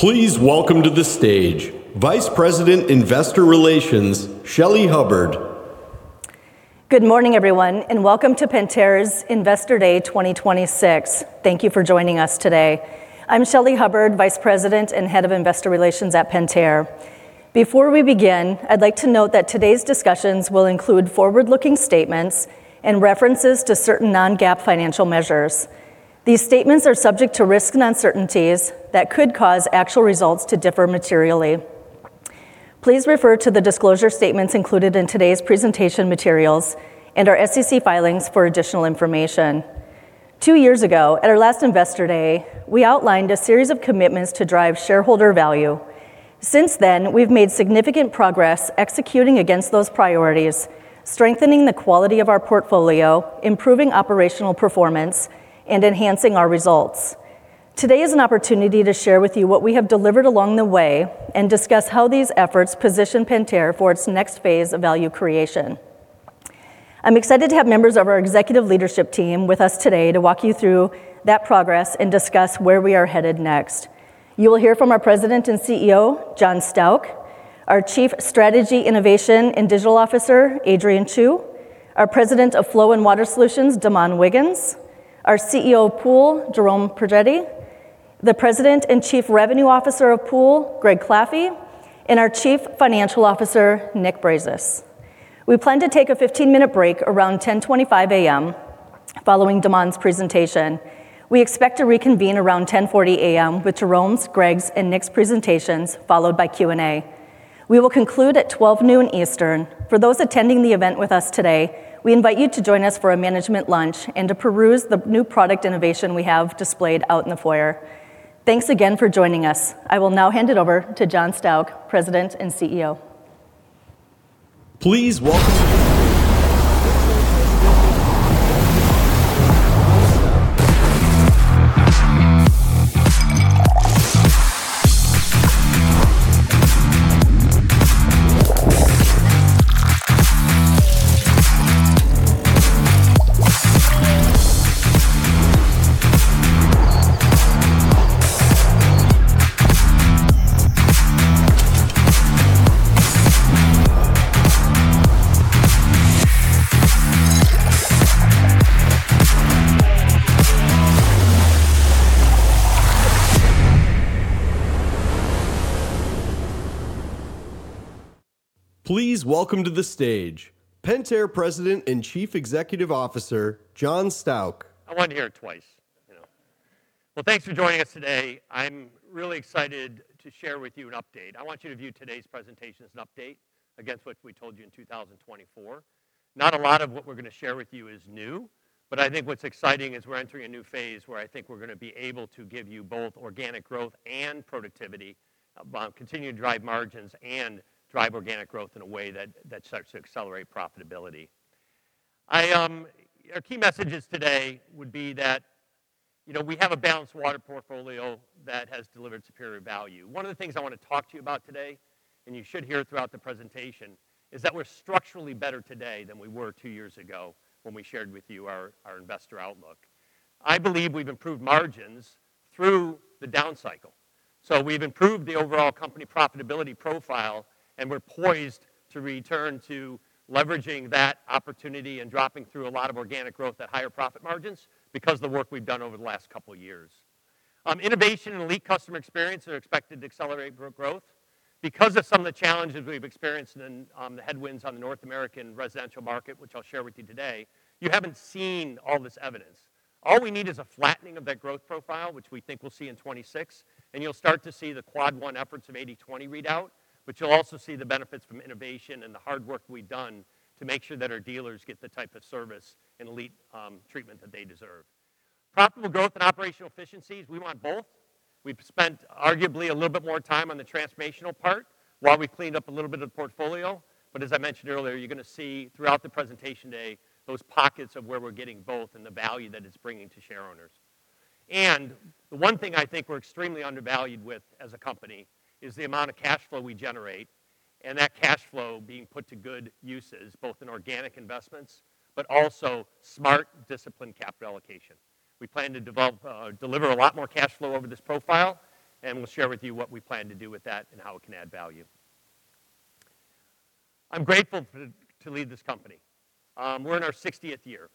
Please welcome to the stage Vice President Investor Relations, Shelly Hubbard. Good morning, everyone, and welcome to Pentair's Investor Day 2026. Thank you for joining us today. I'm Shelly Hubbard, Vice President and Head of Investor Relations at Pentair. Before we begin, I'd like to note that today's discussions will include forward-looking statements and references to certain non-GAAP financial measures. These statements are subject to risks and uncertainties that could cause actual results to differ materially. Please refer to the disclosure statements included in today's presentation materials and our SEC filings for additional information. 2 years ago, at our last Investor Day, we outlined a series of commitments to drive shareholder value. Since then, we've made significant progress executing against those priorities, strengthening the quality of our portfolio, improving operational performance, and enhancing our results. Today is an opportunity to share with you what we have delivered along the way and discuss how these efforts position Pentair for its next phase of value creation. I'm excited to have members of our executive leadership team with us today to walk you through that progress and discuss where we are headed next. You will hear from our President and CEO, John Stauch, our Chief Strategy, Innovation, and Digital Officer, Adrian Chiu, our President of Flow and Water Solutions, De'Mon Wiggins, our CEO of Pentair Pool, Jerome Pedretti, the President and Chief Revenue Officer of Pentair Pool, Greg Claffey, and our Chief Financial Officer, Nick Brazis. We plan to take a 15-minute break around 10:25 A.M. following De'Mon's presentation. We expect to reconvene around 10:40 A.M. with Jerome's, Greg's, and Nick's presentations, followed by Q&A. We will conclude at 12:00 P.M. Eastern. For those attending the event with us today, we invite you to join us for a management lunch and to peruse the new product innovation we have displayed out in the foyer. Thanks again for joining us. I will now hand it over to John Stauch, President and CEO. Please welcome to the stage Pentair President and Chief Executive Officer, John Stauch. I want to hear it twice, you know. Thanks for joining us today. I'm really excited to share with you an update. I want you to view today's presentation as an update against what we told you in 2024. Not a lot of what we're gonna share with you is new, but I think what's exciting is we're entering a new phase where I think we're gonna be able to give you both organic growth and productivity, continue to drive margins and drive organic growth in a way that starts to accelerate profitability. I, our key messages today would be that, you know, we have a balanced water portfolio that has delivered superior value. One of the things I wanna talk to you about today, you should hear throughout the presentation, is that we're structurally better today than we were 2 years ago when we shared with you our investor outlook. I believe we've improved margins through the down cycle. We've improved the overall company profitability profile, and we're poised to return to leveraging that opportunity and dropping through a lot of organic growth at higher profit margins because of the work we've done over the last couple years. Innovation and elite customer experience are expected to accelerate growth. Because of some of the challenges we've experienced and the headwinds on the North American residential market, which I'll share with you today, you haven't seen all this evidence. All we need is a flattening of that growth profile, which we think we'll see in 26. You'll start to see the Quad 1 efforts of 80/20 readout. You'll also see the benefits from innovation and the hard work we've done to make sure that our dealers get the type of service and elite treatment that they deserve. Profitable growth and operational efficiencies, we want both. We've spent arguably a little bit more time on the transformational part while we cleaned up a little bit of the portfolio. As I mentioned earlier, you're gonna see throughout the presentation day those pockets of where we're getting both and the value that it's bringing to shareowners. The 1 thing I think we're extremely undervalued with as a company is the amount of cash flow we generate, and that cash flow being put to good uses, both in organic investments, but also smart, disciplined capital allocation. We plan to deliver a lot more cash flow over this profile, and we'll share with you what we plan to do with that and how it can add value. I'm grateful to lead this company. We're in our 60th year.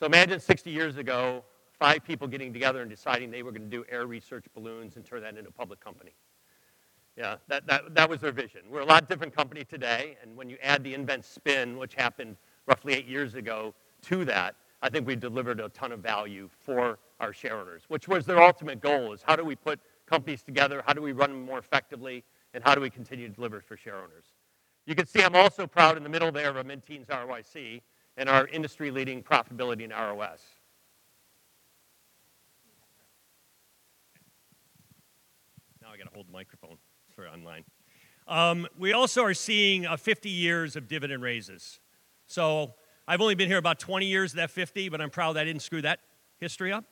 Imagine 60 years ago, 5 people getting together and deciding they were gonna do air research balloons and turn that into a public company. That was their vision. We're a lot different company today, and when you add the nVent spin, which happened roughly 8 years ago, to that, I think we delivered a ton of value for our shareowners, which was their ultimate goal is how do we put companies together? How do we run them more effectively? How do we continue to deliver for shareowners? You can see I'm also proud in the middle there of our mid-teens ROIC and our industry-leading profitability in ROS. Now I gotta hold the microphone for online. We also are seeing 50 years of dividend raises. I've only been here about 20 years of that 50, but I'm proud that I didn't screw that history up.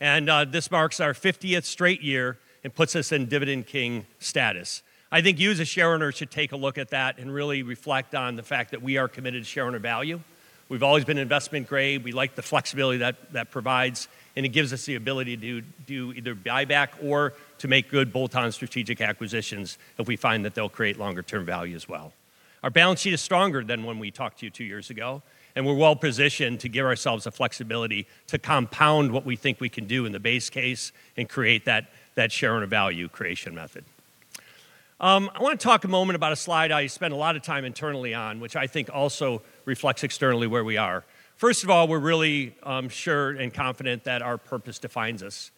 This marks our 50th straight year and puts us in Dividend King status. I think you as a shareowner should take a look at that and really reflect on the fact that we are committed to shareowner value. We've always been investment grade. We like the flexibility that provides, and it gives us the ability to do either buyback or to make good bolt-on strategic acquisitions if we find that they'll create longer term value as well. Our balance sheet is stronger than when we talked to you 2 years ago, and we're well-positioned to give ourselves the flexibility to compound what we think we can do in the base case and create that shareowner value creation method. I wanna talk a moment about a slide I spent a lot of time internally on, which I think also reflects externally where we are. First of all, we're really sure and confident that our purpose defines us.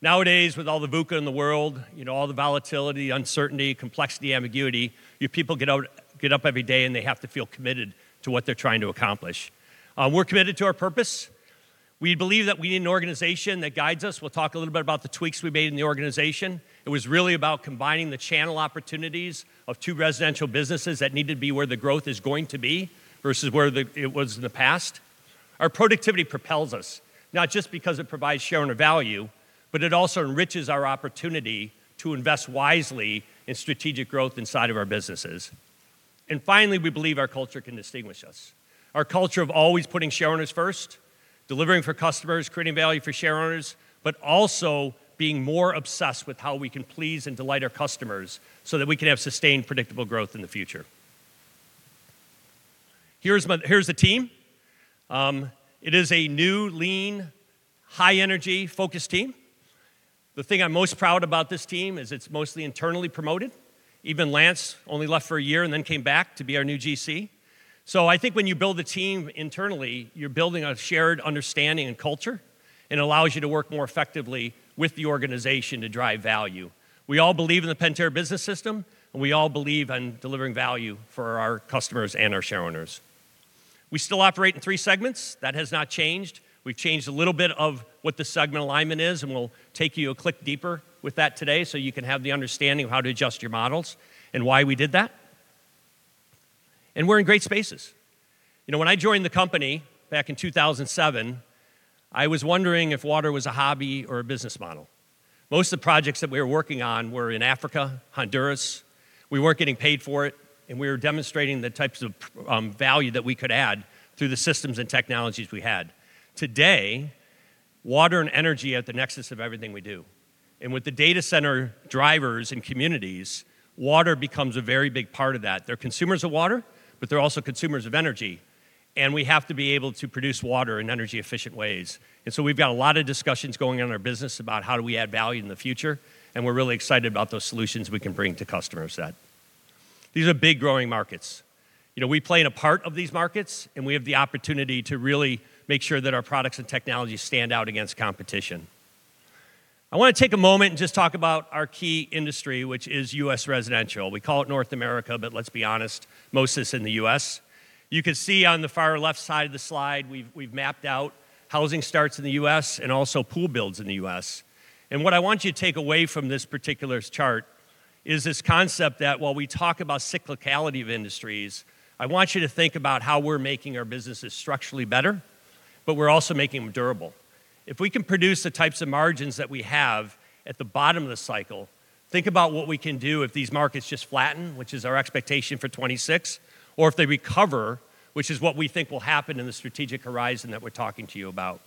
Nowadays, with all the VUCA in the world, you know, all the volatility, uncertainty, complexity, ambiguity, your people get up every day and they have to feel committed to what they're trying to accomplish. We're committed to our purpose. We believe that we need an organization that guides us. We'll talk a little bit about the tweaks we made in the organization. It was really about combining the channel opportunities of 2 residential businesses that needed to be where the growth is going to be versus where it was in the past. Our productivity propels us, not just because it provides shareowner value, but it also enriches our opportunity to invest wisely in strategic growth inside of our businesses. Finally, we believe our culture can distinguish us. Our culture of always putting shareowners first, delivering for customers, creating value for shareowners, but also being more obsessed with how we can please and delight our customers so that we can have sustained predictable growth in the future. Here's the team. It is a new, lean, high-energy, focused team. The thing I'm most proud about this team is it's mostly internally promoted. Even Lance only left for a year and then came back to be our new GC. I think when you build a team internally, you're building a shared understanding and culture, and it allows you to work more effectively with the organization to drive value. We all believe in the Pentair Business System, and we all believe in delivering value for our customers and our shareowners. We still operate in 3 segments. That has not changed. We've changed a little bit of what the segment alignment is, and we'll take you a click deeper with that today so you can have the understanding of how to adjust your models and why we did that. We're in great spaces. You know, when I joined the company back in 2007, I was wondering if water was a hobby or a business model. Most of the projects that we were working on were in Africa, Honduras. We weren't getting paid for it, and we were demonstrating the types of value that we could add through the systems and technologies we had. Today, water and energy are at the nexus of everything we do. With the data center drivers and communities, water becomes a very big part of that. They're consumers of water, but they're also consumers of energy, and we have to be able to produce water in energy-efficient ways. We've got a lot of discussions going on in our business about how do we add value in the future, and we're really excited about those solutions we can bring to customers that. These are big growing markets. You know, we play in a part of these markets, and we have the opportunity to really make sure that our products and technologies stand out against competition. I wanna take a moment and just talk about our key industry, which is U.S. residential. We call it North America, but let's be honest, most of this is in the U.S. You can see on the far left side of the slide, we've mapped out housing starts in the U.S. and also pool builds in the U.S. What I want you to take away from this particular chart is this concept that while we talk about cyclicality of industries, I want you to think about how we're making our businesses structurally better, but we're also making them durable. If we can produce the types of margins that we have at the bottom of the cycle, think about what we can do if these markets just flatten, which is our expectation for 2026, or if they recover, which is what we think will happen in the strategic horizon that we're talking to you about.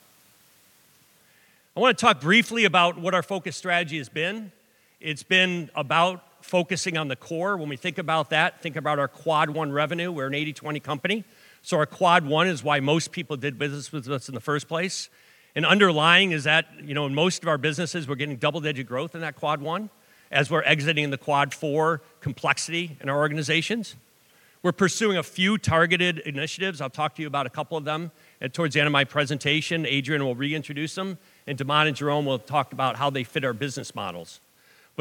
I wanna talk briefly about what our focus strategy has been. It's been about focusing on the core. Think about our Quad 1 revenue. We're an 80/20 company. Our Quad 1 is why most people did business with us in the first place. Underlying is that, you know, in most of our businesses, we're getting double-digit growth in that Quad 1 as we're exiting the Quad 4 complexity in our organizations. We're pursuing a few targeted initiatives. I'll talk to you about a couple of them. Towards the end of my presentation, Adrian will reintroduce them, and De'Mon and Jerome will talk about how they fit our business models.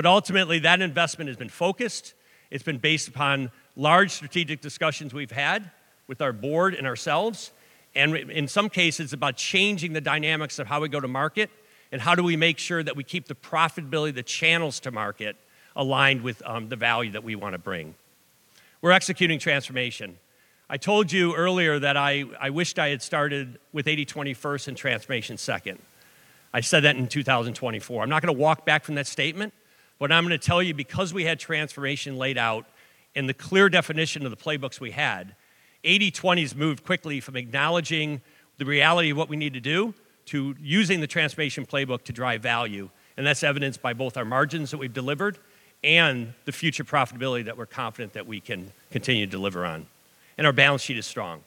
Ultimately, that investment has been focused. It's been based upon large strategic discussions we've had with our board and ourselves, in some cases, about changing the dynamics of how we go to market and how do we make sure that we keep the profitability of the channels to market aligned with the value that we wanna bring. We're executing transformation. I told you earlier that I wished I had started with 80/20 1st and transformation 2nd. I said that in 2024. I'm not gonna walk back from that statement, but I'm gonna tell you, because we had transformation laid out and the clear definition of the playbooks we had, 80/20's moved quickly from acknowledging the reality of what we need to do to using the transformation playbook to drive value. That's evidenced by both our margins that we've delivered and the future profitability that we're confident that we can continue to deliver on. Our balance sheet is strong.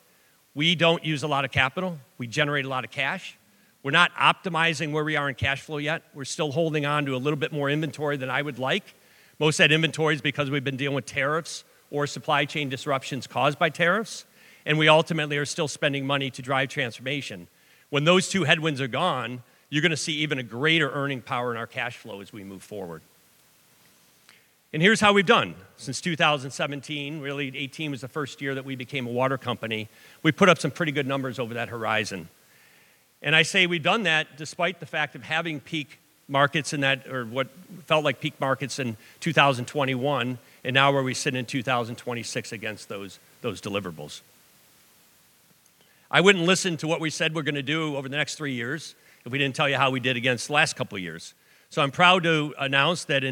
We don't use a lot of capital. We generate a lot of cash. We're not optimizing where we are in cash flow yet. We're still holding on to a little bit more inventory than I would like. Most of that inventory is because we've been dealing with tariffs or supply chain disruptions caused by tariffs, and we ultimately are still spending money to drive transformation. When those 2 headwinds are gone, you're gonna see even a greater earning power in our cash flow as we move forward. Here's how we've done since 2017. Really, 2018 was the 1st year that we became a water company. We put up some pretty good numbers over that horizon. I say we've done that despite the fact of having peak markets or what felt like peak markets in 2021, and now where we sit in 2026 against those deliverables. I wouldn't listen to what we said we're gonna do over the next 3 years if we didn't tell you how we did against the last couple years. I'm proud to announce that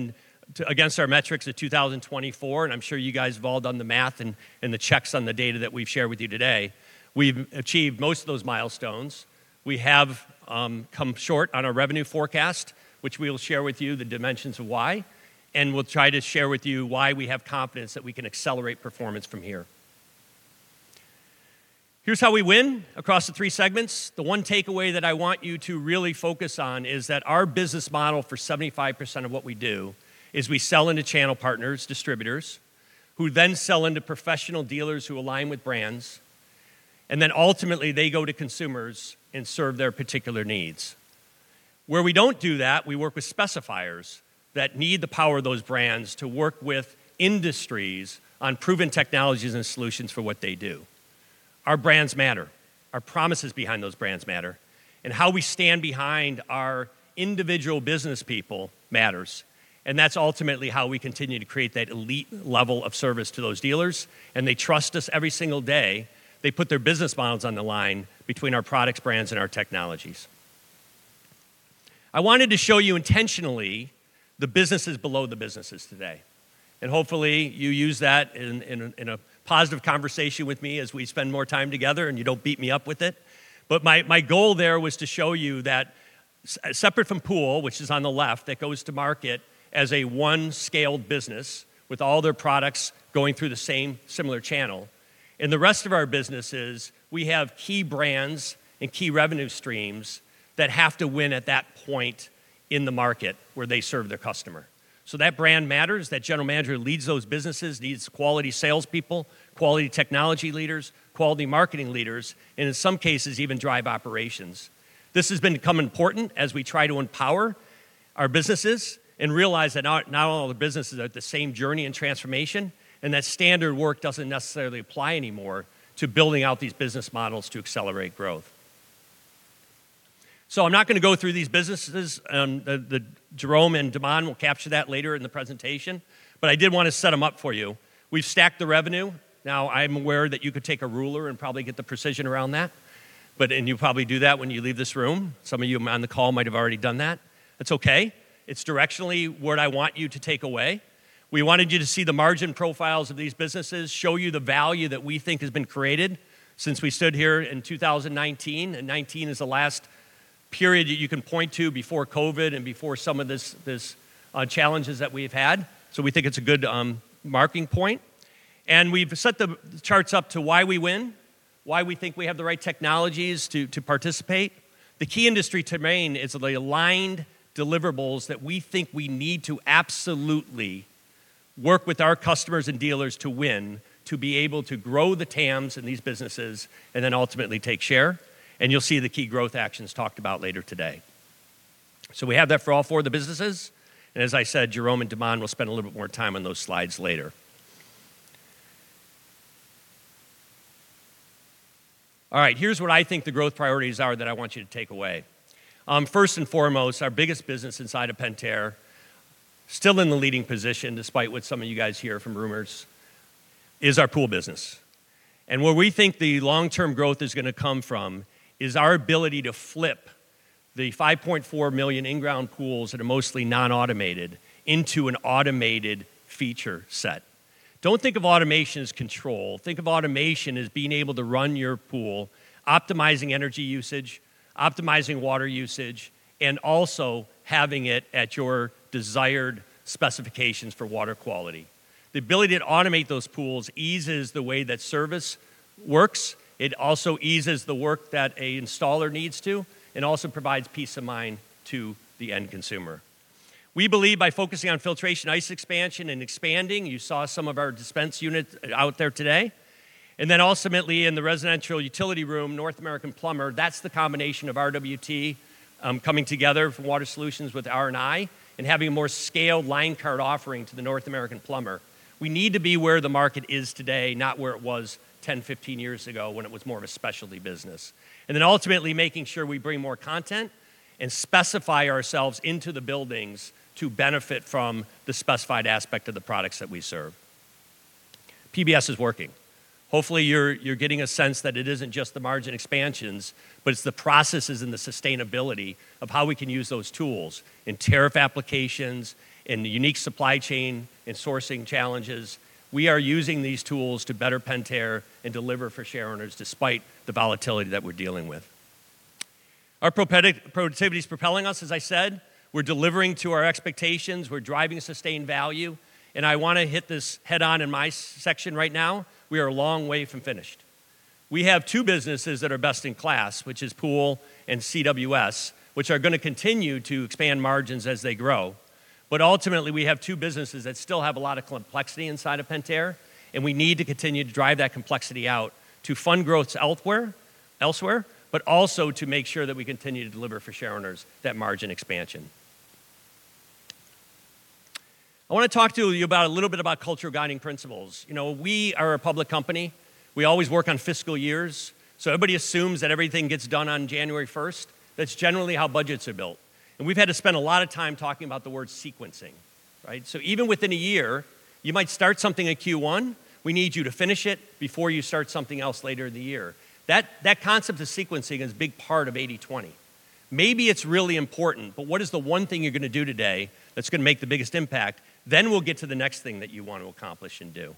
against our metrics of 2024, and I'm sure you guys have all done the math and the checks on the data that we've shared with you today, we've achieved most of those milestones. We have come short on our revenue forecast, which we'll share with you the dimensions of why, and we'll try to share with you why we have confidence that we can accelerate performance from here. Here's how we win across the 3 segments. The 1 takeaway that I want you to really focus on is that our business model for 75% of what we do is we sell into channel partners, distributors, who then sell into professional dealers who align with brands, and then ultimately they go to consumers and serve their particular needs. Where we don't do that, we work with specifiers that need the power of those brands to work with industries on proven technologies and solutions for what they do. Our brands matter, our promises behind those brands matter, and how we stand behind our individual business people matters. That's ultimately how we continue to create that elite level of service to those dealers, and they trust us every single day. They put their business models on the line between our products, brands, and our technologies. I wanted to show you intentionally the businesses below the businesses today. Hopefully you use that in a positive conversation with me as we spend more time together and you don't beat me up with it. My goal there was to show you that separate from Pool, which is on the left, that goes to market as a 1-scale business with all their products going through the same similar channel. In the rest of our businesses, we have key brands and key revenue streams that have to win at that point in the market where they serve their customer. That brand matters. That general manager who leads those businesses needs quality salespeople, quality technology leaders, quality marketing leaders, and in some cases, even drive operations. This has become important as we try to empower our businesses and realize that not all the businesses are at the same journey and transformation, and that standard work doesn't necessarily apply anymore to building out these business models to accelerate growth. I'm not gonna go through these businesses. Jerome and De'Mon will capture that later in the presentation. I did wanna set them up for you. We've stacked the revenue. Now, I'm aware that you could take a ruler and probably get the precision around that. You'll probably do that when you leave this room. Some of you on the call might have already done that. It's okay. It's directionally what I want you to take away. We wanted you to see the margin profiles of these businesses, show you the value that we think has been created since we stood here in 2019, and 2019 is the last period that you can point to before COVID and before some of this challenges that we've had. We think it's a good marking point. We've set the charts up to why we win, why we think we have the right technologies to participate. The key industry terrain is the aligned deliverables that we think we need to absolutely work with our customers and dealers to win, to be able to grow the TAMs in these businesses, and then ultimately take share. You'll see the key growth actions talked about later today. We have that for all 4 of the businesses, and as I said, Jerome and De'Mon will spend a little bit more time on those slides later. Here's what I think the growth priorities are that I want you to take away. First and foremost, our biggest business inside of Pentair, still in the leading position despite what some of you guys hear from rumors, is our Pool business. Where we think the long-term growth is gonna come from is our ability to flip the 5.4 million in-ground pools that are mostly non-automated into an automated feature set. Don't think of automation as control. Think of automation as being able to run your pool, optimizing energy usage, optimizing water usage, and also having it at your desired specifications for water quality. The ability to automate those pools eases the way that service works. It also eases the work that a installer needs to and also provides peace of mind to the end consumer. We believe by focusing on filtration, ice expansion, and expanding, you saw some of our dispense units out there today. Ultimately in the residential utility room, North American plumber, that's the combination of RWT coming together for water solutions with R&I and having a more scaled line card offering to the North American plumber. We need to be where the market is today, not where it was 10, 15 years ago when it was more of a specialty business. Ultimately making sure we bring more content and specify ourselves into the buildings to benefit from the specified aspect of the products that we serve. PBS is working. Hopefully, you're getting a sense that it isn't just the margin expansions, but it's the processes and the sustainability of how we can use those tools in tariff applications, in the unique supply chain, in sourcing challenges. We are using these tools to better Pentair and deliver for shareowners despite the volatility that we're dealing with. Our productivity is propelling us, as I said. We're delivering to our expectations. We're driving sustained value, and I wanna hit this head-on in my section right now. We are a long way from finished. We have 2 businesses that are best in class, which is Pool and CWS, which are gonna continue to expand margins as they grow. Ultimately, we have 2 businesses that still have a lot of complexity inside of Pentair, and we need to continue to drive that complexity out to fund growth elsewhere, but also to make sure that we continue to deliver for shareowners that margin expansion. I wanna talk to you about a little bit about cultural guiding principles. You know, we are a public company. Everybody assumes that everything gets done on January 1st. That's generally how budgets are built. We've had to spend a lot of time talking about the word sequencing, right? Even within a year, you might start something at Q1. We need you to finish it before you start something else later in the year. That concept of sequencing is a big part of 80/20. Maybe it's really important, what is the 1 thing you're gonna do today that's gonna make the biggest impact? We'll get to the next thing that you want to accomplish and do.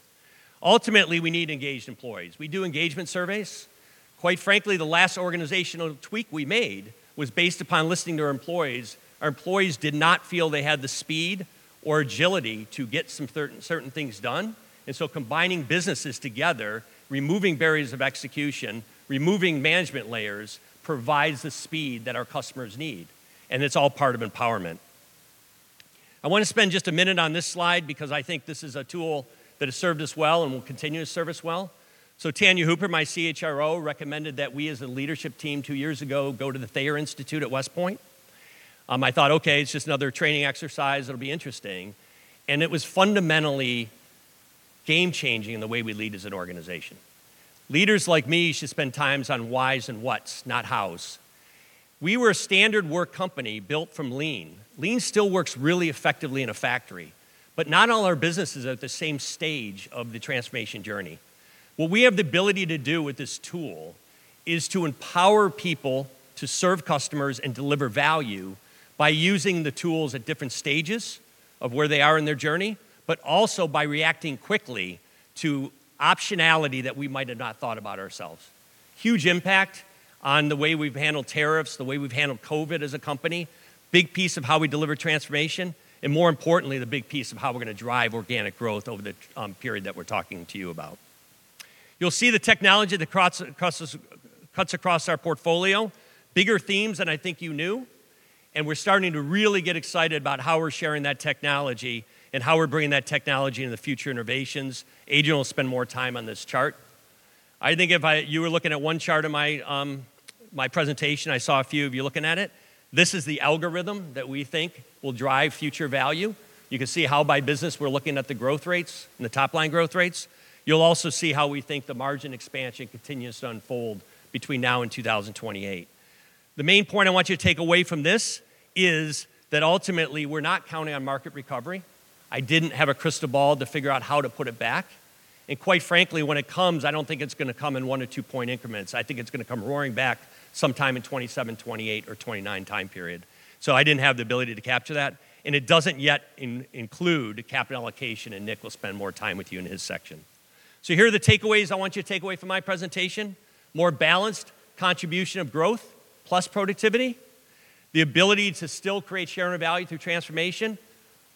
Ultimately, we need engaged employees. We do engagement surveys. Quite frankly, the last organizational tweak we made was based upon listening to our employees. Our employees did not feel they had the speed or agility to get certain things done. Combining businesses together, removing barriers of execution, removing management layers provides the speed that our customers need. It's all part of empowerment. I want to spend just a minute on this slide because I think this is a tool that has served us well and will continue to serve us well. Tanya Hooper, my CHRO, recommended that we as a leadership team 2 years ago go to the Thayer Institute at West Point. I thought, okay, it's just another training exercise. It'll be interesting. It was fundamentally game-changing in the way we lead as an organization. Leaders like me should spend times on whys and whats, not hows. We were a standard work company built from lean. Lean still works really effectively in a factory, but not all our business is at the same stage of the transformation journey. What we have the ability to do with this tool is to empower people to serve customers and deliver value by using the tools at different stages of where they are in their journey, also by reacting quickly to optionality that we might have not thought about ourselves. Huge impact on the way we've handled tariffs, the way we've handled COVID as a company, big piece of how we deliver transformation, more importantly, the big piece of how we're gonna drive organic growth over the period that we're talking to you about. You'll see the technology that cuts across our portfolio, bigger themes than I think you knew, we're starting to really get excited about how we're sharing that technology and how we're bringing that technology into future innovations. Adrian will spend more time on this chart. I think if you were looking at 1 chart of my presentation, I saw a few of you looking at it. This is the algorithm that we think will drive future value. You can see how by business we're looking at the growth rates and the top-line growth rates. You'll also see how we think the margin expansion continues to unfold between now and 2028. The main point I want you to take away from this is that ultimately we're not counting on market recovery. I didn't have a crystal ball to figure out how to put it back. Quite frankly, when it comes, I don't think it's gonna come in 1- or 2-point increments. I think it's gonna come roaring back sometime in 2027, 2028, or 2029 time period. I didn't have the ability to capture that, and it doesn't yet include capital allocation, and Nick will spend more time with you in his section. Here are the takeaways I want you to take away from my presentation. More balanced contribution of growth plus productivity, the ability to still create shareholder value through transformation,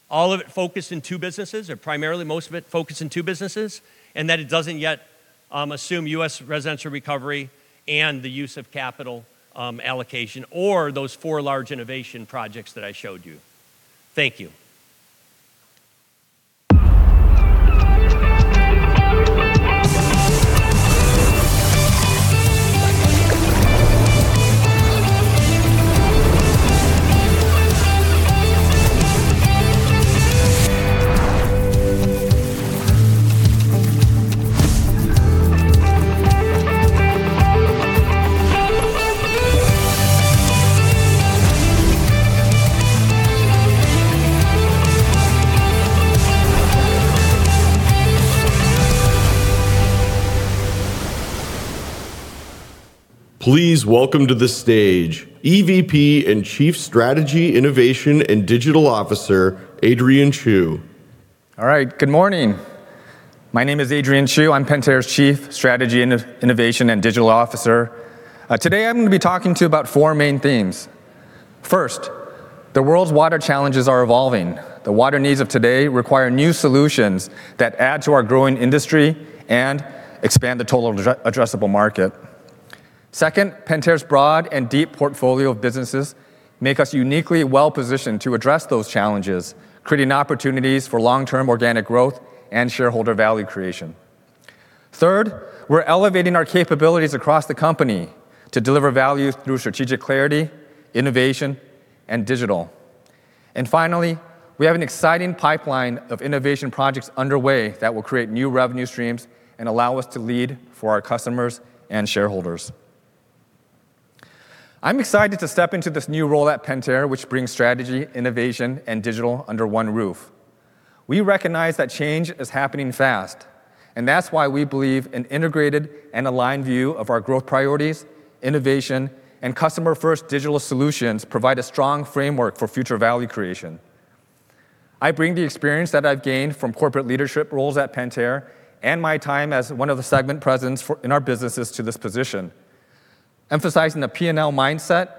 all of it focused in 2 businesses, or primarily most of it focused in 2 businesses, and that it doesn't yet assume U.S. residential recovery and the use of capital allocation or those 4 large innovation projects that I showed you. Thank you. Please welcome to the stage EVP and Chief Strategy, Innovation, and Digital Officer, Adrian Chiu. All right. Good morning. My name is Adrian Chiu. I'm Pentair's Chief Strategy, Innovation and Digital Officer. Today I'm gonna be talking to you about 4 main themes. 1st, the world's water challenges are evolving. The water needs of today require new solutions that add to our growing industry and expand the total addressable market. Second, Pentair's broad and deep portfolio of businesses make us uniquely well-positioned to address those challenges, creating opportunities for long-term organic growth and shareholder value creation. Third, we're elevating our capabilities across the company to deliver value through strategic clarity, innovation, and digital. Finally, we have an exciting pipeline of innovation projects underway that will create new revenue streams and allow us to lead for our customers and shareholders. I'm excited to step into this new role at Pentair, which brings strategy, innovation, and digital under 1 roof. We recognize that change is happening fast, and that's why we believe an integrated and aligned view of our growth priorities, innovation, and customer-first digital solutions provide a strong framework for future value creation. I bring the experience that I've gained from corporate leadership roles at Pentair and my time as one of the segment presidents in our businesses to this position, emphasizing a P&L mindset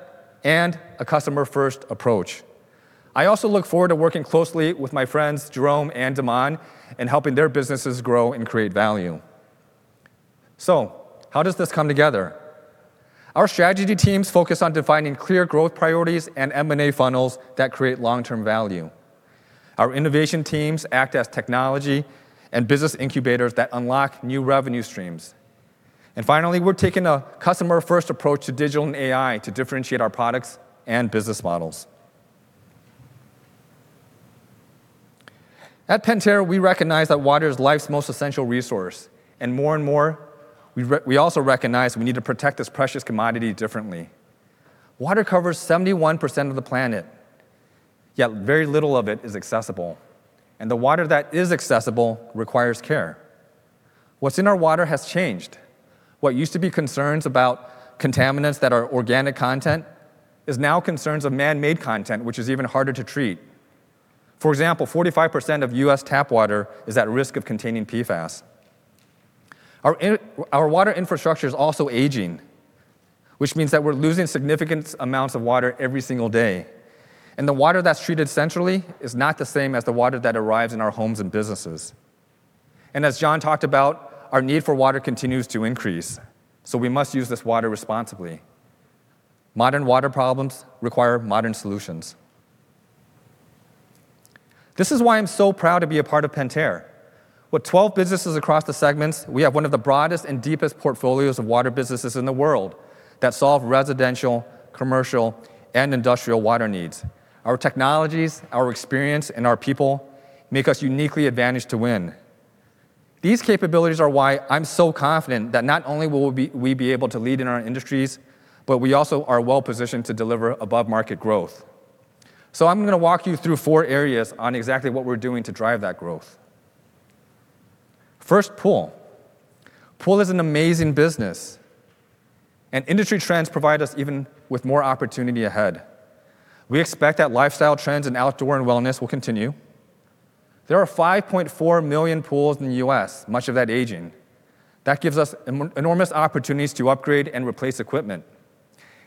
and a customer-first approach. I also look forward to working closely with my friends Jerome and De'Mon in helping their businesses grow and create value. How does this come together? Our strategy teams focus on defining clear growth priorities and M&A funnels that create long-term value. Our innovation teams act as technology and business incubators that unlock new revenue streams. Finally, we're taking a customer-first approach to digital and AI to differentiate our products and business models. At Pentair, we recognize that water is life's most essential resource, more and more, we also recognize we need to protect this precious commodity differently. Water covers 71% of the planet, yet very little of it is accessible, the water that is accessible requires care. What's in our water has changed. What used to be concerns about contaminants that are organic content is now concerns of man-made content, which is even harder to treat. For example, 45% of U.S. tap water is at risk of containing PFAS. Our water infrastructure is also aging, which means that we're losing significant amounts of water every single day, the water that's treated centrally is not the same as the water that arrives in our homes and businesses. As John talked about, our need for water continues to increase, so we must use this water responsibly. Modern water problems require modern solutions. This is why I'm so proud to be a part of Pentair. With 12 businesses across the segments, we have one of the broadest and deepest portfolios of water businesses in the world that solve residential, commercial, and industrial water needs. Our technologies, our experience, and our people make us uniquely advantaged to win. These capabilities are why I'm so confident that not only we be able to lead in our industries, but we also are well-positioned to deliver above-market growth. I'm gonna walk you through 4 areas on exactly what we're doing to drive that growth. first, pool. Pool is an amazing business, industry trends provide us even with more opportunity ahead. We expect that lifestyle trends and outdoor and wellness will continue. There are 5.4 million pools in the US, much of that aging. That gives us enormous opportunities to upgrade and replace equipment.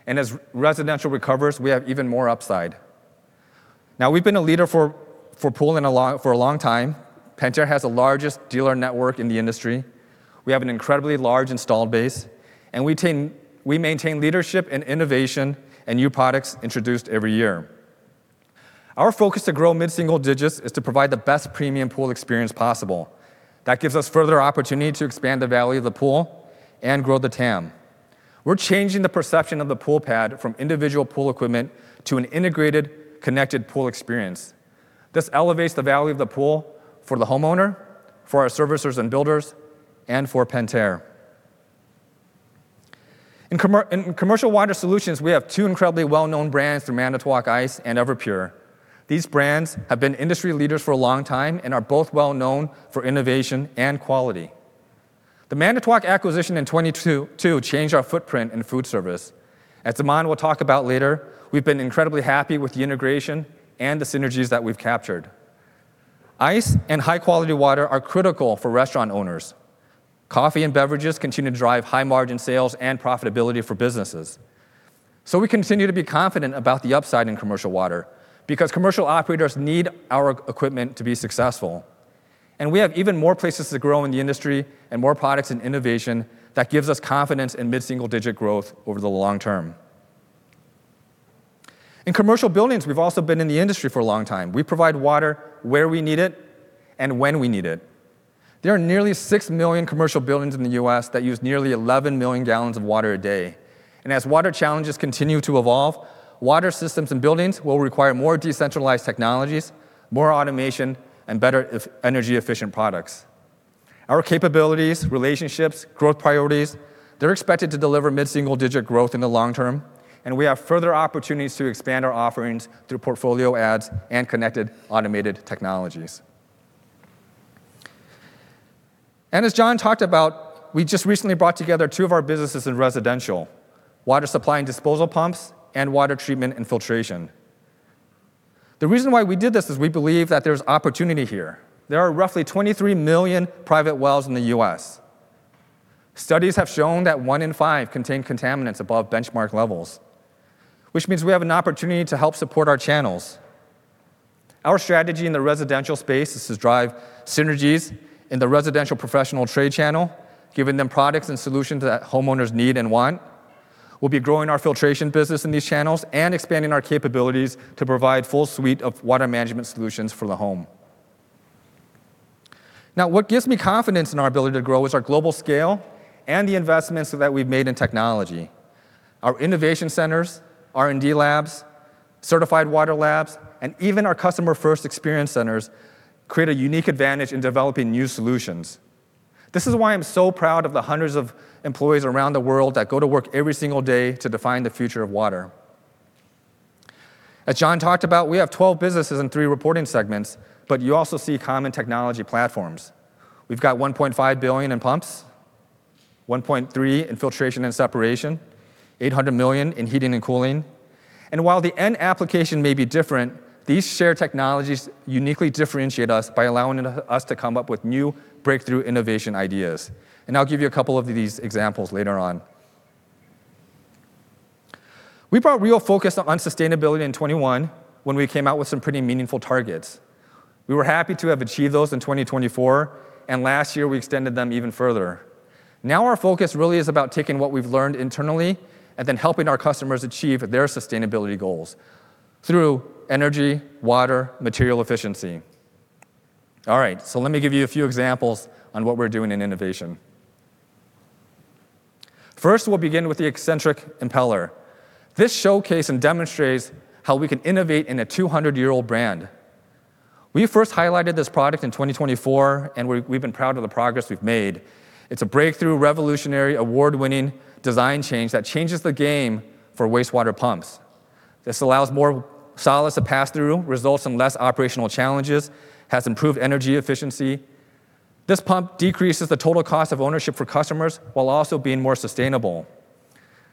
As residential recovers, we have even more upside. We've been a leader for pool for a long time. Pentair has the largest dealer network in the industry. We have an incredibly large installed base, and we maintain leadership and innovation and new products introduced every year. Our focus to grow mid-single digits is to provide the best premium pool experience possible. That gives us further opportunity to expand the value of the pool and grow the TAM. We're changing the perception of the pool pad from individual pool equipment to an integrated, connected pool experience. This elevates the value of the pool for the homeowner, for our servicers and builders, and for Pentair. In Commercial Water Solutions, we have 2 incredibly well-known brands through Manitowoc Ice and Everpure. These brands have been industry leaders for a long time and are both well known for innovation and quality. The Manitowoc acquisition in 2022 changed our footprint in food service. As De'Mon will talk about later, we've been incredibly happy with the integration and the synergies that we've captured. Ice and high-quality water are critical for restaurant owners. Coffee and beverages continue to drive high-margin sales and profitability for businesses. We continue to be confident about the upside in commercial water because commercial operators need our equipment to be successful. We have even more places to grow in the industry and more products and innovation that gives us confidence in mid-single-digit growth over the long term. In commercial buildings, we've also been in the industry for a long time. We provide water where we need it and when we need it. There are nearly 6 million commercial buildings in the U.S. that use nearly 11 million gallons of water a day. As water challenges continue to evolve, water systems and buildings will require more decentralized technologies, more automation, and better energy-efficient products. Our capabilities, relationships, growth priorities, they're expected to deliver mid-single-digit growth in the long term, and we have further opportunities to expand our offerings through portfolio adds and connected automated technologies. As John talked about, we just recently brought together 2 of our businesses in residential, water supply and disposal pumps and water treatment and filtration. The reason why we did this is we believe that there's opportunity here. There are roughly 23 million private wells in the U.S. Studies have shown that 1 in 5 contain contaminants above benchmark levels, which means we have an opportunity to help support our channels. Our strategy in the residential space is to drive synergies in the residential professional trade channel, giving them products and solutions that homeowners need and want. We'll be growing our filtration business in these channels and expanding our capabilities to provide full suite of water management solutions for the home. What gives me confidence in our ability to grow is our global scale and the investments that we've made in technology. Our innovation centers, R&D labs, certified water labs, and even our customer-first experience centers create a unique advantage in developing new solutions. This is why I'm so proud of the hundreds of employees around the world that go to work every single day to define the future of water. As John talked about, we have 12 businesses and 3 reporting segments. You also see common technology platforms. We've got $1.5 billion in pumps, $1.3 billion in filtration and separation, $800 million in heating and cooling. While the end application may be different, these shared technologies uniquely differentiate us by allowing us to come up with new breakthrough innovation ideas. I'll give you a couple of these examples later on. We brought real focus on sustainability in 2021 when we came out with some pretty meaningful targets. We were happy to have achieved those in 2024. Last year, we extended them even further. Our focus really is about taking what we've learned internally and then helping our customers achieve their sustainability goals through energy, water, material efficiency. Let me give you a few examples on what we're doing in innovation. First, we'll begin with the eccentric impeller. This showcase and demonstrates how we can innovate in a 200-year-old brand. We first highlighted this product in 2024. We've been proud of the progress we've made. It's a breakthrough, revolutionary, award-winning design change that changes the game for wastewater pumps. This allows more solids to pass through, results in less operational challenges, has improved energy efficiency. This pump decreases the total cost of ownership for customers while also being more sustainable.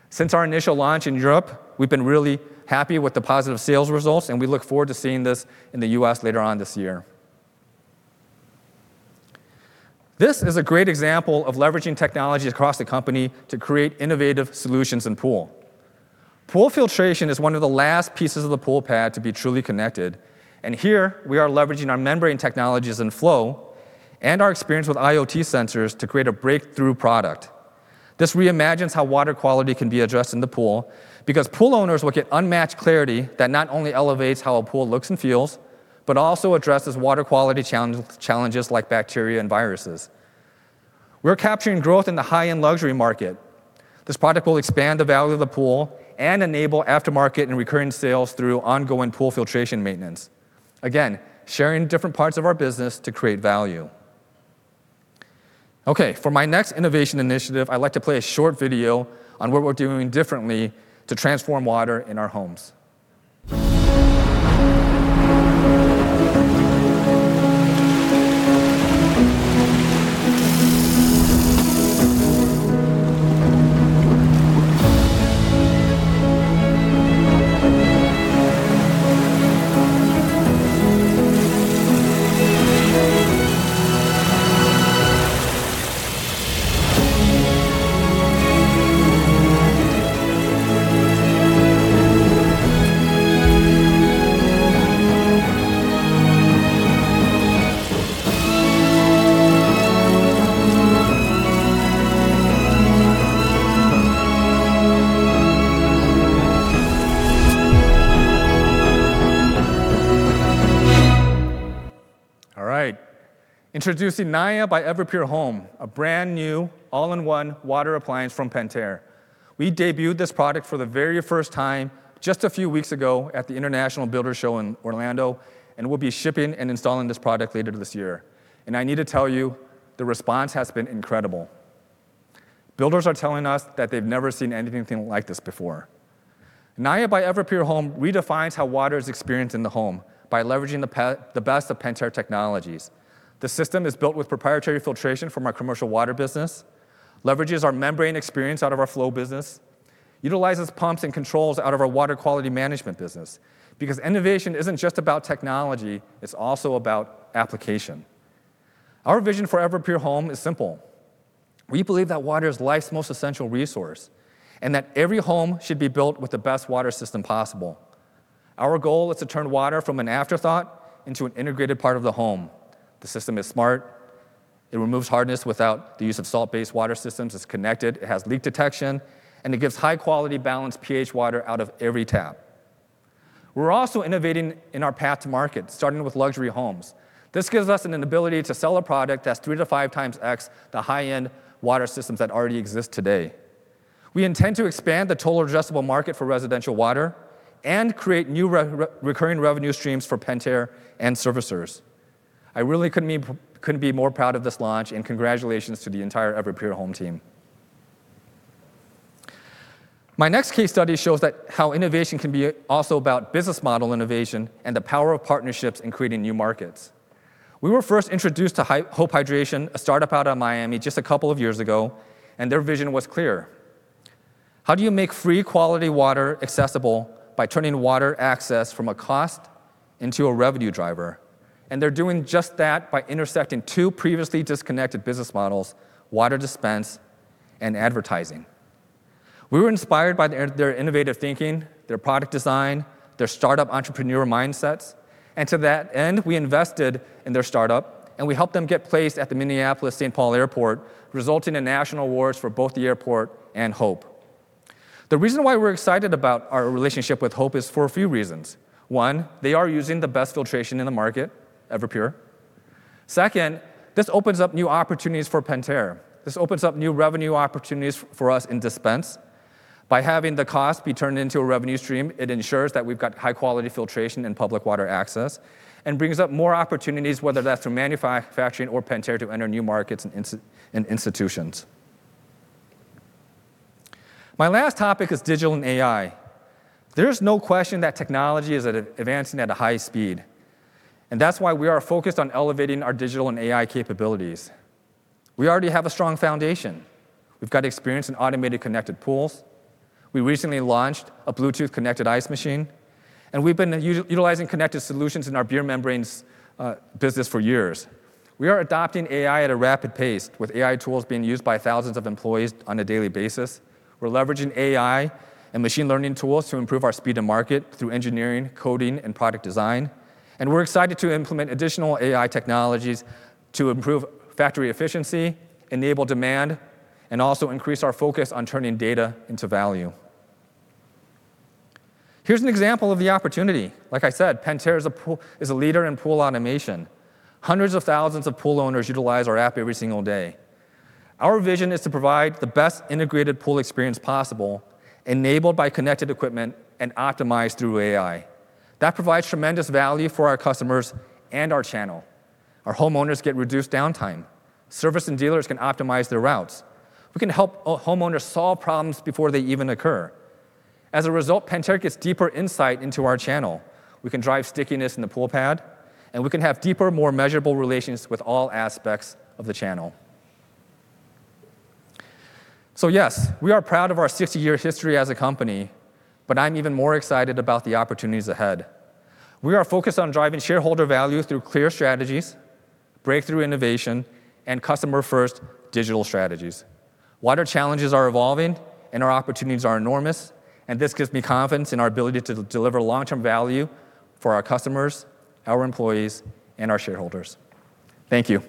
Since our initial launch in Europe, we've been really happy with the positive sales results. We look forward to seeing this in the U.S. later on this year. This is a great example of leveraging technology across the company to create innovative solutions in pool. Pool filtration is one of the last pieces of the pool pad to be truly connected. Here we are leveraging our membrane technologies in flow and our experience with IoT sensors to create a breakthrough product. This reimagines how water quality can be addressed in the pool because pool owners will get unmatched clarity that not only elevates how a pool looks and feels, also addresses water quality challenges like bacteria and viruses. We're capturing growth in the high-end luxury market. This product will expand the value of the pool, enable aftermarket and recurring sales through ongoing pool filtration maintenance. Again, sharing different parts of our business to create value. Okay, for my next innovation initiative, I'd like to play a short video on what we're doing differently to transform water in our homes. All right. Introducing Naia by Everpure Home, a brand new all-in-1 water appliance from Pentair. We debuted this product for the very first time just a few weeks ago at the International Builders' Show in Orlando, and we'll be shipping and installing this product later this year. I need to tell you, the response has been incredible. Builders are telling us that they've never seen anything like this before. Naia by Everpure Home redefines how water is experienced in the home by leveraging the best of Pentair technologies. The system is built with proprietary filtration from our commercial water business, leverages our membrane experience out of our Flow business, utilizes pumps and controls out of our water quality management business. Because innovation isn't just about technology, it's also about application. Our vision for Everpure for Home is simple. We believe that water is life's most essential resource, and that every home should be built with the best water system possible. Our goal is to turn water from an afterthought into an integrated part of the home. The system is smart. It removes hardness without the use of salt-based water systems. It's connected, it has leak detection, and it gives high-quality balanced pH water out of every tap. We're also innovating in our path to market, starting with luxury homes. This gives us an ability to sell a product that's 3 to 5 times X the high-end water systems that already exist today. We intend to expand the total addressable market for residential water and create new recurring revenue streams for Pentair and servicers. I really couldn't be more proud of this launch. Congratulations to the entire Everpure for Home team. My next case study shows that how innovation can be also about business model innovation and the power of partnerships in creating new markets. We were first introduced to HOPE Hydration, a startup out of Miami, just a couple of years ago. Their vision was clear. How do you make free quality water accessible by turning water access from a cost into a revenue driver? They're doing just that by intersecting 2 previously disconnected business models: water dispense and advertising. We were inspired by their innovative thinking, their product design, their startup entrepreneur mindsets. To that end, we invested in their startup, and we helped them get placed at the Minneapolis-Saint Paul Airport, resulting in national awards for both the airport and Hope. The reason why we're excited about our relationship with Hope is for a few reasons. 1, they are using the best filtration in the market, Everpure. Second, this opens up new opportunities for Pentair. This opens up new revenue opportunities for us in dispense. By having the cost be turned into a revenue stream, it ensures that we've got high-quality filtration and public water access and brings up more opportunities, whether that's through manufacturing or Pentair, to enter new markets and institutions. My last topic is digital and AI. There's no question that technology is advancing at a high speed. That's why we are focused on elevating our digital and AI capabilities. We already have a strong foundation. We've got experience in automated connected pools. We recently launched a Bluetooth-connected ice machine. We've been utilizing connected solutions in our beer membranes business for years. We are adopting AI at a rapid pace with AI tools being used by thousands of employees on a daily basis. We're leveraging AI and machine learning tools to improve our speed to market through engineering, coding, and product design. We're excited to implement additional AI technologies to improve factory efficiency, enable demand, and also increase our focus on turning data into value. Here's an example of the opportunity. Like I said, Pentair is a leader in pool automation. Hundreds of thousands of pool owners utilize our app every single day. Our vision is to provide the best integrated pool experience possible, enabled by connected equipment and optimized through AI. That provides tremendous value for our customers and our channel. Our homeowners get reduced downtime. Service and dealers can optimize their routes. We can help homeowners solve problems before they even occur. As a result, Pentair gets deeper insight into our channel. We can drive stickiness in the pool pad, and we can have deeper, more measurable relations with all aspects of the channel. Yes, we are proud of our 60-year history as a company, but I'm even more excited about the opportunities ahead. We are focused on driving shareholder value through clear strategies, breakthrough innovation, and customer-first digital strategies. Water challenges are evolving and our opportunities are enormous. This gives me confidence in our ability to deliver long-term value for our customers, our employees, and our shareholders. Thank you.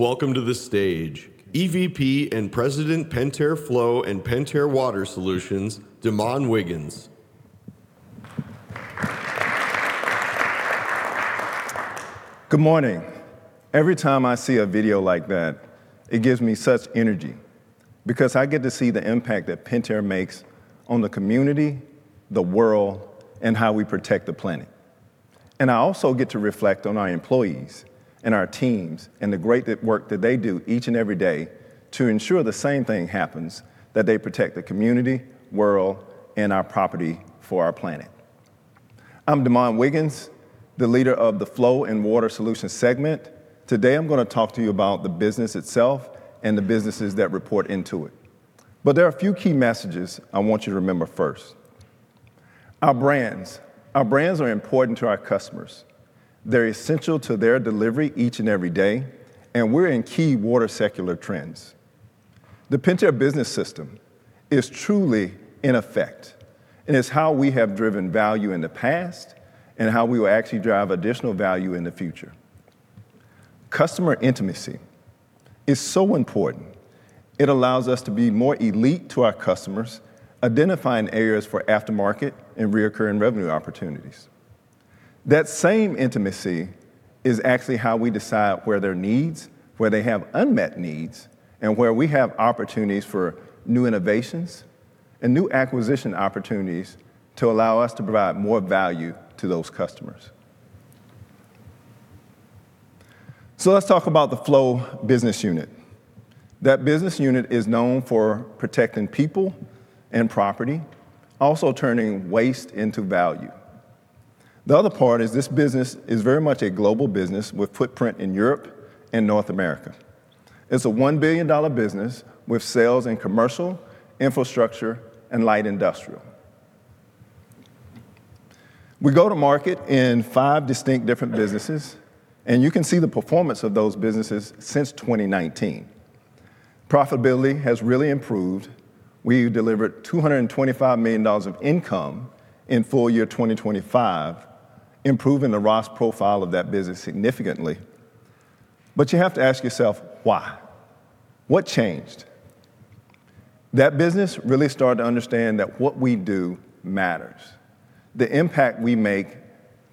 Please welcome to the stage EVP and President, Pentair Flow and Pentair Water Solutions, De'Mon Wiggins. Good morning. Every time I see a video like that, it gives me such energy because I get to see the impact that Pentair makes on the community, the world, and how we protect the planet. I also get to reflect on our employees and our teams and the great work that they do each and every day to ensure the same thing happens, that they protect the community, world, and our property for our planet. I'm De'Mon Wiggins, the leader of the Flow and Water Solutions segment. Today I'm gonna talk to you about the business itself and the businesses that report into it. There are a few key messages I want you to remember first. Our brands. Our brands are important to our customers. They're essential to their delivery each and every day, and we're in key water secular trends. The Pentair Business System is truly in effect, it's how we have driven value in the past and how we will actually drive additional value in the future. Customer intimacy is so important. It allows us to be more elite to our customers, identifying areas for aftermarket and recurring revenue opportunities. That same intimacy is actually how we decide where their needs, where they have unmet needs, and where we have opportunities for new innovations and new acquisition opportunities to allow us to provide more value to those customers. Let's talk about the Flow business unit. That business unit is known for protecting people and property, also turning waste into value. The other part is this business is very much a global business with footprint in Europe and North America. It's a $1 billion business with sales in commercial, infrastructure, and light industrial. We go to market in 5 distinct different businesses. You can see the performance of those businesses since 2019. Profitability has really improved. We delivered $225 million of income in full year 2025, improving the ROS profile of that business significantly. You have to ask yourself why? What changed? That business really started to understand that what we do matters. The impact we make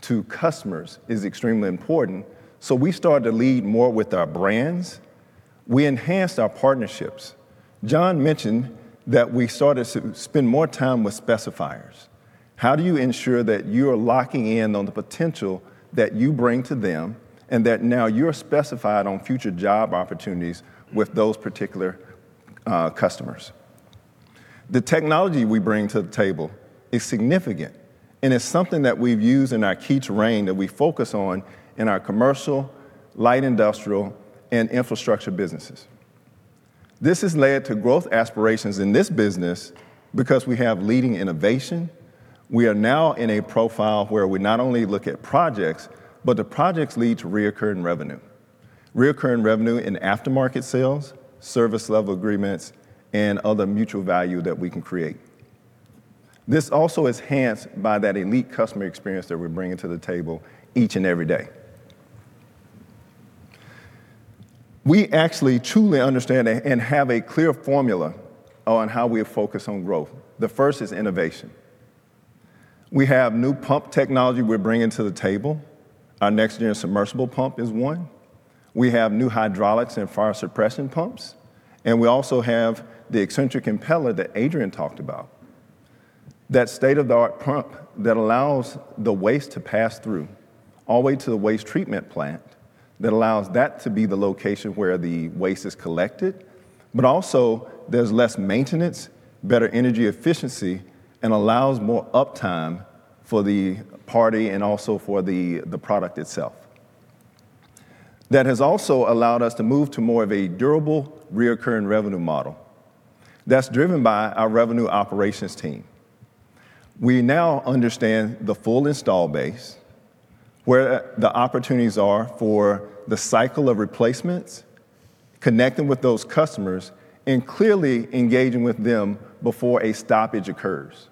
to customers is extremely important. We started to lead more with our brands. We enhanced our partnerships. John mentioned that we started to spend more time with specifiers. How do you ensure that you're locking in on the potential that you bring to them and that now you're specified on future job opportunities with those particular customers? The technology we bring to the table is significant, and it's something that we've used in our key terrain that we focus on in our commercial, light industrial, and infrastructure businesses. This has led to growth aspirations in this business because we have leading innovation. We are now in a profile where we not only look at projects, but the projects lead to reoccurring revenue. Reoccurring revenue in aftermarket sales, service level agreements, and other mutual value that we can create. This also is enhanced by that elite customer experience that we're bringing to the table each and every day. We actually truly understand and have a clear formula on how we focus on growth. The first is innovation. We have new pump technology we're bringing to the table. Our next-gen submersible pump is 1. We have new hydraulics and fire suppression pumps, and we also have the eccentric impeller that Adrian talked about. That state-of-the-art pump that allows the waste to pass through all the way to the waste treatment plant, that allows that to be the location where the waste is collected. Also, there's less maintenance, better energy efficiency, and allows more uptime for the party and also for the product itself. That has also allowed us to move to more of a durable, reoccurring revenue model that's driven by our revenue operations team. We now understand the full install base, where the opportunities are for the cycle of replacements, connecting with those customers, and clearly engaging with them before a stoppage occurs.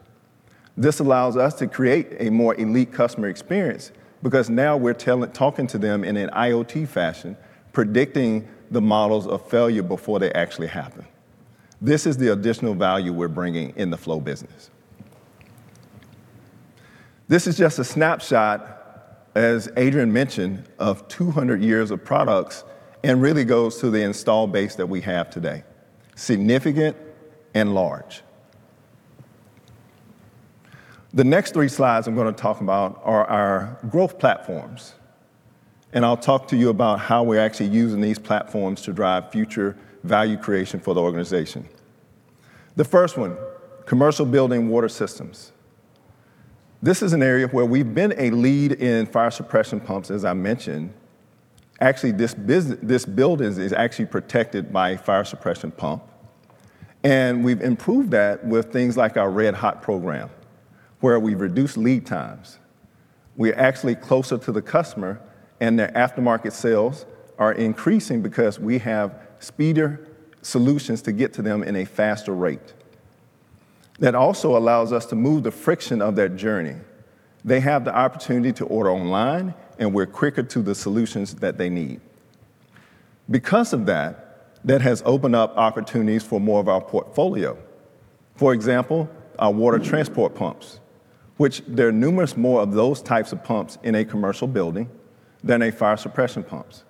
This allows us to create a more elite customer experience because now we're talking to them in an IoT fashion, predicting the models of failure before they actually happen. This is the additional value we're bringing in the Flow business. This is just a snapshot, as Adrian mentioned, of 200 years of products and really goes to the install base that we have today, significant and large. The next 3 slides I'm gonna talk about are our growth platforms, and I'll talk to you about how we're actually using these platforms to drive future value creation for the organization. The first one, commercial building water systems. This is an area where we've been a lead in fire suppression pumps, as I mentioned. Actually, this building is actually protected by a fire suppression pump. We've improved that with things like our Red Hot program, where we've reduced lead times. We're actually closer to the customer, and their aftermarket sales are increasing because we have speedier solutions to get to them in a faster rate. That also allows us to move the friction of their journey. They have the opportunity to order online, and we're quicker to the solutions that they need. Because of that has opened up opportunities for more of our portfolio. For example, our water transport pumps, which there are numerous more of those types of pumps in a commercial building than a fire suppression pumps.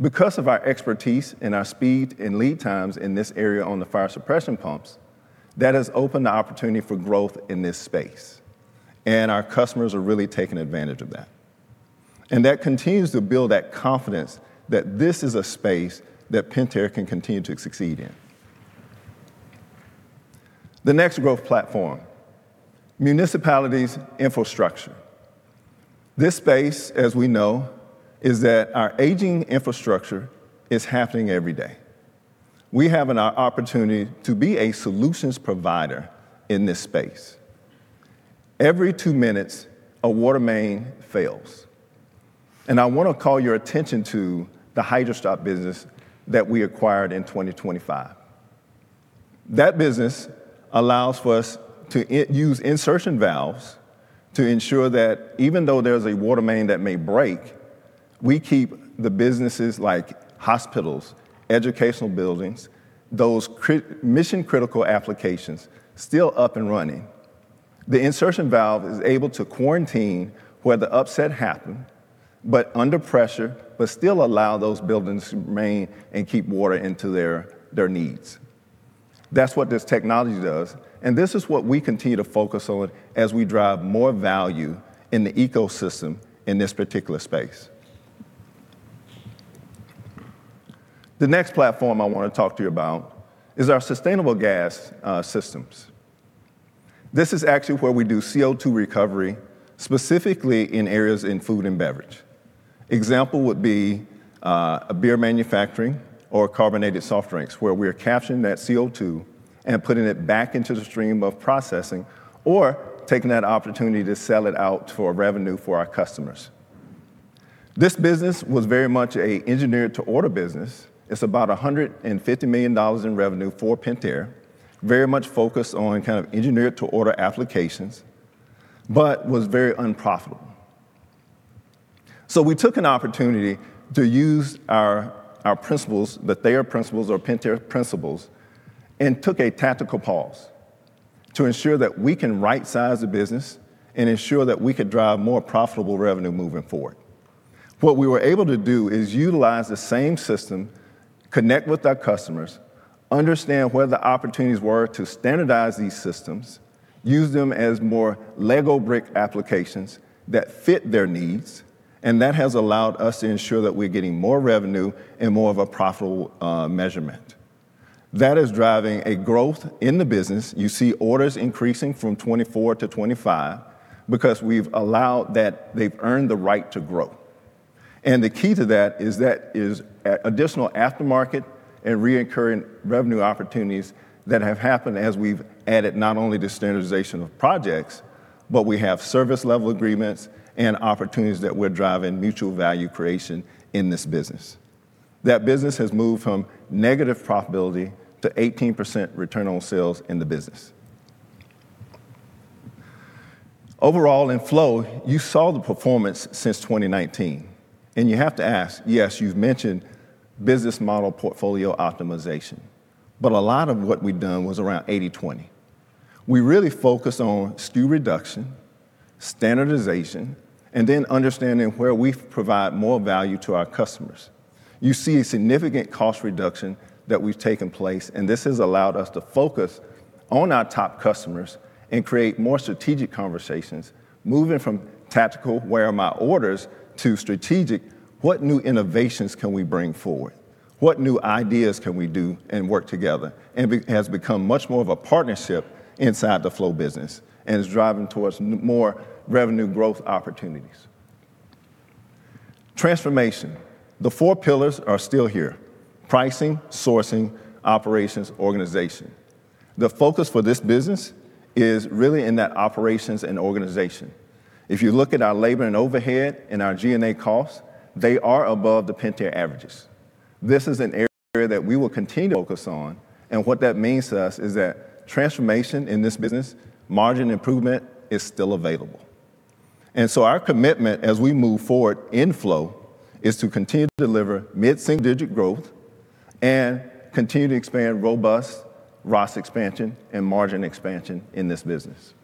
Because of our expertise and our speed and lead times in this area on the fire suppression pumps, that has opened the opportunity for growth in this space, and our customers are really taking advantage of that. That continues to build that confidence that this is a space that Pentair can continue to succeed in. The next growth platform, municipalities infrastructure. This space, as we know, is that our aging infrastructure is happening every day. We have an opportunity to be a solutions provider in this space. Every 2 minutes, a water main fails. I wanna call your attention to the Hydra-Stop business that we acquired in 2025. That business allows for us to use insertion valves to ensure that even though there's a water main that may break, we keep the businesses like hospitals, educational buildings, those mission-critical applications still up and running. The insertion valve is able to quarantine where the upset happened, but under pressure, but still allow those buildings to remain and keep water into their needs. That's what this technology does, and this is what we continue to focus on as we drive more value in the ecosystem in this particular space. The next platform I wanna talk to you about is our sustainable gas systems. This is actually where we do CO2 recovery, specifically in areas in food and beverage. Example would be a beer manufacturing or carbonated soft drinks, where we are capturing that CO2 and putting it back into the stream of processing or taking that opportunity to sell it out for revenue for our customers. This business was very much a engineer-to-order business. It's about $150 million in revenue for Pentair, very much focused on kind of engineer-to-order applications, but was very unprofitable. We took an opportunity to use our principles, the Thayer principles or Pentair principles, and took a tactical pause to ensure that we can rightsize the business and ensure that we could drive more profitable revenue moving forward. We were able to do is utilize the same system, connect with our customers, understand where the opportunities were to standardize these systems, use them as more Lego brick applications that fit their needs, and that has allowed us to ensure that we're getting more revenue and more of a profitable measurement. That is driving a growth in the business. You see orders increasing from 2024 to 2025 because we've allowed that they've earned the right to grow. The key to that is that is additional aftermarket and reoccurring revenue opportunities that have happened as we've added not only the standardization of projects, but we have service level agreements and opportunities that we're driving mutual value creation in this business. That business has moved from negative profitability to 18% return on sales in the business. Overall in Flow, you saw the performance since 2019. You have to ask, yes, you've mentioned business model portfolio optimization, but a lot of what we've done was around 80/20. We really focus on SKU reduction, standardization, and then understanding where we provide more value to our customers. You see a significant cost reduction that we've taken place, and this has allowed us to focus on our top customers and create more strategic conversations, moving from tactical, where are my orders, to strategic, what new innovations can we bring forward? What new ideas can we do and work together? It has become much more of a partnership inside the Flow business and is driving towards more revenue growth opportunities. Transformation. The 4 pillars are still here: pricing, sourcing, operations, organization. The focus for this business is really in that operations and organization. If you look at our labor and overhead and our G&A costs, they are above the Pentair averages. This is an area that we will continue to focus on, and what that means to us is that transformation in this business, margin improvement is still available. Our commitment as we move forward in Pentair Flow is to continue to deliver mid-single-digit growth. Continue to expand robust ROS expansion and margin expansion in this business.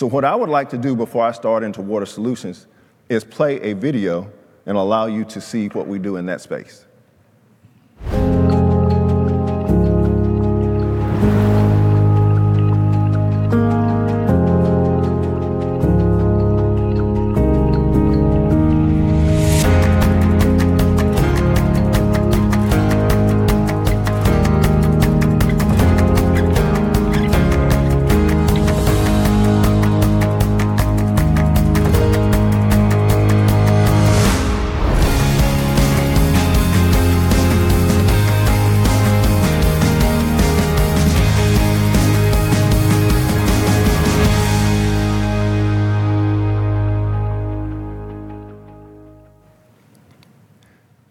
What I would like to do before I start into Pentair Water Solutions is play a video and allow you to see what we do in that space.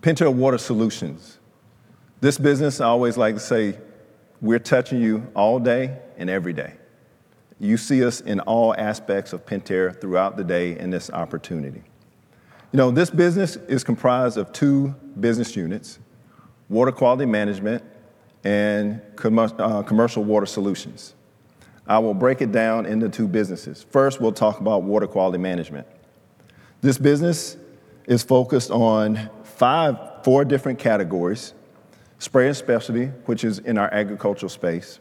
Pentair Water Solutions. This business, I always like to say we're touching you all day and every day. You see us in all aspects of Pentair throughout the day in this opportunity. You know, this business is comprised of 2 business units, Water Quality Management and Commercial Water Solutions. I will break it down into 2 businesses. First, we'll talk about Water Quality Management. This business is focused on 4 different categories. Spray and Specialty, which is in our agricultural space.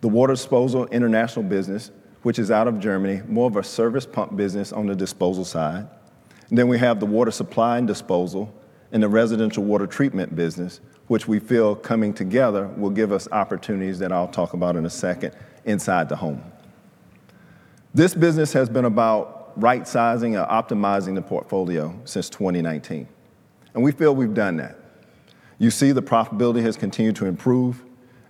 The Water Disposal International business, which is out of Germany, more of a service pump business on the disposal side. We have the Water Supply and Disposal, and the Residential Water Treatment business, which we feel coming together will give us opportunities that I'll talk about in a second inside the home. This business has been about right-sizing and optimizing the portfolio since 2019, we feel we've done that. You see the profitability has continued to improve,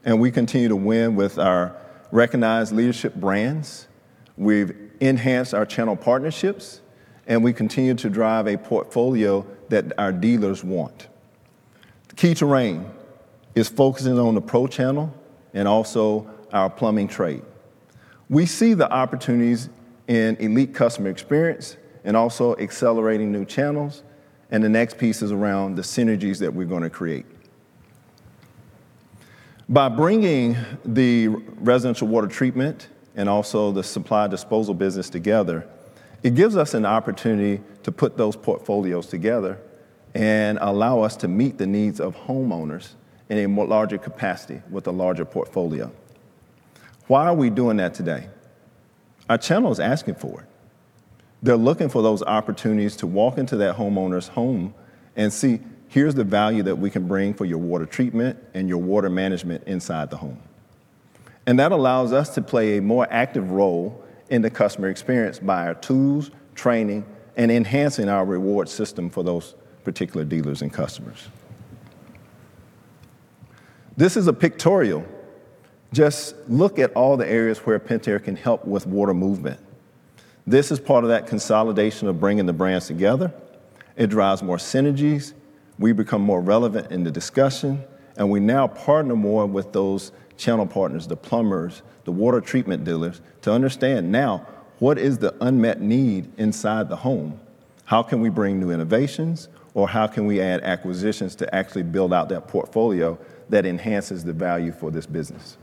we continue to win with our recognized leadership brands. We've enhanced our channel partnerships, we continue to drive a portfolio that our dealers want. The key terrain is focusing on the pro channel and also our plumbing trade. We see the opportunities in elite customer experience and also accelerating new channels, the next piece is around the synergies that we're gonna create. By bringing the Residential Water Treatment and also the Supply Disposal business together, it gives us an opportunity to put those portfolios together and allow us to meet the needs of homeowners in a more larger capacity with a larger portfolio. Why are we doing that today? Our channel is asking for it. They're looking for those opportunities to walk into that homeowner's home and see, here's the value that we can bring for your water treatment and your water management inside the home. That allows us to play a more active role in the customer experience by our tools, training, and enhancing our reward system for those particular dealers and customers. This is a pictorial. Just look at all the areas where Pentair can help with water movement. This is part of that consolidation of bringing the brands together. It drives more synergies. We become more relevant in the discussion. We now partner more with those channel partners, the plumbers, the water treatment dealers, to understand now what is the unmet need inside the home? How can we bring new innovations, or how can we add acquisitions to actually build out that portfolio that enhances the value for this business?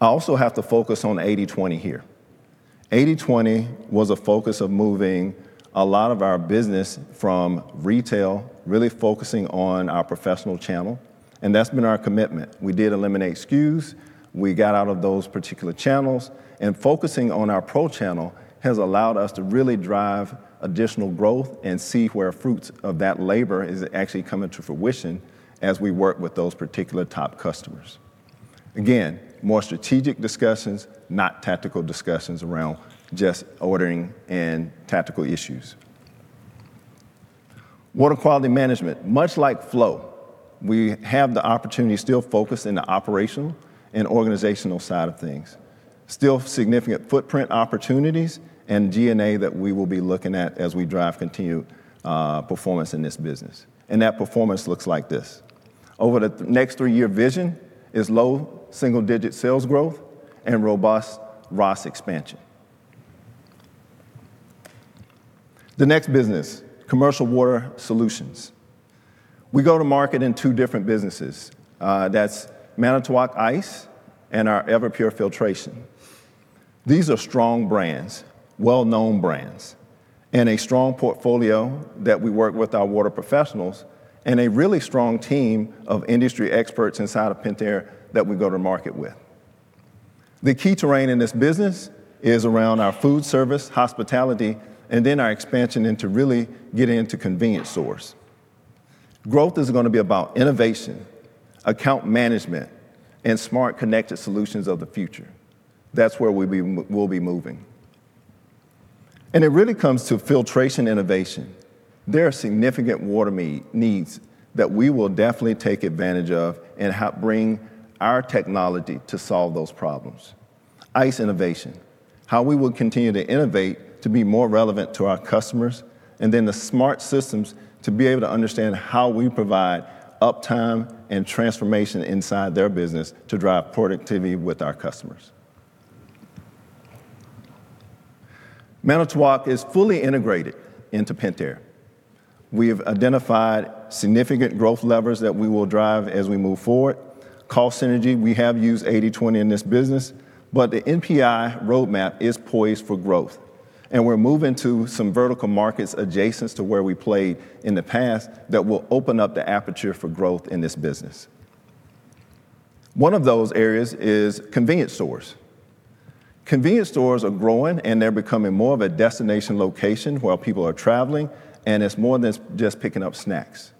I also have to focus on 80/20 here. 80/20 was a focus of moving a lot of our business from retail, really focusing on our professional channel, and that's been our commitment. We did eliminate SKUs. We got out of those particular channels. Focusing on our pro channel has allowed us to really drive additional growth and see where fruits of that labor is actually coming to fruition as we work with those particular top customers. Again, more strategic discussions, not tactical discussions around just ordering and tactical issues. Water Quality Management, much like Flow, we have the opportunity to still focus in the operational and organizational side of things. Still significant footprint opportunities and DNA that we will be looking at as we drive continued performance in this business. That performance looks like this. Over the next 3-year vision is low single-digit sales growth and robust ROS expansion. The next business, Commercial Water Solutions. We go to market in 2 different businesses. That's Manitowoc Ice and our Everpure Filtration. These are strong brands, well-known brands, and a strong portfolio that we work with our water professionals and a really strong team of industry experts inside of Pentair that we go to market with. The key terrain in this business is around our food service, hospitality, and then our expansion into really getting into convenience stores. Growth is gonna be about innovation, account management, and smart connected solutions of the future. That's where we'll be moving. It really comes to filtration innovation. There are significant water needs that we will definitely take advantage of and help bring our technology to solve those problems. Ice innovation, how we will continue to innovate to be more relevant to our customers, and then the smart systems to be able to understand how we provide uptime and transformation inside their business to drive productivity with our customers. Manitowoc is fully integrated into Pentair. We have identified significant growth levers that we will drive as we move forward. Cost synergy, we have used 80/20 in this business. The NPI roadmap is poised for growth, and we're moving to some vertical markets adjacent to where we played in the past that will open up the aperture for growth in this business. One of those areas is convenience stores. Convenience stores are growing, and they're becoming more of a destination location where people are traveling, and it's more than just picking up snacks.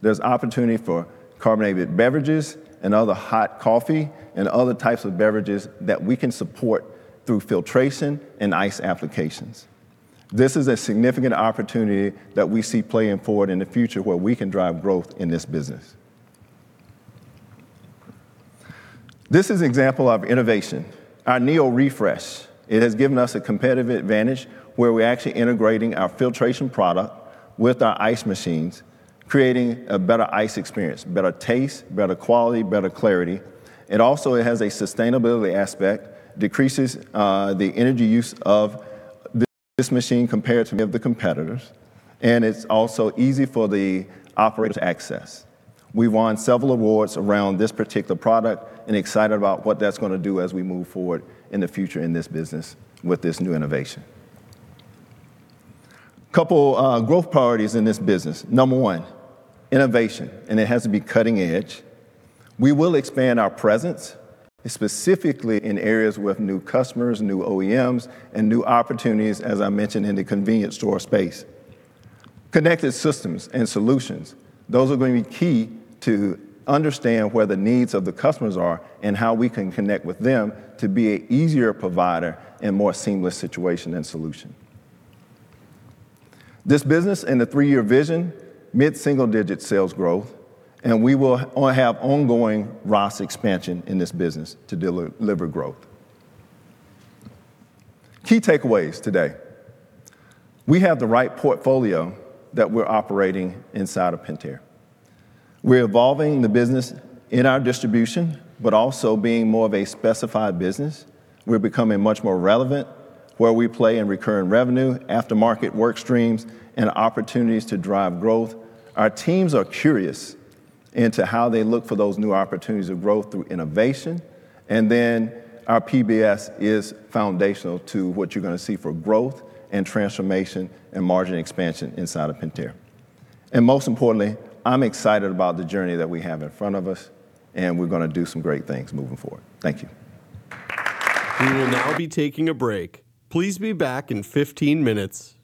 There's opportunity for carbonated beverages and other hot coffee and other types of beverages that we can support through filtration and ice applications. This is a significant opportunity that we see playing forward in the future where we can drive growth in this business. This is an example of innovation, our NeoRefresh. It has given us a competitive advantage where we're actually integrating our filtration product with our ice machines, creating a better ice experience, better taste, better quality, better clarity. It also has a sustainability aspect, decreases the energy use of this machine compared to many of the competitors, and it's also easy for the operator to access. We won several awards around this particular product and excited about what that's gonna do as we move forward in the future in this business with this new innovation. Couple growth priorities in this business. Number 1, innovation, and it has to be cutting edge. We will expand our presence specifically in areas with new customers, new OEMs, and new opportunities, as I mentioned, in the convenience store space. Connected systems and solutions, those are gonna be key to understand where the needs of the customers are and how we can connect with them to be an easier provider and more seamless situation and solution. This business in the 3-year vision, mid-single-digit sales growth, we will have ongoing ROS expansion in this business to deliver growth. Key takeaways today. We have the right portfolio that we're operating inside of Pentair. We're evolving the business in our distribution, also being more of a specified business. We're becoming much more relevant where we play in recurring revenue, aftermarket work streams, and opportunities to drive growth. Our teams are curious into how they look for those new opportunities of growth through innovation. Then our PBS is foundational to what you're gonna see for growth and transformation and margin expansion inside of Pentair. Most importantly, I'm excited about the journey that we have in front of us, and we're gonna do some great things moving forward. Thank you. We will now be taking a break. Please be back in 15 minutes.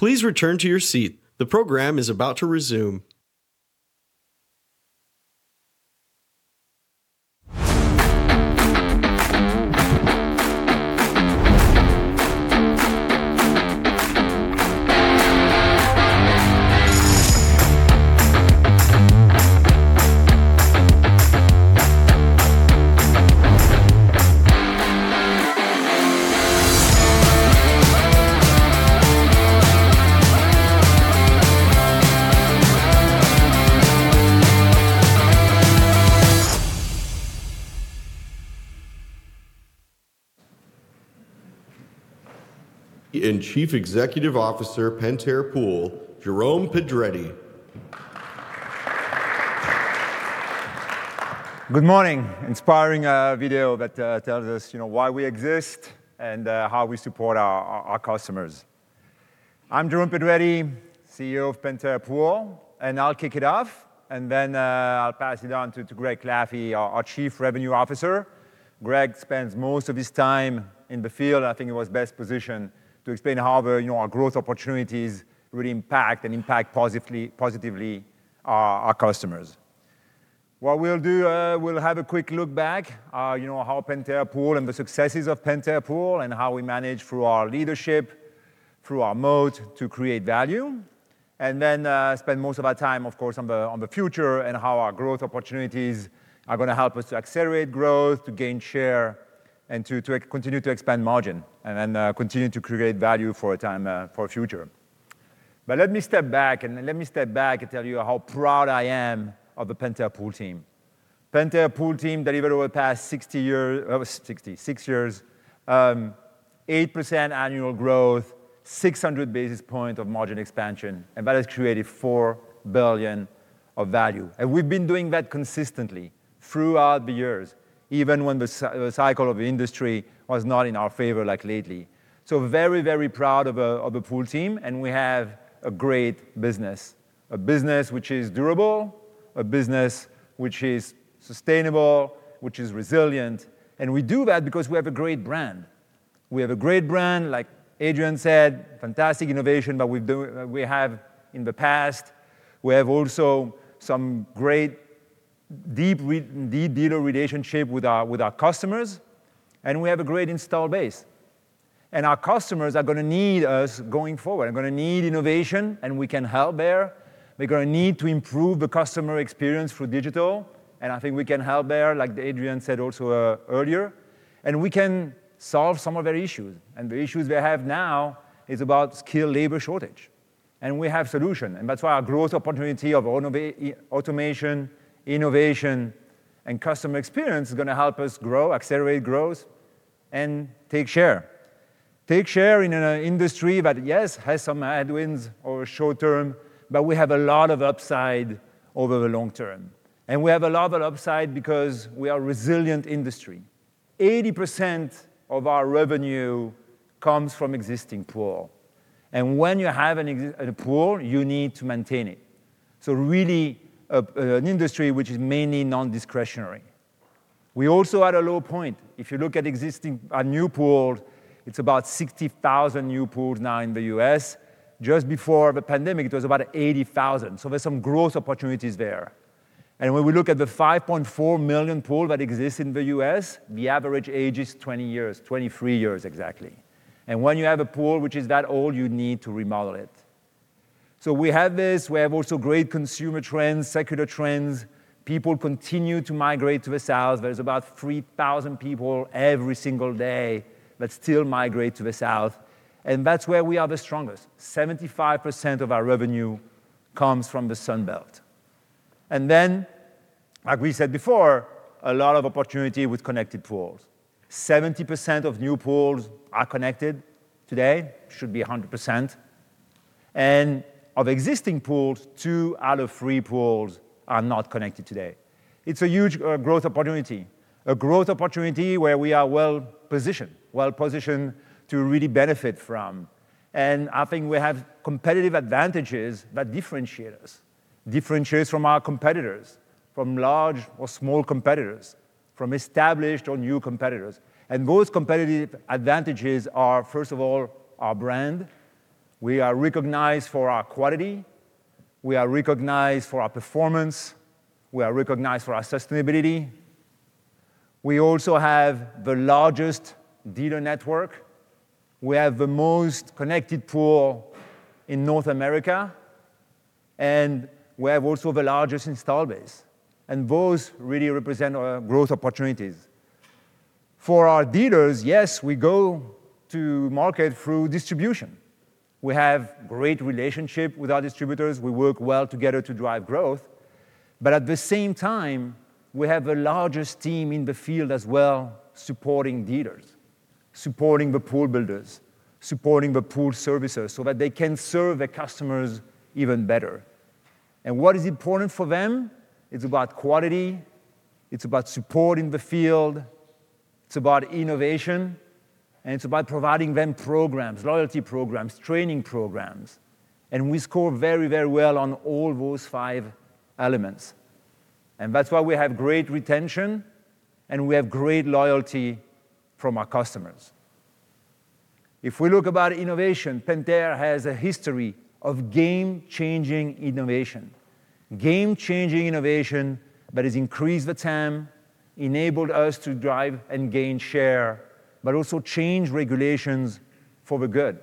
Please return to your seat. The program is about to resume. Chief Executive Officer, Pentair Pool, Jerome Pedretti. Good morning. Inspiring video that tells us, you know, why we exist and how we support our customers. I'm Jerome Pedretti, CEO of Pentair Pool, and I'll kick it off and then I'll pass it on to Greg Claffey, our Chief Revenue Officer. Greg spends most of his time in the field. I think he was best positioned to explain how the, you know, our growth opportunities really impact and impact positively our customers. What we'll do, we'll have a quick look back, you know, how Pentair Pool and the successes of Pentair Pool and how we manage through our leadership, through our moat to create value. Then spend most of our time, of course, on the future and how our growth opportunities are gonna help us to accelerate growth, to gain share, and to continue to expand margin, then continue to create value for a time for future. Let me step back and let me step back and tell you how proud I am of the Pentair Pool team. Pentair Pool team delivered over the past 6 years, 8% annual growth, 600 basis point of margin expansion, and that has created $4 billion of value. We've been doing that consistently throughout the years, even when the cycle of the industry was not in our favor, like lately. Very, very proud of the Pool team, and we have a great business. A business which is durable, a business which is sustainable, which is resilient. We do that because we have a great brand. We have a great brand, like Adrian said, fantastic innovation that we have in the past. We have also some great deep dealer relationship with our, with our customers, and we have a great install base. Our customers are gonna need us going forward. They're gonna need innovation, and we can help there. They're gonna need to improve the customer experience through digital, and I think we can help there, like Adrian said also earlier. We can solve some of their issues. The issues they have now is about skill labor shortage. We have solution, and that's why our growth opportunity of automation, innovation, and customer experience is gonna help us grow, accelerate growth, and take share. Take share in an industry that, yes, has some headwinds over short term. We have a lot of upside over the long term. We have a lot of upside because we are resilient industry. 80% of our revenue comes from existing pool. When you have a pool, you need to maintain it. Really, an industry which is mainly non-discretionary. We also are at a low point. If you look at existing new pool, it's about 60,000 new pools now in the U.S. Just before the pandemic, it was about 80,000. There's some growth opportunities there. When we look at the 5.4 million pool that exists in the U.S., the average age is 20 years, 23 years exactly. When you have a pool which is that old, you need to remodel it. We have this. We have also great consumer trends, secular trends. People continue to migrate to the south. There's about 3,000 people every single day that still migrate to the South, and that's where we are the strongest. 75% of our revenue comes from the Sun Belt. Like we said before, a lot of opportunity with connected pools. 70% of new pools are connected today, should be 100%. Of existing pools, 2 out of 3 pools are not connected today. It's a huge growth opportunity, a growth opportunity where we are well positioned to really benefit from. I think we have competitive advantages that differentiate us, differentiates from our competitors, from large or small competitors, from established or new competitors. Those competitive advantages are, first of all, our brand. We are recognized for our quality. We are recognized for our performance. We are recognized for our sustainability. We also have the largest dealer network. We have the most connected pool in North America, and we have also the largest install base, and those really represent our growth opportunities. For our dealers, yes, we go to market through distribution. We have great relationship with our distributors. We work well together to drive growth. At the same time, we have the largest team in the field as well supporting dealers. Supporting the pool builders, supporting the pool servicers, so that they can serve their customers even better. What is important for them? It's about quality, it's about supporting the field, it's about innovation, and it's about providing them programs, loyalty programs, training programs. We score very, very well on all those 5 elements. That's why we have great retention, and we have great loyalty from our customers. If we look about innovation, Pentair has a history of game-changing innovation. Game-changing innovation that has increased the TAM, enabled us to drive and gain share, but also change regulations for the good.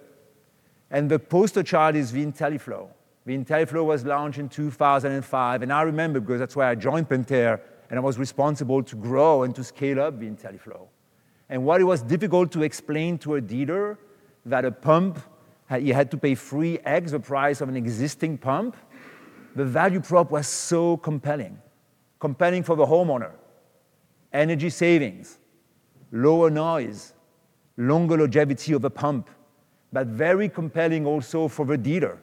The poster child is the IntelliFlo. The IntelliFlo was launched in 2005, and I remember because that's why I joined Pentair, and I was responsible to grow and to scale up the IntelliFlo. While it was difficult to explain to a dealer that a pump, you had to pay 3x the price of an existing pump, the value prop was so compelling. Compelling for the homeowner, energy savings, lower noise, longer longevity of a pump, but very compelling also for the dealer.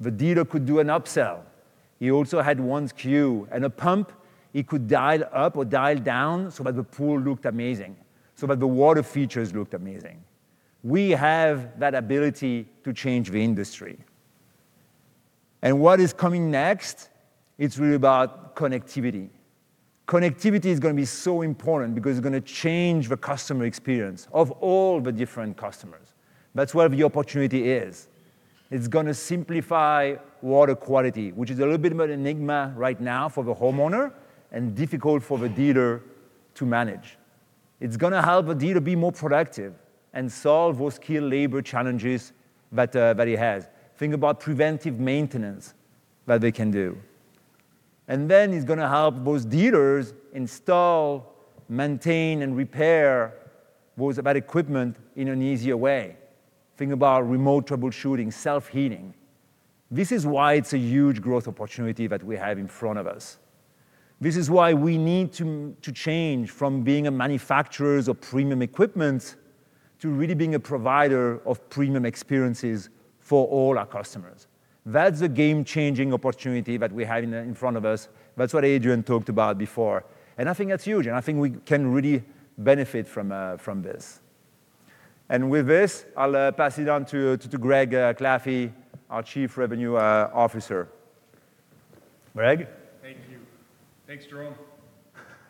The dealer could do an upsell. He also had 1 SKU, and a pump he could dial up or dial down so that the pool looked amazing, so that the water features looked amazing. We have that ability to change the industry. What is coming next, it's really about connectivity. Connectivity is gonna be so important because it's gonna change the customer experience of all the different customers. That's where the opportunity is. It's gonna simplify water quality, which is a little bit of an enigma right now for the homeowner and difficult for the dealer to manage. It's gonna help the dealer be more productive and solve those key labor challenges that that he has. Think about preventive maintenance that they can do. Then it's gonna help those dealers install, maintain, and repair those about equipment in an easier way. Think about remote troubleshooting, self-heating. This is why it's a huge growth opportunity that we have in front of us. This is why we need to change from being a manufacturers of premium equipment to really being a provider of premium experiences for all our customers. That's a game-changing opportunity that we have in front of us. That's what Adrian talked about before. I think that's huge, and I think we can really benefit from this. With this, I'll pass it on to Greg Claffey, our Chief Revenue Officer. Greg. Thank you. Thanks, Jerome.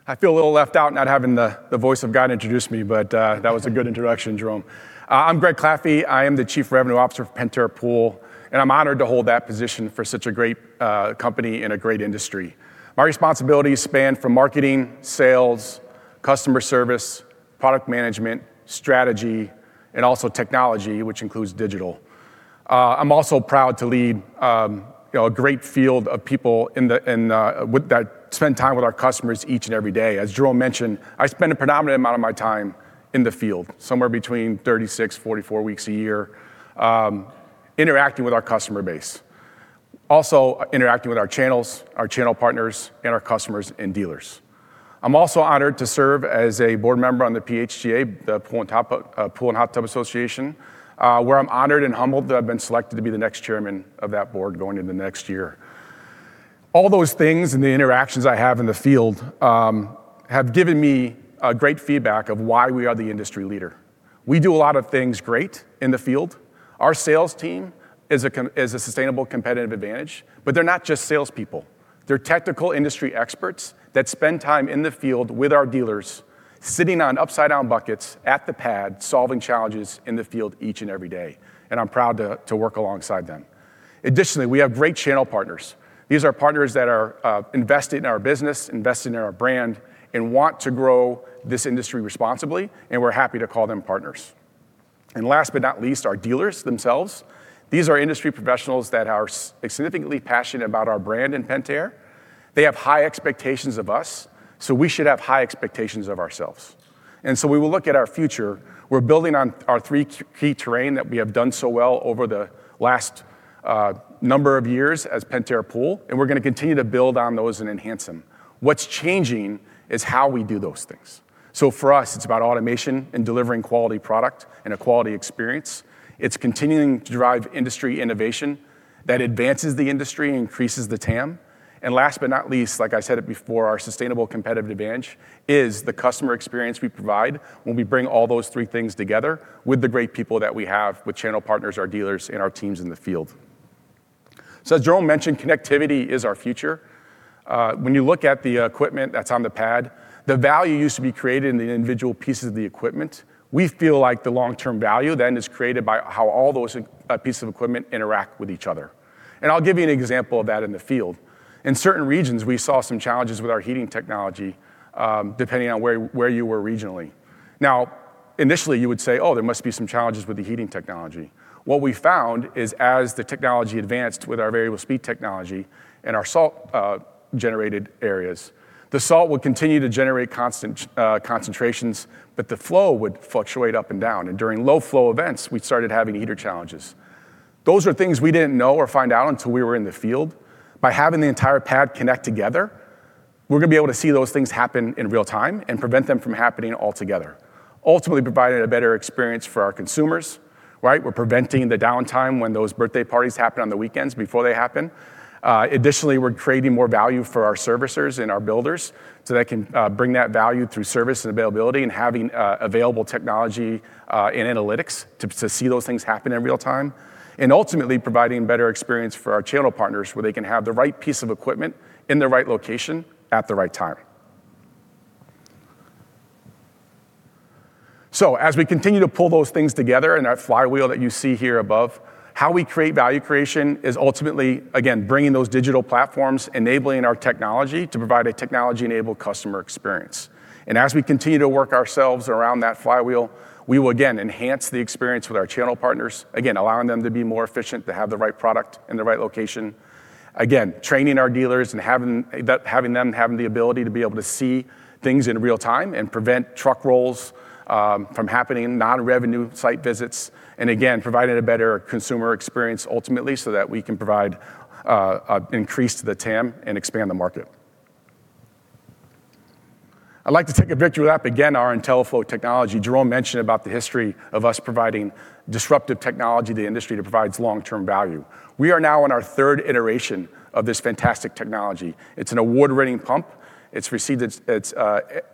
I feel a little left out not having the voice of God introduce me, but that was a good introduction, Jerome. I'm Greg Claffey. I am the chief revenue officer of Pentair Pool, and I'm honored to hold that position for such a great company in a great industry. My responsibilities span from marketing, sales, customer service, product management, strategy, and also technology, which includes digital. I'm also proud to lead, you know, a great field of people with that spend time with our customers each and every day. As Jerome mentioned, I spend a predominant amount of my time in the field, somewhere between 36, 44 weeks a year, interacting with our customer base. Also interacting with our channels, our channel partners, and our customers and dealers. I'm also honored to serve as a board member on the PHTA, the Pool and Hot Tub Association, where I'm honored and humbled that I've been selected to be the next chairman of that board going into next year. All those things and the interactions I have in the field have given me great feedback of why we are the industry leader. We do a lot of things great in the field. Our sales team is a sustainable competitive advantage, but they're not just salespeople. They're technical industry experts that spend time in the field with our dealers, sitting on upside-down buckets at the pad, solving challenges in the field each and every day. I'm proud to work alongside them. Additionally, we have great channel partners. These are partners that are invested in our business, invested in our brand, and want to grow this industry responsibly, and we're happy to call them partners. Last but not least, our dealers themselves. These are industry professionals that are significantly passionate about our brand in Pentair. They have high expectations of us, so we should have high expectations of ourselves. We will look at our future. We're building on our 3 key terrain that we have done so well over the last number of years as Pentair Pool, and we're gonna continue to build on those and enhance them. What's changing is how we do those things. For us, it's about automation and delivering quality product and a quality experience. It's continuing to drive industry innovation that advances the industry and increases the TAM. Last but not least, like I said it before, our sustainable competitive advantage is the customer experience we provide when we bring all those 3 things together with the great people that we have, with channel partners, our dealers, and our teams in the field. As Jerome mentioned, connectivity is our future. When you look at the equipment that's on the pad, the value used to be created in the individual pieces of the equipment. We feel like the long-term value then is created by how all those pieces of equipment interact with each other. I'll give you an example of that in the field. In certain regions, we saw some challenges with our heating technology, depending on where you were regionally. Initially, you would say, "Oh, there must be some challenges with the heating technology." What we found is as the technology advanced with our variable speed technology and our salt generated areas, the salt would continue to generate constant concentrations, but the flow would fluctuate up and down. During low flow events, we started having heater challenges. Those are things we didn't know or find out until we were in the field. By having the entire pad connect together, we're gonna be able to see those things happen in real time and prevent them from happening altogether, ultimately providing a better experience for our consumers, right? We're preventing the downtime when those birthday parties happen on the weekends before they happen. Additionally, we're creating more value for our servicers and our builders, so they can bring that value through service and availability and having available technology and analytics to see those things happen in real time, and ultimately providing better experience for our channel partners where they can have the right piece of equipment in the right location at the right time. As we continue to pull those things together in that flywheel that you see here above, how we create value creation is ultimately, again, bringing those digital platforms, enabling our technology to provide a technology-enabled customer experience. As we continue to work ourselves around that flywheel, we will again enhance the experience with our channel partners. Again, allowing them to be more efficient, to have the right product in the right location. Training our dealers and having them having the ability to be able to see things in real time and prevent truck rolls from happening, non-revenue site visits, and again, providing a better consumer experience ultimately so that we can provide increase to the TAM and expand the market. I'd like to take a victory lap again, our IntelliFlo technology. Jerome mentioned about the history of us providing disruptive technology to the industry that provides long-term value. We are now in our 3rd iteration of this fantastic technology. It's an award-winning pump. It's received its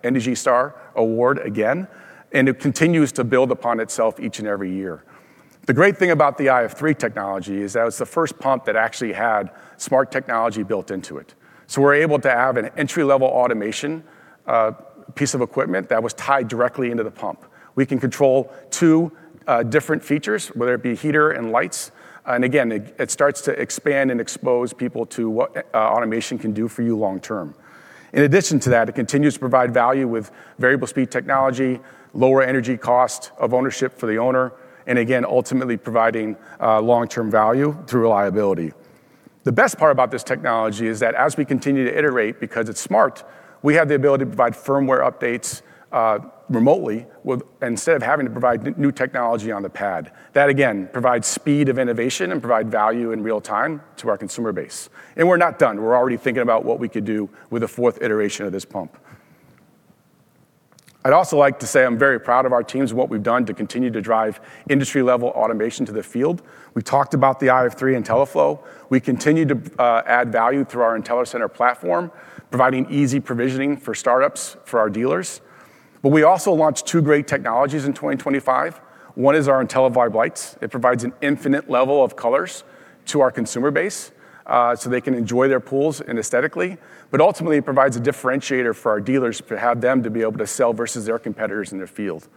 ENERGY STAR award again, and it continues to build upon itself each and every year. The great thing about the IF3 technology is that it's the 1st pump that actually had smart technology built into it. We're able to have an entry-level automation piece of equipment that was tied directly into the pump. We can control 2 different features, whether it be heater and lights, and again, it starts to expand and expose people to what automation can do for you long term. In addition to that, it continues to provide value with variable speed technology, lower energy cost of ownership for the owner, and again, ultimately providing long-term value through reliability. The best part about this technology is that as we continue to iterate, because it's smart, we have the ability to provide firmware updates remotely instead of having to provide new technology on the pad. That again, provides speed of innovation and provide value in real time to our consumer base. We're not done. We're already thinking about what we could do with a 4th iteration of this pump. I'd also like to say I'm very proud of our teams and what we've done to continue to drive industry-level automation to the field. We talked about the IF3 IntelliFlo. We continue to add value through our IntelliCenter platform, providing easy provisioning for startups for our dealers. We also launched 2 great technologies in 2025. 1 is our IntelliVibe lights. It provides an infinite level of colors to our consumer base, so they can enjoy their pools and aesthetically, but ultimately, it provides a differentiator for our dealers to have them to be able to sell versus their competitors in their field.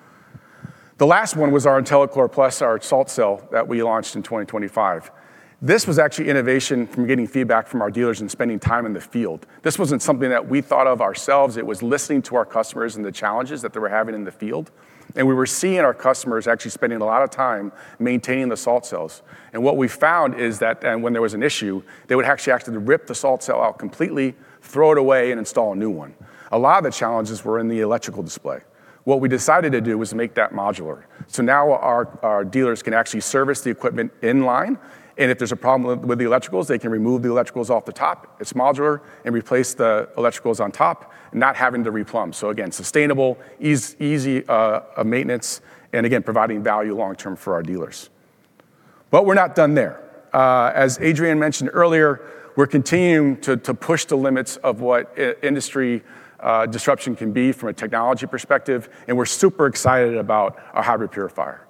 The last 1 was our IntelliChlor Plus, our salt cell that we launched in 2025. This was actually innovation from getting feedback from our dealers and spending time in the field. This wasn't something that we thought of ourselves. It was listening to our customers and the challenges that they were having in the field. We were seeing our customers actually spending a lot of time maintaining the salt cells. What we found is when there was an issue, they would actually have to rip the salt cell out completely, throw it away, and install a new one. A lot of the challenges were in the electrical display. What we decided to do was make that modular. Now our dealers can actually service the equipment in line, and if there's a problem with the electricals, they can remove the electricals off the top. It's modular, and replace the electricals on top, not having to replumb. Again, sustainable, easy maintenance, and again, providing value long term for our dealers. We're not done there. As Adrian mentioned earlier, we're continuing to push the limits of what industry disruption can be from a technology perspective, and we're super excited about our hybrid purifier.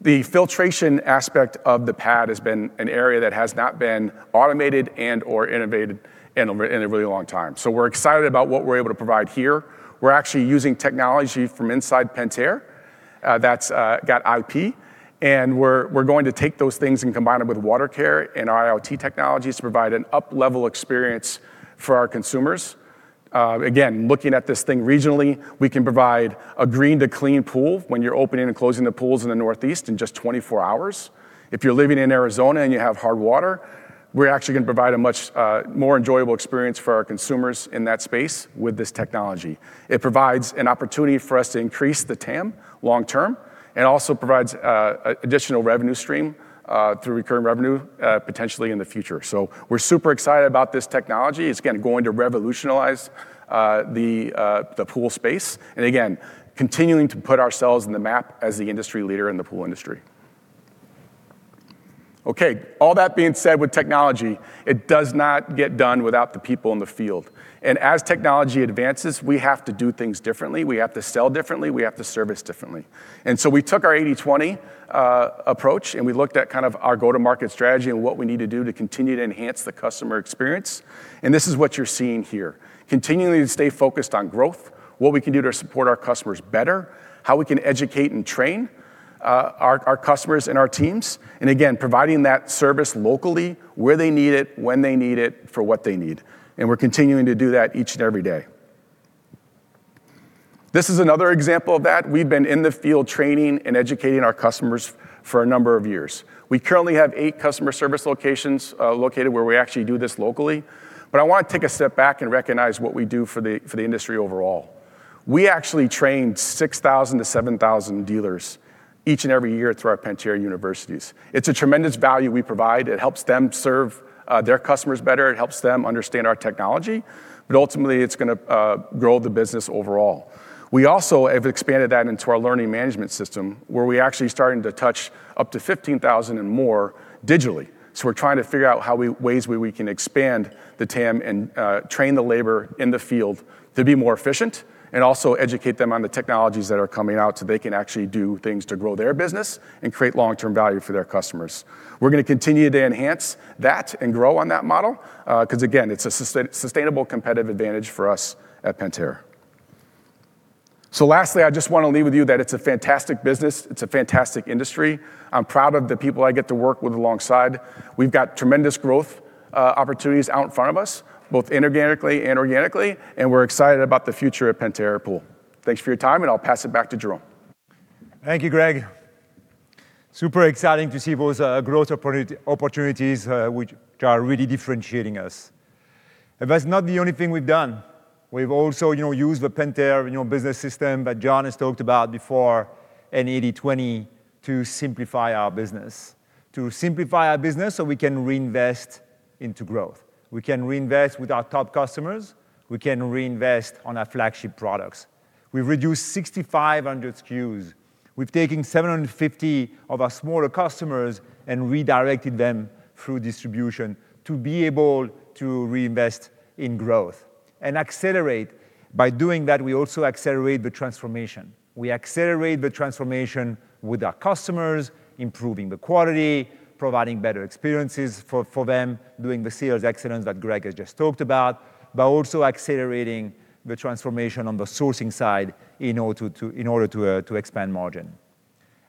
The filtration aspect of the pad has been an area that has not been automated and/or innovated in a really long time. We're excited about what we're able to provide here. We're actually using technology from inside Pentair that's got IP, and we're going to take those things and combine them with Watercare and our IoT technologies to provide an up-level experience for our consumers. Again, looking at this thing regionally, we can provide a green to clean pool when you're opening and closing the pools in the Northeast in just 24 hours. If you're living in Arizona and you have hard water, we're actually gonna provide a much more enjoyable experience for our consumers in that space with this technology. It provides an opportunity for us to increase the TAM long term. It also provides a additional revenue stream through recurring revenue potentially in the future. We're super excited about this technology. It's again going to revolutionize the pool space, and again, continuing to put ourselves on the map as the industry leader in the pool industry. Okay, all that being said, with technology, it does not get done without the people in the field. As technology advances, we have to do things differently. We have to sell differently. We have to service differently. We took our 80/20 approach, we looked at kind of our go-to-market strategy and what we need to do to continue to enhance the customer experience. This is what you're seeing here. Continuing to stay focused on growth, what we can do to support our customers better, how we can educate and train our customers and our teams, again, providing that service locally where they need it, when they need it, for what they need. We're continuing to do that each and every day. This is another example of that. We've been in the field training and educating our customers for a number of years. We currently have 8 customer service locations, located where we actually do this locally. I want to take a step back and recognize what we do for the industry overall. We actually train 6,000 to 7,000 dealers each and every year through our Pentair University. It's a tremendous value we provide. It helps them serve their customers better. It helps them understand our technology, ultimately it's gonna grow the business overall. We also have expanded that into our learning management system, where we're actually starting to touch up to 15,000 and more digitally. We're trying to figure out ways where we can expand the TAM and train the labor in the field to be more efficient and also educate them on the technologies that are coming out so they can actually do things to grow their business and create long-term value for their customers. We're gonna continue to enhance that and grow on that model, 'cause again, it's a sustainable competitive advantage for us at Pentair. Lastly, I just wanna leave with you that it's a fantastic business. It's a fantastic industry. I'm proud of the people I get to work with alongside. We've got tremendous growth opportunities out in front of us, both inorganically and organically, we're excited about the future at Pentair Pool. Thanks for your time, I'll pass it back to Jerome. Thank you, Greg. Super exciting to see those growth opportunities, which are really differentiating us. That's not the only thing we've done. We've also, you know, used the Pentair, you know, business system that John has talked about before and 80/20 to simplify our business so we can reinvest into growth. We can reinvest with our top customers. We can reinvest on our flagship products. We've reduced 6,500 SKUs. We've taken 750 of our smaller customers and redirected them through distribution to be able to reinvest in growth and accelerate. By doing that, we also accelerate the transformation. We accelerate the transformation with our customers, improving the quality, providing better experiences for them, doing the sales excellence that Greg has just talked about, but also accelerating the transformation on the sourcing side in order to expand margin.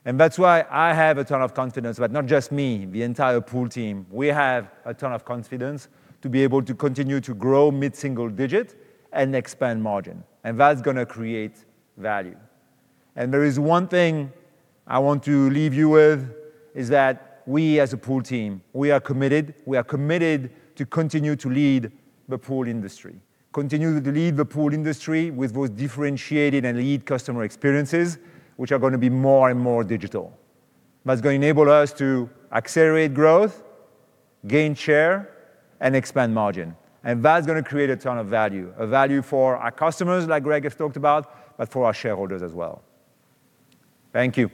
That's why I have a ton of confidence, but not just me, the entire pool team, we have a ton of confidence to be able to continue to grow mid-single digit and expand margin, and that's gonna create value. There is 1 thing I want to leave you with, is that we as a pool team, we are committed. We are committed to continue to lead the pool industry. Continue to lead the pool industry with both differentiated and lead customer experiences, which are gonna be more and more digital. That's gonna enable us to accelerate growth, gain share, and expand margin, and that's gonna create a ton of value, a value for our customers, like Greg has talked about, but for our shareholders as well. Thank you.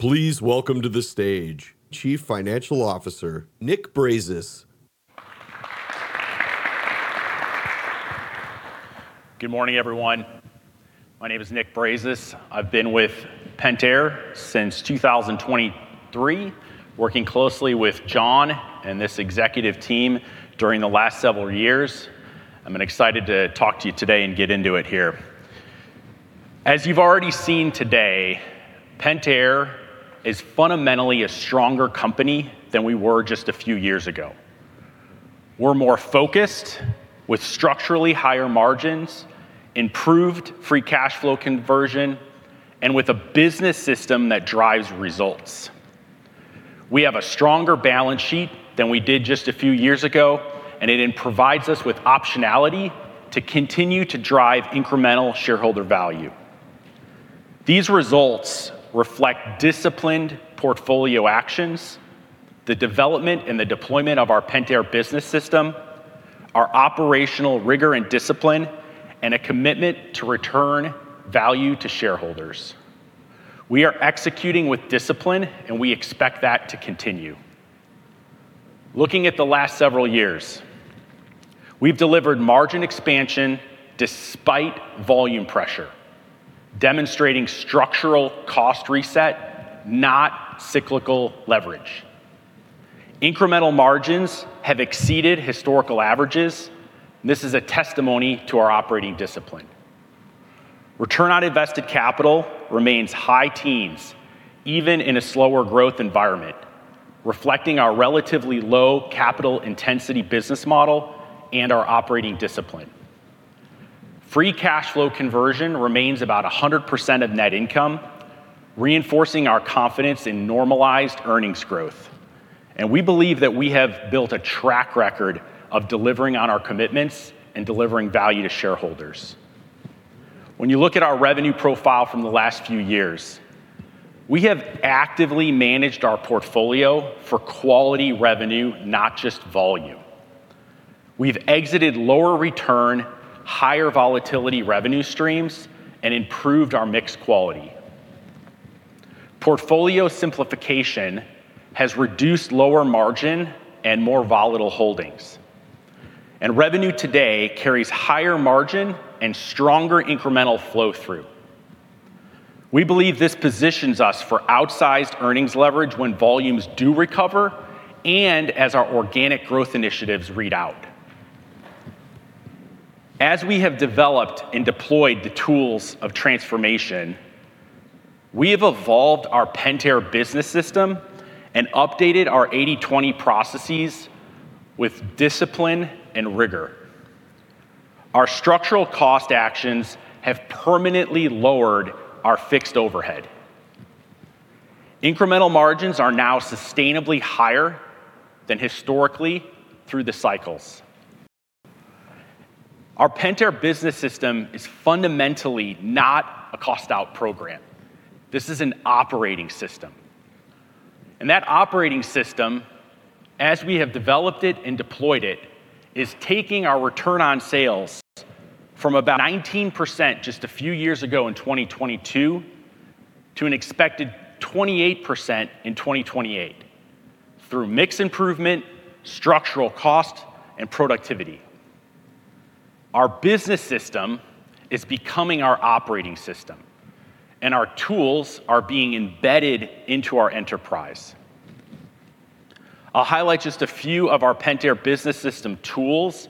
Please welcome to the stage Chief Financial Officer, Nick Brazis. Good morning, everyone. My name is Nick Brazis. I've been with Pentair since 2023, working closely with John and this executive team during the last several years. I'm excited to talk to you today and get into it here. As you've already seen today, Pentair is fundamentally a stronger company than we were just a few years ago. We're more focused with structurally higher margins, improved free cash flow conversion, and with a business system that drives results. We have a stronger balance sheet than we did just a few years ago. It provides us with optionality to continue to drive incremental shareholder value. These results reflect disciplined portfolio actions, the development and the deployment of our Pentair Business System, our operational rigor and discipline, and a commitment to return value to shareholders. We are executing with discipline. We expect that to continue. Looking at the last several years, we've delivered margin expansion despite volume pressure, demonstrating structural cost reset, not cyclical leverage. Incremental margins have exceeded historical averages. This is a testimony to our operating discipline. Return on invested capital remains high teens, even in a slower growth environment, reflecting our relatively low capital intensity business model and our operating discipline. Free cash flow conversion remains about 100% of net income, reinforcing our confidence in normalized earnings growth. We believe that we have built a track record of delivering on our commitments and delivering value to shareholders. When you look at our revenue profile from the last few years, we have actively managed our portfolio for quality revenue, not just volume. We've exited lower return, higher volatility revenue streams and improved our mix quality. Portfolio simplification has reduced lower margin and more volatile holdings. Revenue today carries higher margin and stronger incremental flow through. We believe this positions us for outsized earnings leverage when volumes do recover and as our organic growth initiatives read out. As we have developed and deployed the tools of transformation, we have evolved our Pentair Business System and updated our 80/20 processes with discipline and rigor. Our structural cost actions have permanently lowered our fixed overhead. Incremental margins are now sustainably higher than historically through the cycles. Our Pentair Business System is fundamentally not a cost out program. This is an operating system. That operating system, as we have developed it and deployed it, is taking our return on sales from about 19% just a few years ago in 2022 to an expected 28% in 2028 through mix improvement, structural cost, and productivity. Our business system is becoming our operating system, and our tools are being embedded into our enterprise. I'll highlight just a few of our Pentair Business System tools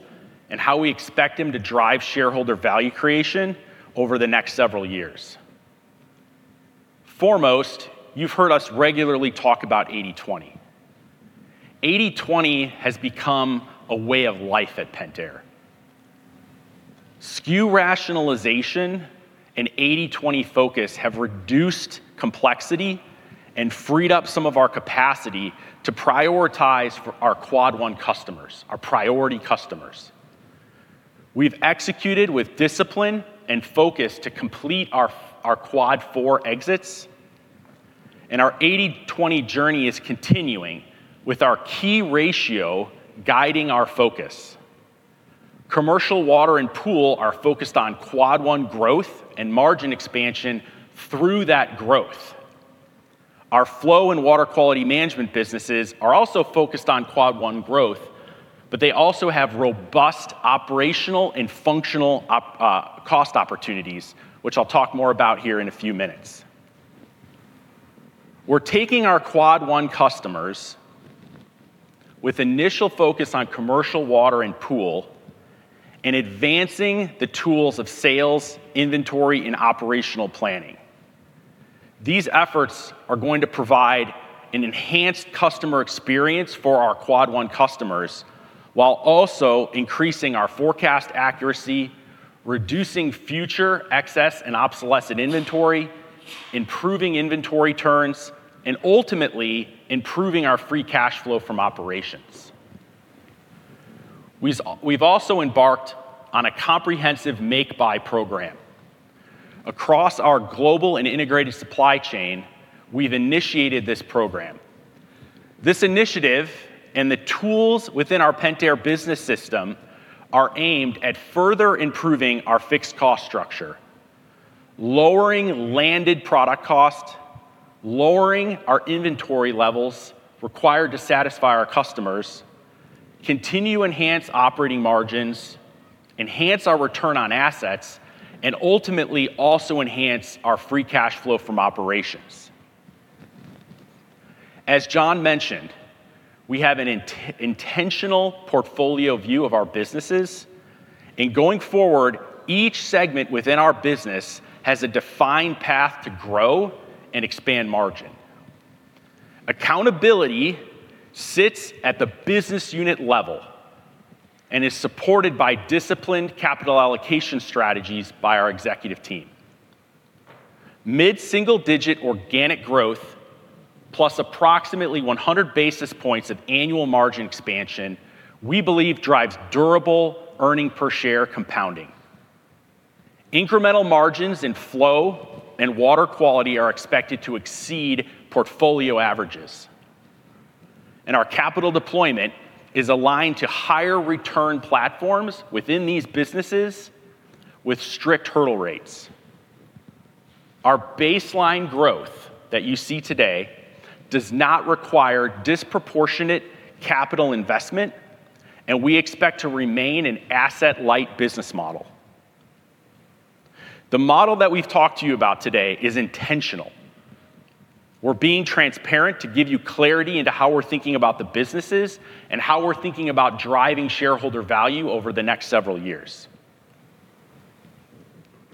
and how we expect them to drive shareholder value creation over the next several years. You've heard us regularly talk about 80/20. 80/20 has become a way of life at Pentair. SKU rationalization and 80/20 focus have reduced complexity and freed up some of our capacity to prioritize for our Quad 1 customers, our priority customers. We've executed with discipline and focus to complete our Quad 4 exits, and our 80/20 journey is continuing with our key ratio guiding our focus. Commercial, water, and pool are focused on Quad 1 growth and margin expansion through that growth. Our flow and Water Quality Management businesses are also focused on Quad 1 growth. They also have robust operational and functional op cost opportunities, which I'll talk more about here in a few minutes. We're taking our Quad 1 customers with initial focus on Commercial, Water, and Pool and advancing the tools of sales, inventory, and operational planning. These efforts are going to provide an enhanced customer experience for our Quad 1 customers while also increasing our forecast accuracy, reducing future excess and obsolescent inventory, improving inventory turns, and ultimately improving our free cash flow from operations. We've also embarked on a comprehensive make buy program. Across our global and integrated supply chain, we've initiated this program. This initiative and the tools within our Pentair Business System are aimed at further improving our fixed cost structure, lowering landed product cost, lowering our inventory levels required to satisfy our customers, continue to enhance operating margins, enhance our return on assets, and ultimately also enhance our free cash flow from operations. As John mentioned, we have an intentional portfolio view of our businesses. Going forward, each segment within our business has a defined path to grow and expand margin. Accountability sits at the business unit level and is supported by disciplined capital allocation strategies by our executive team. Mid-single-digit organic growth plus approximately 100 basis points of annual margin expansion, we believe drives durable earnings per share compounding. Incremental margins in flow and water quality are expected to exceed portfolio averages. Our capital deployment is aligned to higher return platforms within these businesses with strict hurdle rates. Our baseline growth that you see today does not require disproportionate capital investment, and we expect to remain an asset-light business model. The model that we've talked to you about today is intentional. We're being transparent to give you clarity into how we're thinking about the businesses and how we're thinking about driving shareholder value over the next several years.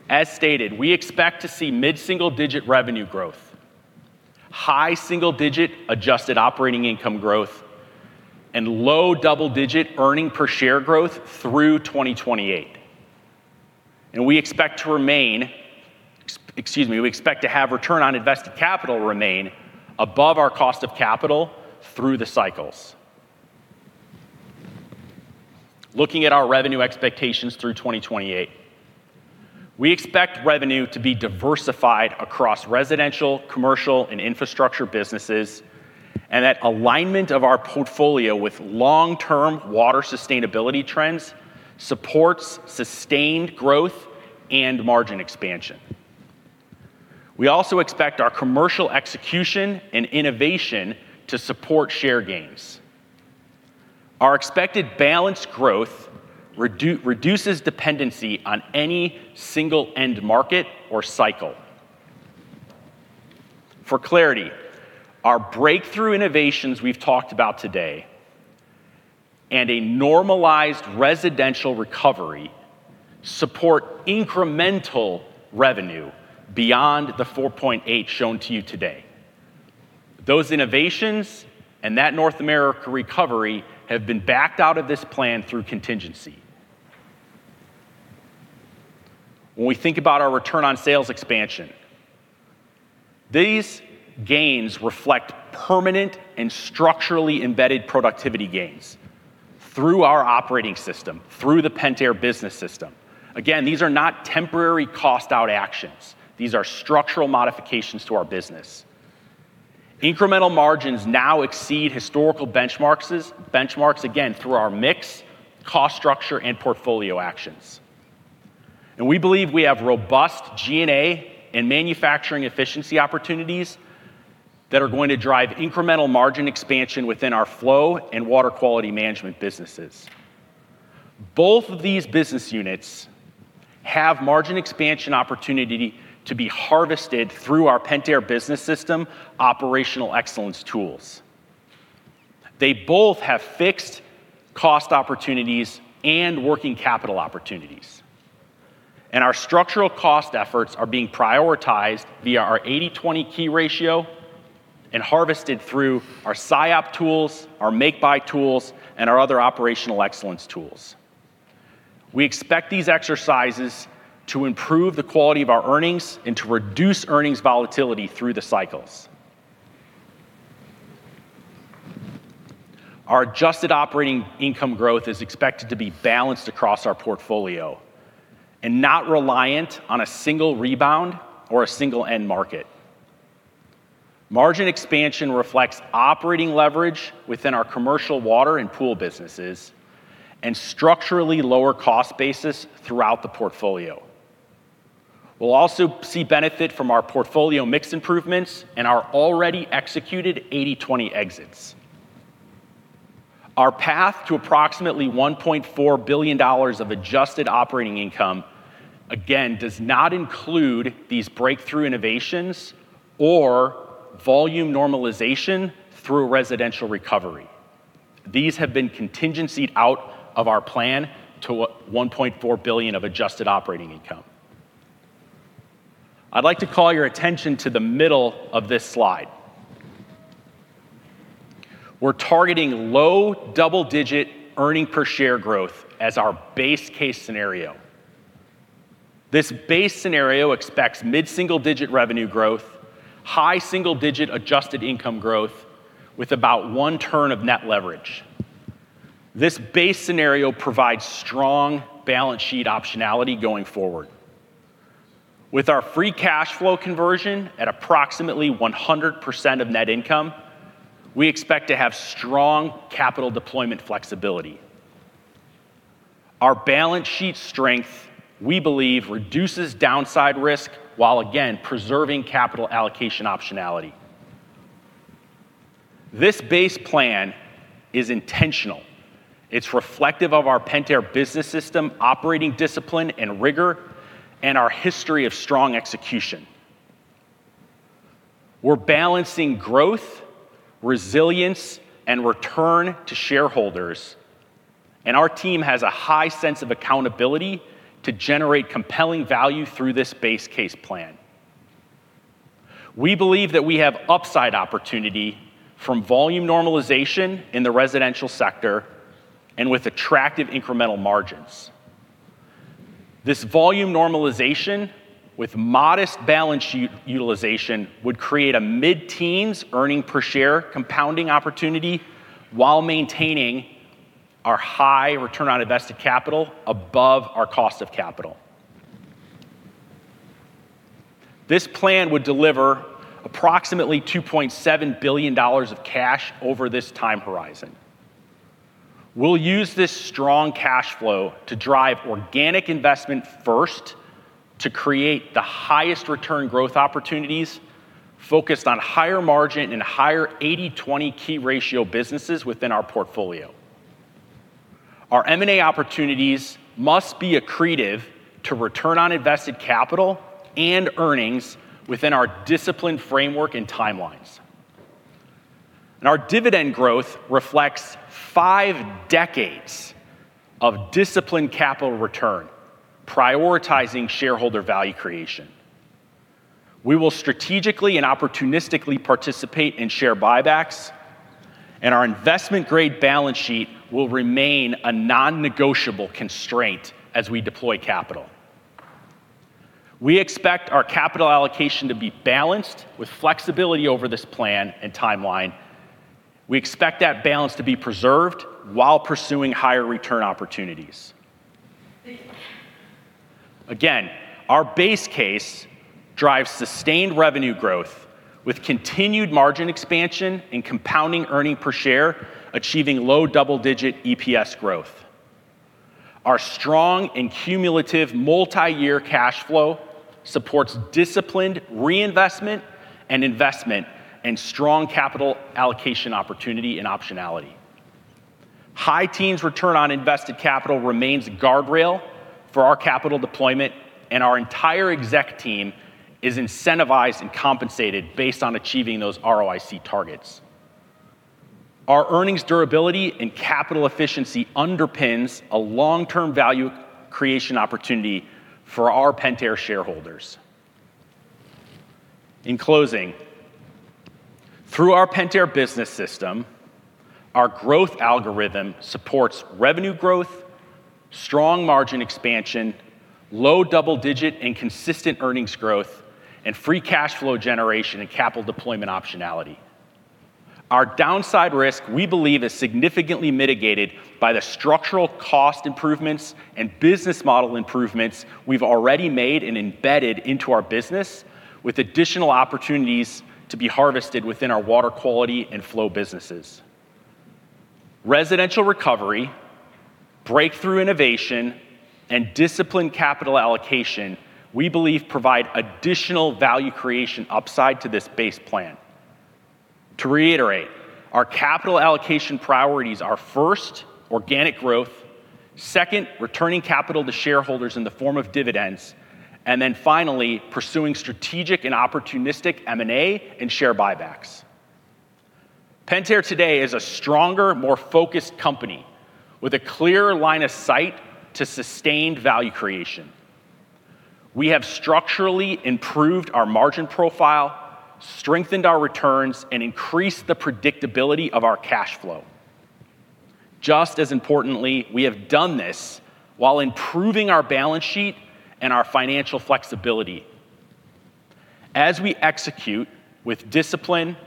As stated, we expect to see mid-single-digit revenue growth, high single-digit adjusted operating income growth, and low double-digit earnings per share growth through 2028. We expect to have return on invested capital remain above our cost of capital through the cycles. Looking at our revenue expectations through 2028, we expect revenue to be diversified across residential, commercial, and infrastructure businesses. That alignment of our portfolio with long-term water sustainability trends supports sustained growth and margin expansion. We also expect our commercial execution and innovation to support share gains. Our expected balanced growth reduces dependency on any single end market or cycle. For clarity, our breakthrough innovations we've talked about today and a normalized residential recovery support incremental revenue beyond the 4.8 shown to you today. Those innovations and that North America recovery have been backed out of this plan through contingency. When we think about our return on sales expansion, these gains reflect permanent and structurally embedded productivity gains through our operating system, through the Pentair Business System. Again, these are not temporary cost out actions. These are structural modifications to our business. Incremental margins now exceed historical benchmarks, again, through our mix, cost structure, and portfolio actions. We believe we have robust G&A and manufacturing efficiency opportunities that are going to drive incremental margin expansion within our flow and water quality management businesses. Both of these business units have margin expansion opportunity to be harvested through our Pentair Business System operational excellence tools. They both have fixed cost opportunities and working capital opportunities. Our structural cost efforts are being prioritized via our 80/20 key ratio and harvested through our SIOP tools, our make buy tools, and our other operational excellence tools. We expect these exercises to improve the quality of our earnings and to reduce earnings volatility through the cycles. Our adjusted operating income growth is expected to be balanced across our portfolio and not reliant on a single rebound or a single end market. Margin expansion reflects operating leverage within our commercial water and pool businesses and structurally lower cost basis throughout the portfolio. We'll also see benefit from our portfolio mix improvements and our already executed 80/20 exits. Our path to approximately $1.4 billion of adjusted operating income again does not include these breakthrough innovations or volume normalization through residential recovery. These have been contingency out of our plan to $1.4 billion of adjusted operating income. I'd like to call your attention to the middle of this slide. We're targeting low double-digit earnings per share growth as our base case scenario. This base scenario expects mid-single digit revenue growth, high single digit adjusted income growth with about 1 turn of net leverage. This base scenario provides strong balance sheet optionality going forward. With our free cash flow conversion at approximately 100% of net income, we expect to have strong capital deployment flexibility. Our balance sheet strength, we believe, reduces downside risk while again preserving capital allocation optionality. This base plan is intentional. It's reflective of our Pentair Business System operating discipline and rigor and our history of strong execution. Our team has a high sense of accountability to generate compelling value through this base case plan. We believe that we have upside opportunity from volume normalization in the residential sector and with attractive incremental margins. This volume normalization with modest balance utilization would create a mid-teens EPS compounding opportunity while maintaining our high ROIC above our cost of capital. This plan would deliver approximately $2.7 billion of cash over this time horizon. We'll use this strong cash flow to drive organic investment first to create the highest return growth opportunities focused on higher margin and higher 80/20 key ratio businesses within our portfolio. Our M&A opportunities must be accretive to return on invested capital and earnings within our disciplined framework and timelines. Our dividend growth reflects 5 decades of disciplined capital return, prioritizing shareholder value creation. We will strategically and opportunistically participate in share buybacks, and our investment-grade balance sheet will remain a non-negotiable constraint as we deploy capital. We expect our capital allocation to be balanced with flexibility over this plan and timeline. We expect that balance to be preserved while pursuing higher return opportunities. Our base case drives sustained revenue growth with continued margin expansion and compounding earnings per share, achieving low double-digit EPS growth. Our strong and cumulative multi-year cash flow supports disciplined reinvestment and investment and strong capital allocation opportunity and optionality. High teens return on invested capital remains a guardrail for our capital deployment, and our entire exec team is incentivized and compensated based on achieving those ROIC targets. Our earnings durability and capital efficiency underpins a long-term value creation opportunity for our Pentair shareholders. In closing, through our Pentair Business System, our growth algorithm supports revenue growth, strong margin expansion, low double digit and consistent earnings growth, and free cash flow generation and capital deployment optionality. Our downside risk, we believe, is significantly mitigated by the structural cost improvements and business model improvements we've already made and embedded into our business, with additional opportunities to be harvested within our water quality and flow businesses. Residential recovery, breakthrough innovation, and disciplined capital allocation, we believe, provide additional value creation upside to this base plan. To reiterate, our capital allocation priorities are, 1st, organic growth, 2nd, returning capital to shareholders in the form of dividends, and then finally, pursuing strategic and opportunistic M&A and share buybacks. Pentair today is a stronger, more focused company with a clear line of sight to sustained value creation. We have structurally improved our margin profile, strengthened our returns, and increased the predictability of our cash flow. Just as importantly, we have done this while improving our balance sheet and our financial flexibility. As we execute with discipline,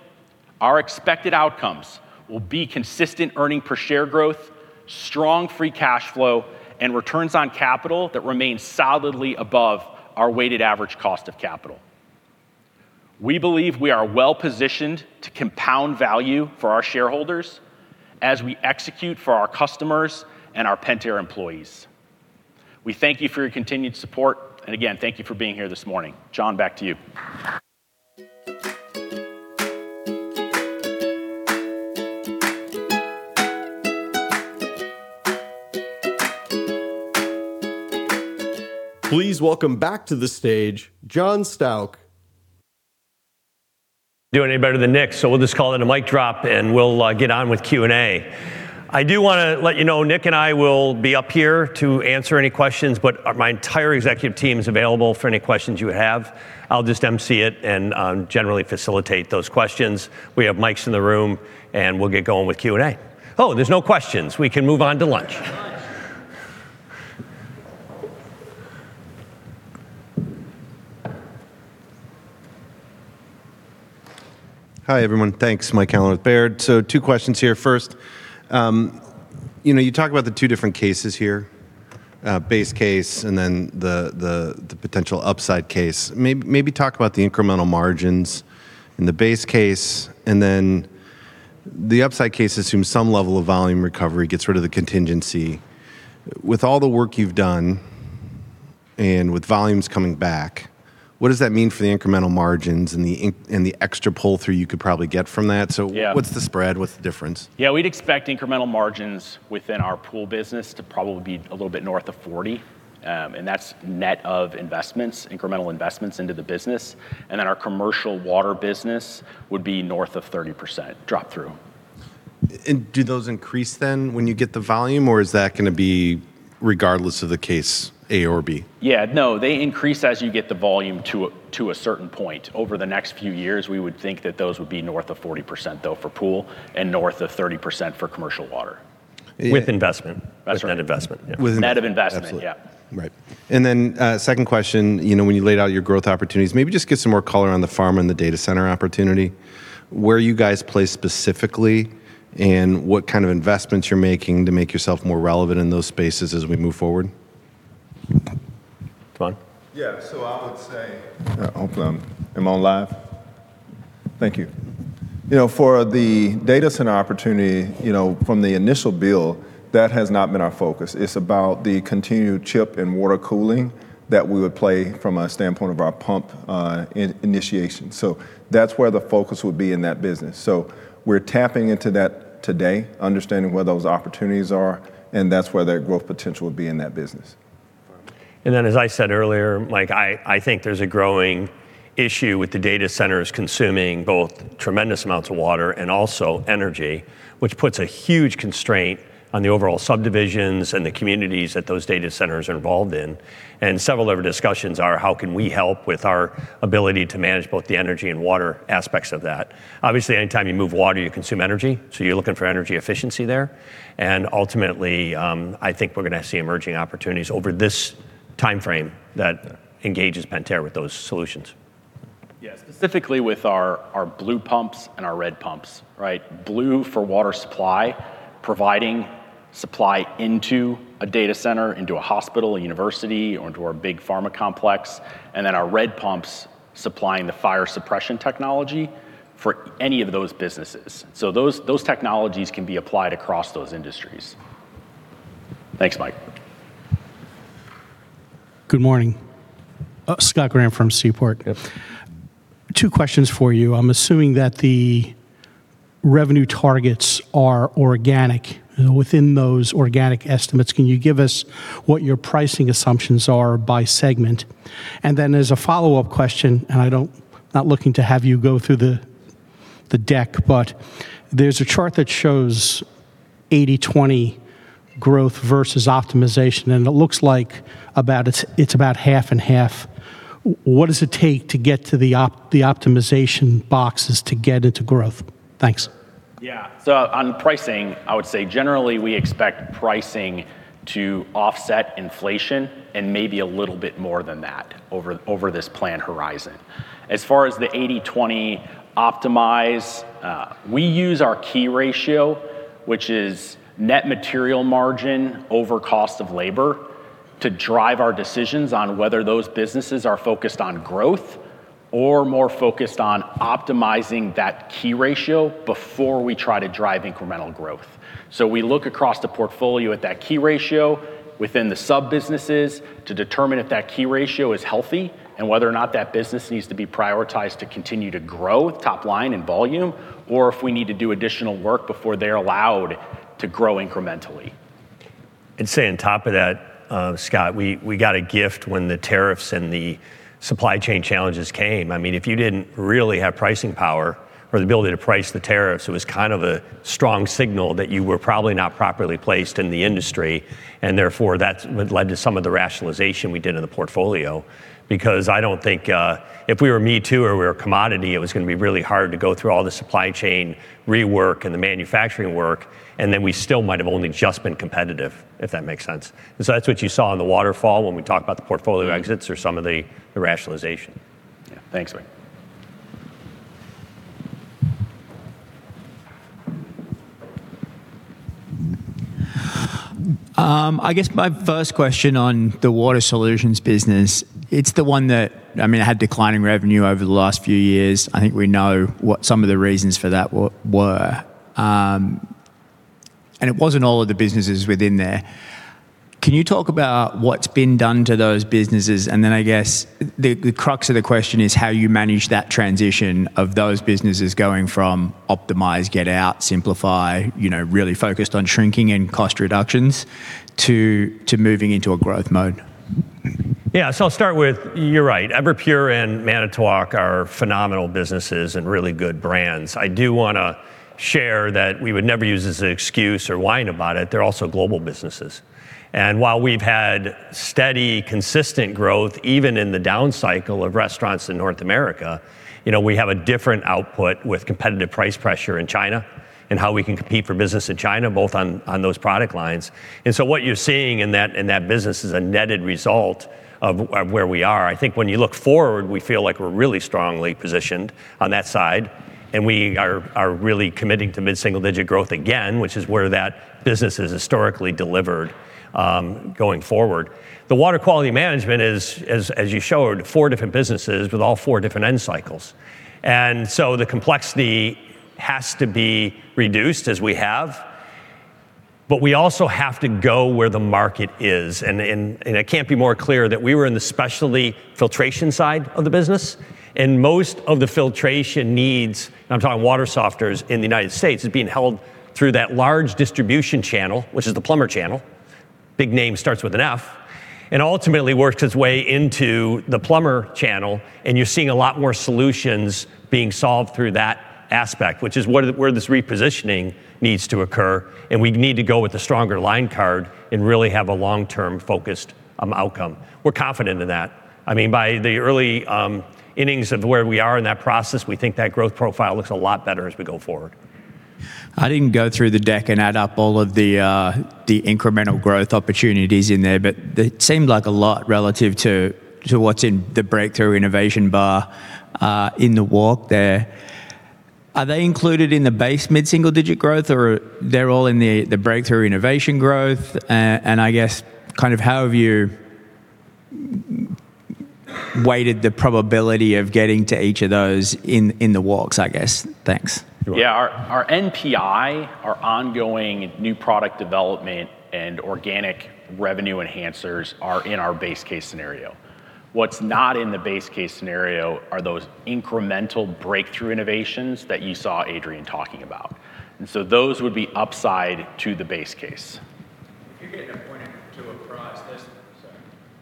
our expected outcomes will be consistent earnings per share growth, strong free cash flow, and returns on capital that remain solidly above our weighted average cost of capital. We believe we are well-positioned to compound value for our shareholders as we execute for our customers and our Pentair employees. We thank you for your continued support, and again, thank you for being here this morning. John, back to you. Please welcome back to the stage John Stauch. Do any better than Nick, so we'll just call it a mic drop, and we'll get on with Q&A. I do wanna let you know Nick and I will be up here to answer any questions, but my entire executive team is available for any questions you have. I'll just emcee it and generally facilitate those questions. We have mics in the room, and we'll get going with Q&A. Oh, there's no questions. We can move on to lunch. Hi, everyone. Thanks. Mike Allen with Baird. 2 questions here. First, you know, you talk about the 2 different cases here, base case and then the potential upside case. Maybe talk about the incremental margins in the base case, and then the upside case assumes some level of volume recovery, gets rid of the contingency. With all the work you've done and with volumes coming back, what does that mean for the incremental margins and the extra pull-through you could probably get from that? Yeah. What's the spread? What's the difference? We'd expect incremental margins within our pool business to probably be a little bit north of 40%, and that's net of investments, incremental investments into the business. Our commercial water business would be north of 30% drop-through. Do those increase then when you get the volume, or is that going to be regardless of the case, A or B? No, they increase as you get the volume to a, to a certain point. Over the next few years, we would think that those would be north of 40% though for pool and north of 30% for commercial water. With investment. That's right. With investment. Net of investment. Absolutely. Yeah. Right. 2nd question, you know, when you laid out your growth opportunities, maybe just give some more color on the pharma and the data center opportunity, where you guys play specifically and what kind of investments you're making to make yourself more relevant in those spaces as we move forward? De'Mon? I would say, am I on live? Thank you. You know, for the data center opportunity, you know, from the initial build, that has not been our focus. It's about the continued chip and water cooling that we would play from a standpoint of our pump initiation. That's where the focus would be in that business. We're tapping into that today, understanding where those opportunities are, and that's where their growth potential would be in that business. As I said earlier, Mike, I think there's a growing issue with the data centers consuming both tremendous amounts of water and also energy, which puts a huge constraint on the overall subdivisions and the communities that those data centers are involved in. Several of our discussions are how can we help with our ability to manage both the energy and water aspects of that? Obviously, anytime you move water, you consume energy, so you're looking for energy efficiency there. Ultimately, I think we're gonna see emerging opportunities over this timeframe that engages Pentair with those solutions. Specifically with our blue pumps and our red pumps, right? Blue for water supply, providing supply into a data center, into a hospital, a university, or into our big pharma complex. Our red pumps supplying the fire suppression technology for any of those businesses. Those technologies can be applied across those industries. Thanks, Mike. Good morning. Scott Graham from Seaport. Yeah. 2 questions for you. I'm assuming that the revenue targets are organic. Within those organic estimates, can you give us what your pricing assumptions are by segment? As a follow-up question, I'm not looking to have you go through the deck, but there's a chart that shows 80/20 growth versus optimization, and it looks like it's about 50/50. What does it take to get to the optimization boxes to get it to growth? Thanks. On pricing, I would say generally we expect pricing to offset inflation and maybe a little bit more than that over this plan horizon. As far as the 80/20 optimize, we use our key ratio, which is net material margin over cost of labor, to drive our decisions on whether those businesses are focused on growth or more focused on optimizing that key ratio before we try to drive incremental growth. We look across the portfolio at that key ratio within the sub-businesses to determine if that key ratio is healthy and whether or not that business needs to be prioritized to continue to grow top line and volume, or if we need to do additional work before they're allowed to grow incrementally. I'd say on top of that, Scott, we got a gift when the tariffs and the supply chain challenges came. If you didn't really have pricing power or the ability to price the tariffs, it was kind of a strong signal that you were probably not properly placed in the industry. Therefore, that's what led to some of the rationalization we did in the portfolio, because I don't think if we were me too, or we were a commodity, it was gonna be really hard to go through all the supply chain rework and the manufacturing work, and then we still might have only just been competitive, if that makes sense. That's what you saw in the waterfall when we talked about the portfolio exits or some of the rationalization. Yeah. Thanks. I guess my 1st question on the Water Solutions business, it's the one that, I mean, it had declining revenue over the last few years. I think we know what some of the reasons for that were, and it wasn't all of the businesses within there. Can you talk about what's been done to those businesses? Then I guess the crux of the question is how you manage that transition of those businesses going from optimize, get out, simplify, you know, really focused on shrinking and cost reductions to moving into a growth mode. I'll start with, you're right. Everpure and Manitowoc are phenomenal businesses and really good brands. I do wanna share that we would never use as an excuse or whine about it, they're also global businesses. While we've had steady, consistent growth, even in the down cycle of restaurants in North America, you know, we have a different output with competitive price pressure in China and how we can compete for business in China, both on those product lines. What you're seeing in that business is a netted result of where we are. I think when you look forward, we feel like we're really strongly positioned on that side, and we are really committing to mid-single digit growth again, which is where that business has historically delivered, going forward. The water quality management is, as you showed, 4 different businesses with all 4 different end cycles. The complexity has to be reduced as we have, but we also have to go where the market is, and it can't be more clear that we were in the specialty filtration side of the business, and most of the filtration needs, I'm talking water softeners in the United States, is being held through that large distribution channel, which is the plumber channel, big name starts with an F, and ultimately works its way into the plumber channel, and you're seeing a lot more solutions being solved through that aspect, which is where this repositioning needs to occur, and we need to go with a stronger line card and really have a long-term focused outcome. We're confident in that. I mean, by the early innings of where we are in that process, we think that growth profile looks a lot better as we go forward. I didn't go through the deck and add up all of the incremental growth opportunities in there, but it seemed like a lot relative to what's in the breakthrough innovation bar in the walk there. Are they included in the base mid-single digit growth, or they're all in the breakthrough innovation growth? I guess kind of how have you weighted the probability of getting to each of those in the walks, I guess? Thanks. Our NPI, our ongoing new product development and organic revenue enhancers are in our base case scenario. What's not in the base case scenario are those incremental breakthrough innovations that you saw Adrian talking about. Those would be upside to the base case.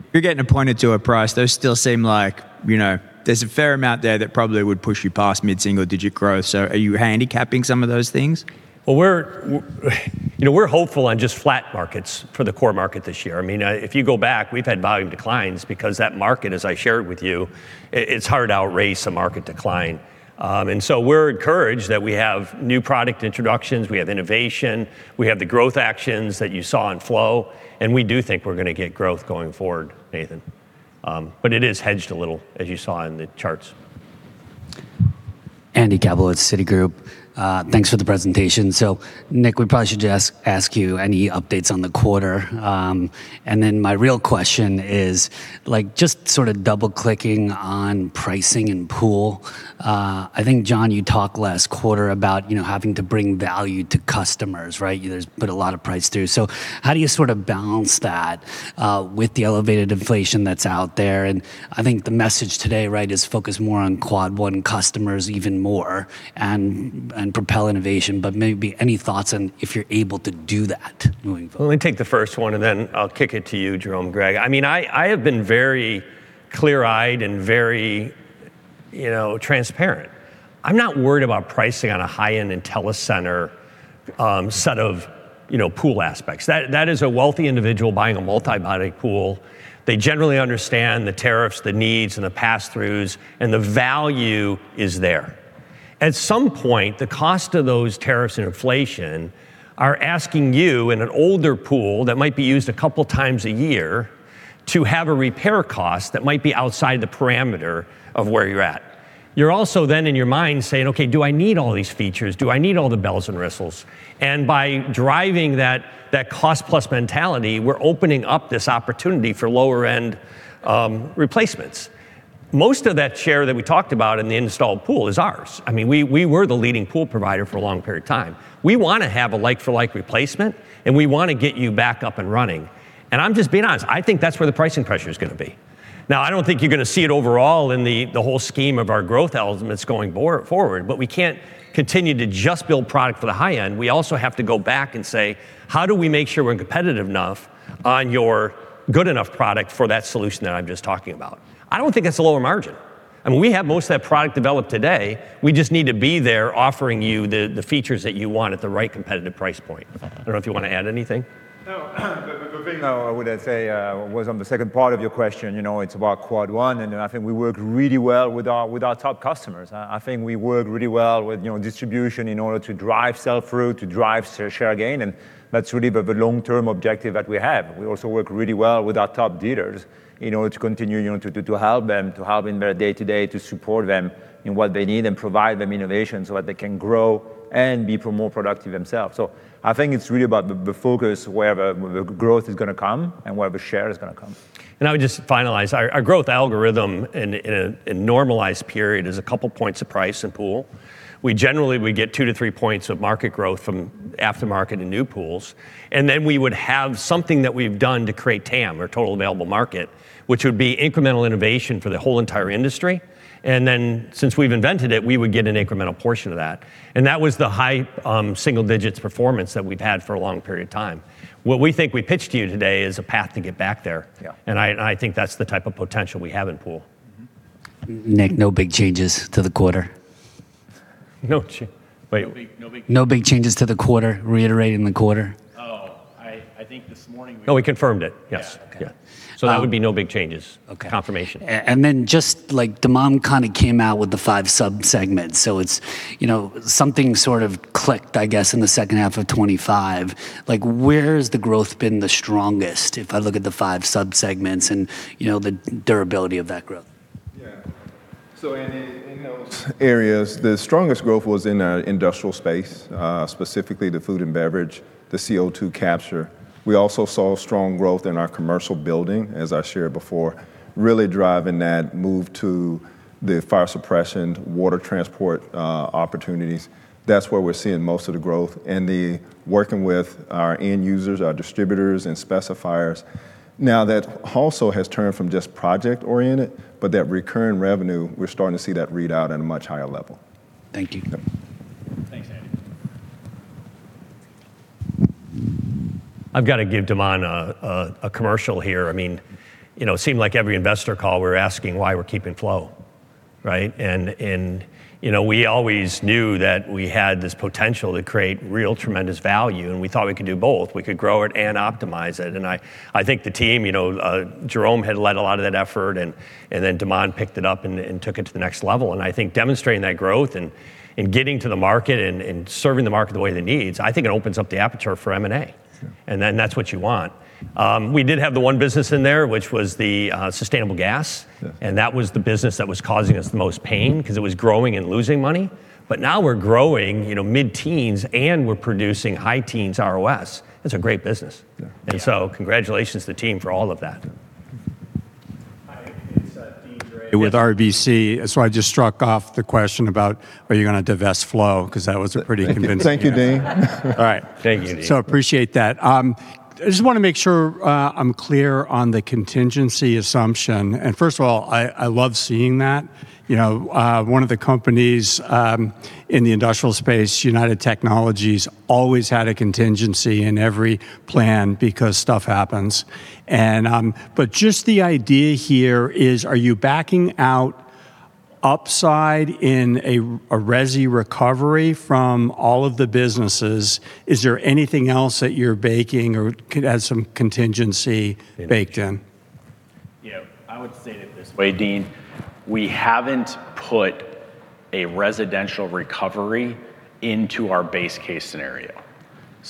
If you're getting a point to a price, those still seem like, you know, there's a fair amount there that probably would push you past mid-single digit growth. Are you handicapping some of those things? Well, we're, you know, we're hopeful on just flat markets for the core market this year. I mean, if you go back, we've had volume declines because that market, as I shared with you, it's hard to outrace a market decline. We're encouraged that we have new product introductions, we have innovation, we have the growth actions that you saw in flow, and we do think we're gonna get growth going forward, Nathan. It is hedged a little, as you saw in the charts. Andy Kaplowitz at Citigroup. Thanks for the presentation. Nick, we probably should just ask you any updates on the quarter. My real question is, like, just sort of double-clicking on pricing and pool. I think, John, you talked last quarter about, you know, having to bring value to customers, right? You just put a lot of price through. How do you sort of balance that with the elevated inflation that's out there? I think the message today, right, is focus more on Quad 1 customers even more and propel innovation. Maybe any thoughts on if you're able to do that moving forward. Let me take the first one, then I'll kick it to you, Jerome Pedretti. I mean, I have been very clear-eyed and very, you know, transparent. I'm not worried about pricing on a high-end IntelliCenter set of, you know, pool aspects. That is a wealthy individual buying a multi-body pool. They generally understand the tariffs, the needs, and the passthroughs, and the value is there. At some point, the cost of those tariffs and inflation are asking you in an older pool that might be used a couple times a year to have a repair cost that might be outside the parameter of where you're at. You're also then in your mind saying, "Okay, do I need all these features? Do I need all the bells and whistles?" By driving that cost-plus mentality, we're opening up this opportunity for lower-end replacements. Most of that share that we talked about in the installed pool is ours. I mean, we were the leading pool provider for a long period of time. We want to have a like-for-like replacement, and we want to get you back up and running. I'm just being honest, I think that's where the pricing pressure is going to be. Now, I don't think you're going to see it overall in the whole scheme of our growth elements going forward, but we can't continue to just build product for the high end. We also have to go back and say, "How do we make sure we're competitive enough on your good enough product for that solution that I'm just talking about?" I don't think that's a lower margin. I mean, we have most of that product developed today. We just need to be there offering you the features that you want at the right competitive price point. I don't know if you want to add anything? No. The thing I would say was on the 2nd part of your question, you know, it's about Quad 1, and I think we work really well with our top customers. I think we work really well with, you know, distribution in order to drive sell-through, to drive share gain, and that's really the long-term objective that we have. We also work really well with our top dealers in order to continue, you know, to help them, to help in their day-to-day, to support them in what they need and provide them innovation so that they can grow and be more productive themselves. I think it's really about the focus, where the growth is gonna come and where the share is gonna come. I would just finalize. Our growth algorithm in a normalized period is a couple points of price in pool. We generally, we get 2-3 points of market growth from aftermarket and new pools. Then we would have something that we've done to create TAM, or total available market, which would be incremental innovation for the whole entire industry. Then since we've invented it, we would get an incremental portion of that. That was the high single digits performance that we've had for a long period of time. What we think we pitched to you today is a path to get back there. Yeah. I, and I think that's the type of potential we have in pool. Nick, no big changes to the quarter? No Wait. No big. No big changes to the quarter, reiterating the quarter? Oh, I think this morning. No, we confirmed it. Yes. Okay. That would be no big changes. Okay. Confirmation. Just, like, De'Mon kinda came out with the 5 subsegments. It's, you know, something sort of clicked, I guess, in the H2 of 2025. Like, where has the growth been the strongest, if I look at the 5 subsegments and, you know, the durability of that growth? In those areas, the strongest growth was in our industrial space, specifically the food and beverage, the CO2 capture. We also saw strong growth in our commercial building, as I shared before, really driving that move to the fire suppression, water transport opportunities. That's where we're seeing most of the growth. The working with our end users, our distributors, and specifiers. Now, that also has turned from just project-oriented, but that recurring revenue, we're starting to see that read out at a much higher level. Thank you. Yep. Thanks, Andy. I've got to give De'Mon a commercial here. I mean, you know, it seemed like every investor call we're asking why we're keeping flow, right? You know, we always knew that we had this potential to create real tremendous value, and we thought we could do both. We could grow it and optimize it, and I think the team, you know, Jerome had led a lot of that effort, and then De'Mon picked it up and took it to the next level. I think demonstrating that growth and getting to the market and serving the market the way that it needs, I think it opens up the aperture for M&A. Yeah. That's what you want. We did have the 1 business in there, which was the sustainable gas. Yeah. That was the business that was causing us the most pain because it was growing and losing money. Now we're growing, you know, mid-teens, and we're producing high-teens ROS. It's a great business. Yeah. Congratulations to the team for all of that. Hi, it's Deane Dray. With RBC. I just struck off the question about are you gonna divest Flow, 'cause that was a pretty convincing- Thank you, Deane. All right. Thank you, Deane. Appreciate that. I just wanna make sure I'm clear on the contingency assumption. First of all, I love seeing that. You know, one of the companies in the industrial space, United Technologies, always had a contingency in every plan because stuff happens. Just the idea here is, are you backing out upside in a resi recovery from all of the businesses? Is there anything else that you're baking or could have some contingency baked in? I would say it this way, Deane. We haven't put a residential recovery into our base case scenario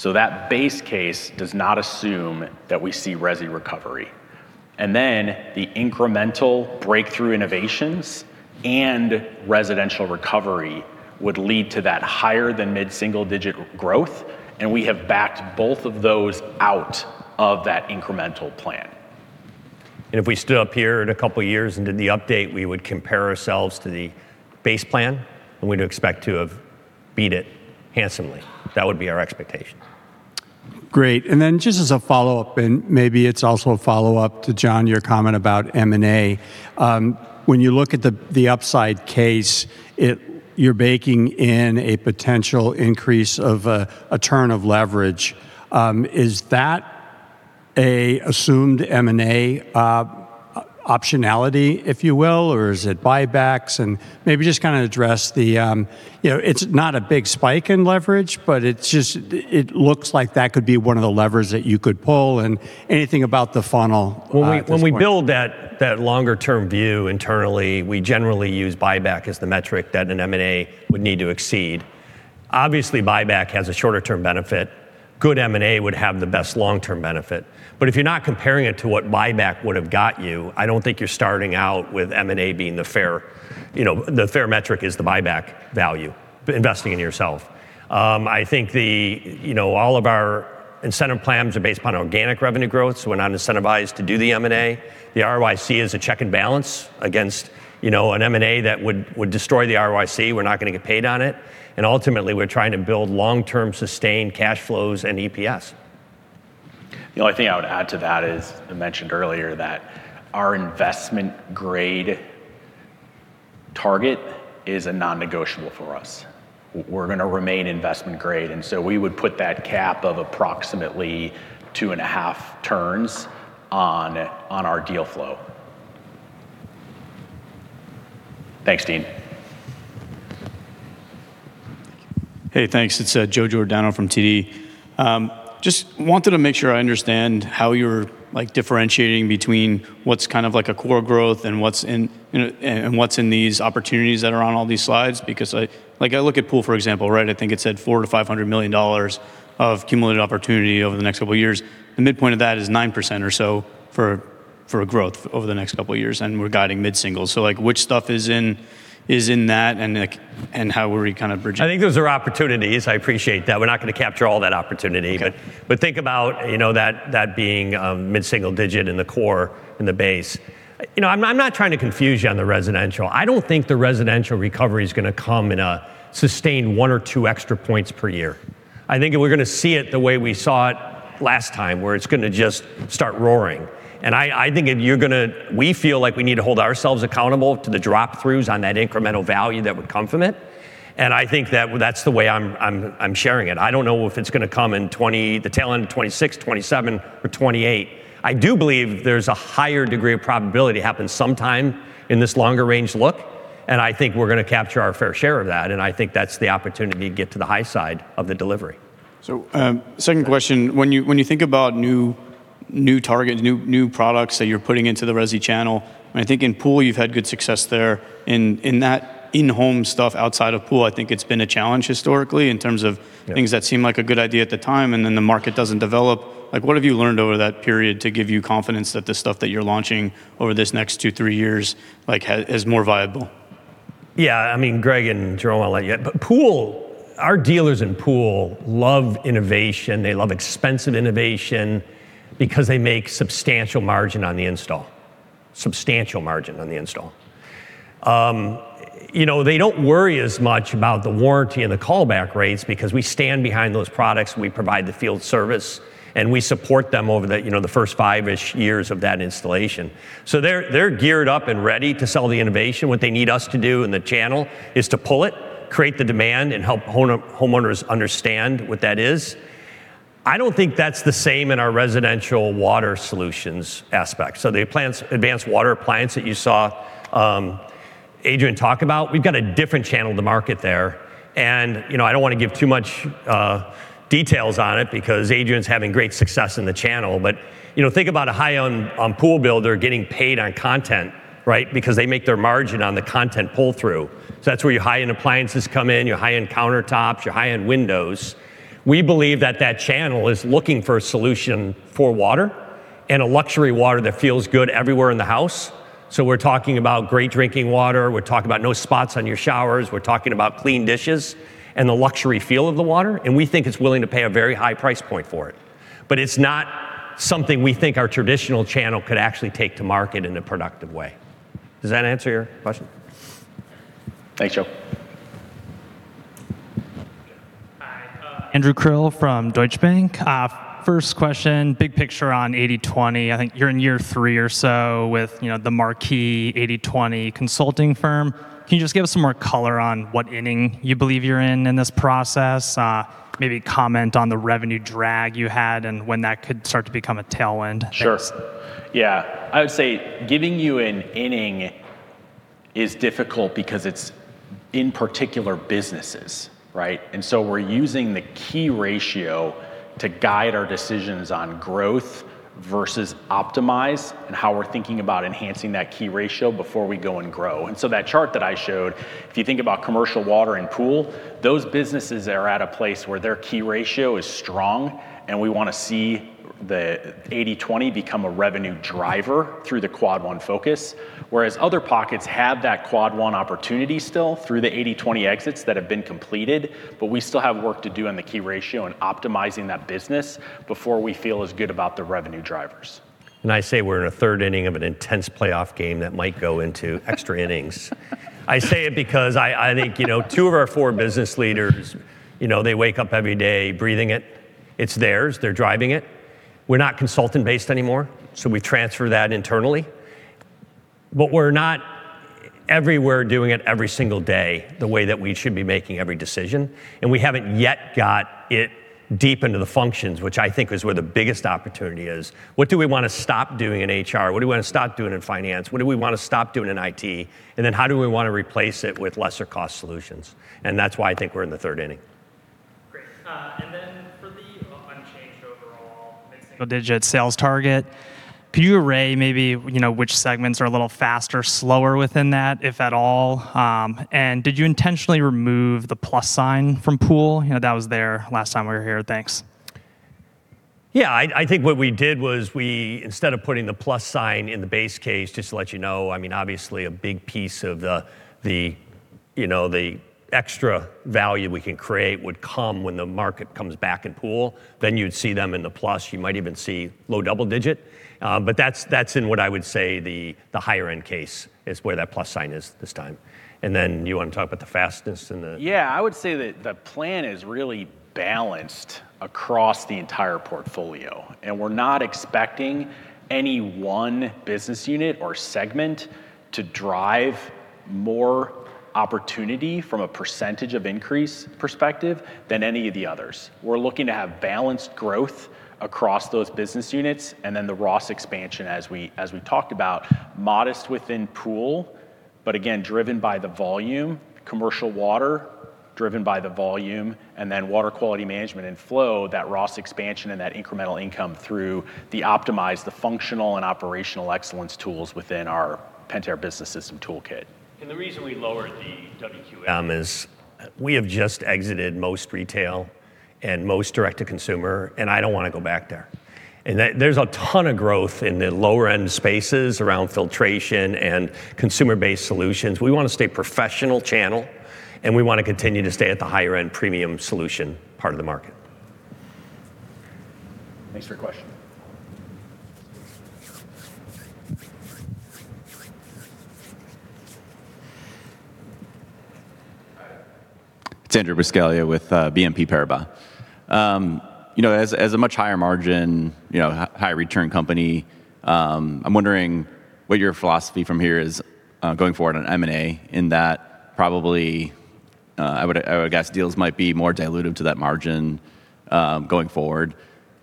That base case does not assume that we see resi recovery. Then the incremental breakthrough innovations and residential recovery would lead to that higher than mid-single digit growth. We have backed both of those out of that incremental plan. If we stood up here in a couple of years and did the update, we would compare ourselves to the base plan. We'd expect to have beat it handsomely. That would be our expectation. Great. Just as a follow-up, and maybe it's also a follow-up to John, your comment about M&A. When you look at the upside case, you're baking in a potential increase of 1 turn of leverage. Is that a assumed M&A optionality, if you will? Or is it buybacks? Maybe just kinda address the, you know, it's not a big spike in leverage, but it looks like that could be one of the levers that you could pull. Anything about the funnel at this point. When we build that longer-term view internally, we generally use buyback as the metric that an M&A would need to exceed. Obviously, buyback has a shorter-term benefit. Good M&A would have the best long-term benefit. If you're not comparing it to what buyback would have got you, I don't think you're starting out with M&A being the fair, you know, the fair metric is the buyback value, investing in yourself. I think, you know, all of our incentive plans are based upon organic revenue growth, we're not incentivized to do the M&A. The ROIC is a check and balance against, you know, an M&A that would destroy the ROIC. We're not gonna get paid on it. Ultimately, we're trying to build long-term sustained cash flows and EPS. The only thing I would add to that is, I mentioned earlier that our investment grade target is a non-negotiable for us. We're gonna remain investment grade, and so we would put that cap of approximately 2.5 turns on our deal flow. Thanks, Deane. Hey, thanks. It's Joe Giordano from TD. Just wanted to make sure I understand how you're, like, differentiating between what's kind of like a core growth and what's in, and what's in these opportunities that are on all these slides. Like I look at pool, for example, right? I think it said $400 million to $500 million of cumulative opportunity over the next couple of years. The midpoint of that is 9% or so for growth over the next couple of years. We're guiding mid-single. Like, which stuff is in that and, like, and how are we kind of bridging? I think those are opportunities. I appreciate that. We're not gonna capture all that opportunity. Okay. Think about, you know, that being mid-single digit in the core, in the base. I'm not trying to confuse you on the residential. I don't think the residential recovery is gonna come in a sustained 1 or 2 extra points per year. I think that we're gonna see it the way we saw it last time, where it's gonna just start roaring. I think if you're gonna we feel like we need to hold ourselves accountable to the drop-throughs on that incremental value that would come from it. I think that that's the way I'm sharing it. I don't know if it's gonna come in 2020, the tail end of 2026, 2027, or 2028. I do believe there's a higher degree of probability it happens sometime in this longer range look, and I think we're gonna capture our fair share of that, and I think that's the opportunity to get to the high side of the delivery. 2nd question. When you think about new targets, new products that you're putting into the resi channel, and I think in pool, you've had good success there. In that in-home stuff outside of pool, I think it's been a challenge historically in terms of- Yeah things that seem like a good idea at the time, then the market doesn't develop. Like, what have you learned over that period to give you confidence that the stuff that you're launching over this next 2, 3 years, like, is more viable? Greg and Jerome will let you know. Pool, our dealers in pool love innovation. They love expensive innovation because they make substantial margin on the install. Substantial margin on the install. You know, they don't worry as much about the warranty and the callback rates because we stand behind those products, we provide the field service, and we support them over the, you know, the first 5-ish years of that installation. They're, they're geared up and ready to sell the innovation. What they need us to do in the channel is to pull it, create the demand, and help homeowners understand what that is. I don't think that's the same in our residential water solutions aspect. The advanced water appliance that you saw, Adrian talk about, we've got a different channel to market there. You know, I don't wanna give too much details on it because Adrian's having great success in the channel. You know, think about a high-end pool builder getting paid on content, right? Because they make their margin on the content pull-through. That's where your high-end appliances come in, your high-end countertops, your high-end windows. We believe that that channel is looking for a solution for water and a luxury water that feels good everywhere in the house. We're talking about great drinking water, we're talking about no spots on your showers, we're talking about clean dishes and the luxury feel of the water, and we think it's willing to pay a very high price point for it. It's not something we think our traditional channel could actually take to market in a productive way. Does that answer your question? Thanks, John. Yeah. Hi. Andrew Krill from Deutsche Bank. 1st question, big picture on 80/20. I think you're in year 3 or so with, you know, the marquee 80/20 consulting firm. Can you just give us some more color on what inning you believe you're in in this process? Maybe comment on the revenue drag you had and when that could start to become a tailwind. Sure. I would say giving you an inning is difficult because it's in particular businesses, right? We're using the key ratio to guide our decisions on growth versus optimize and how we're thinking about enhancing that key ratio before we go and grow. That chart that I showed, if you think about commercial, water, and pool, those businesses are at a place where their key ratio is strong, and we wanna see the 80/20 become a revenue driver through the Quad 1 focus, whereas other pockets have that Quad 1 opportunity still through the 80/20 exits that have been completed, but we still have work to do on the key ratio and optimizing that business before we feel as good about the revenue drivers. I say we're in a 3rd inning of an intense playoff game that might go into extra innings. I say it because I think, you know, 2 of our 4 business leaders, you know, they wake up every day breathing it. It's theirs. They're driving it. We're not consultant-based anymore, we transfer that internally. We're not everywhere doing it every single day the way that we should be making every decision, we haven't yet got it deep into the functions, which I think is where the biggest opportunity is. What do we wanna stop doing in HR? What do we wanna stop doing in finance? What do we wanna stop doing in IT? How do we wanna replace it with lesser cost solutions? That's why I think we're in the 3rd inning. Great. Then for the unchanged overall single-digit sales target, can you array maybe, you know, which segments are a little faster or slower within that, if at all? Did you intentionally remove the + sign from pool? You know, that was there last time we were here. Thanks. I think what we did was we instead of putting the + sign in the base case, just to let you know, I mean, obviously a big piece of the, you know, the extra value we can create would come when the market comes back in pool, then you'd see them in the +. You might even see low double digit. That's, that's in what I would say the higher end case is where that + sign is this time. Then you wanna talk about the fastest. I would say that the plan is really balanced across the entire portfolio, and we're not expecting any 1 business unit or segment to drive more opportunity from a % of increase perspective than any of the others. We're looking to have balanced growth across those business units and then the ROS expansion as we talked about, modest within pool, but again driven by the volume, Commercial Water driven by the volume, and then Water Quality Management and Flow, that ROS expansion and that incremental income through the optimized functional and operational excellence tools within our Pentair Business System toolkit. The reason we lowered the WQM is we have just exited most retail and most direct to consumer, and I don't wanna go back there. There's a ton of growth in the lower end spaces around filtration and consumer-based solutions. We wanna stay professional channel, and we wanna continue to stay at the higher end premium solution part of the market. Thanks for your question. It's Andrew Buscaglia with BNP Paribas. You know, as a much higher margin, you know, high return company, I'm wondering what your philosophy from here is going forward on M&A in that probably, I would, I would guess deals might be more dilutive to that margin going forward.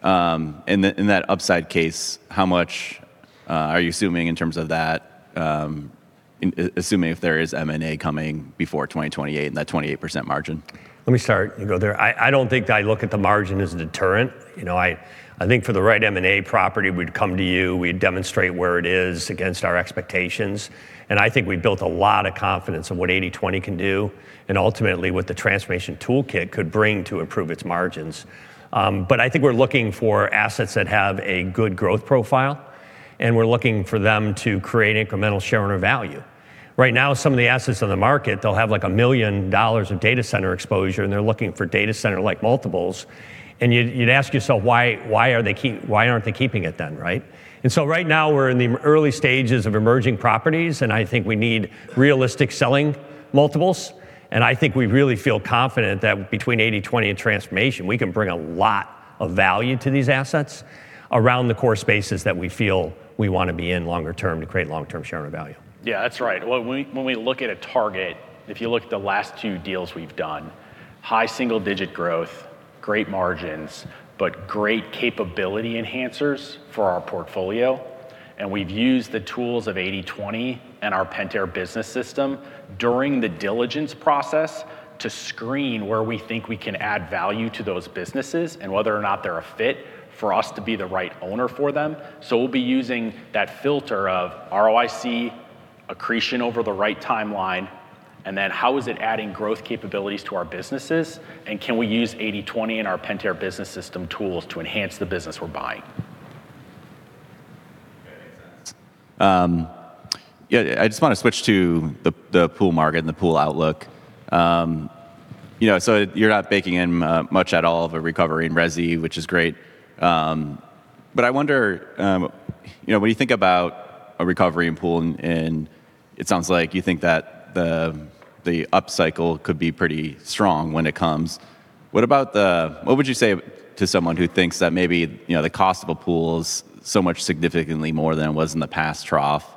In the, in that upside case, how much are you assuming in terms of that, assuming if there is M&A coming before 2028 and that 28% margin? Let me start, you go there. I don't think I look at the margin as a deterrent. You know, I think for the right M&A property, we'd come to you, we'd demonstrate where it is against our expectations, and I think we've built a lot of confidence in what 80/20 can do and ultimately what the transformation toolkit could bring to improve its margins. I think we're looking for assets that have a good growth profile, and we're looking for them to create incremental shareowner value. Right now, some of the assets on the market, they'll have like $1 million of data center exposure, and they're looking for data center-like multiples, and you'd ask yourself why aren't they keeping it then, right? Right now we're in the early stages of emerging properties, and I think we need realistic selling multiples, and I think we really feel confident that between 80/20 and transformation, we can bring a lot of value to these assets around the core spaces that we feel we wanna be in longer term to create long-term shareowner value. That's right. When we look at a target, if you look at the last 2 deals we've done, high single digit growth, great margins, great capability enhancers for our portfolio. We've used the tools of 80/20 and our Pentair Business System during the diligence process to screen where we think we can add value to those businesses and whether or not they're a fit for us to be the right owner for them. We'll be using that filter of ROIC accretion over the right timeline, how is it adding growth capabilities to our businesses, can we use 80/20 in our Pentair Business System tools to enhance the business we're buying? Okay, makes sense. I just wanna switch to the pool market and the pool outlook. You know, you're not baking in much at all of a recovery in resi, which is great. I wonder, you know, when you think about a recovery in pool and it sounds like you think that the upcycle could be pretty strong when it comes. What would you say to someone who thinks that maybe, you know, the cost of a pool is so much significantly more than it was in the past trough?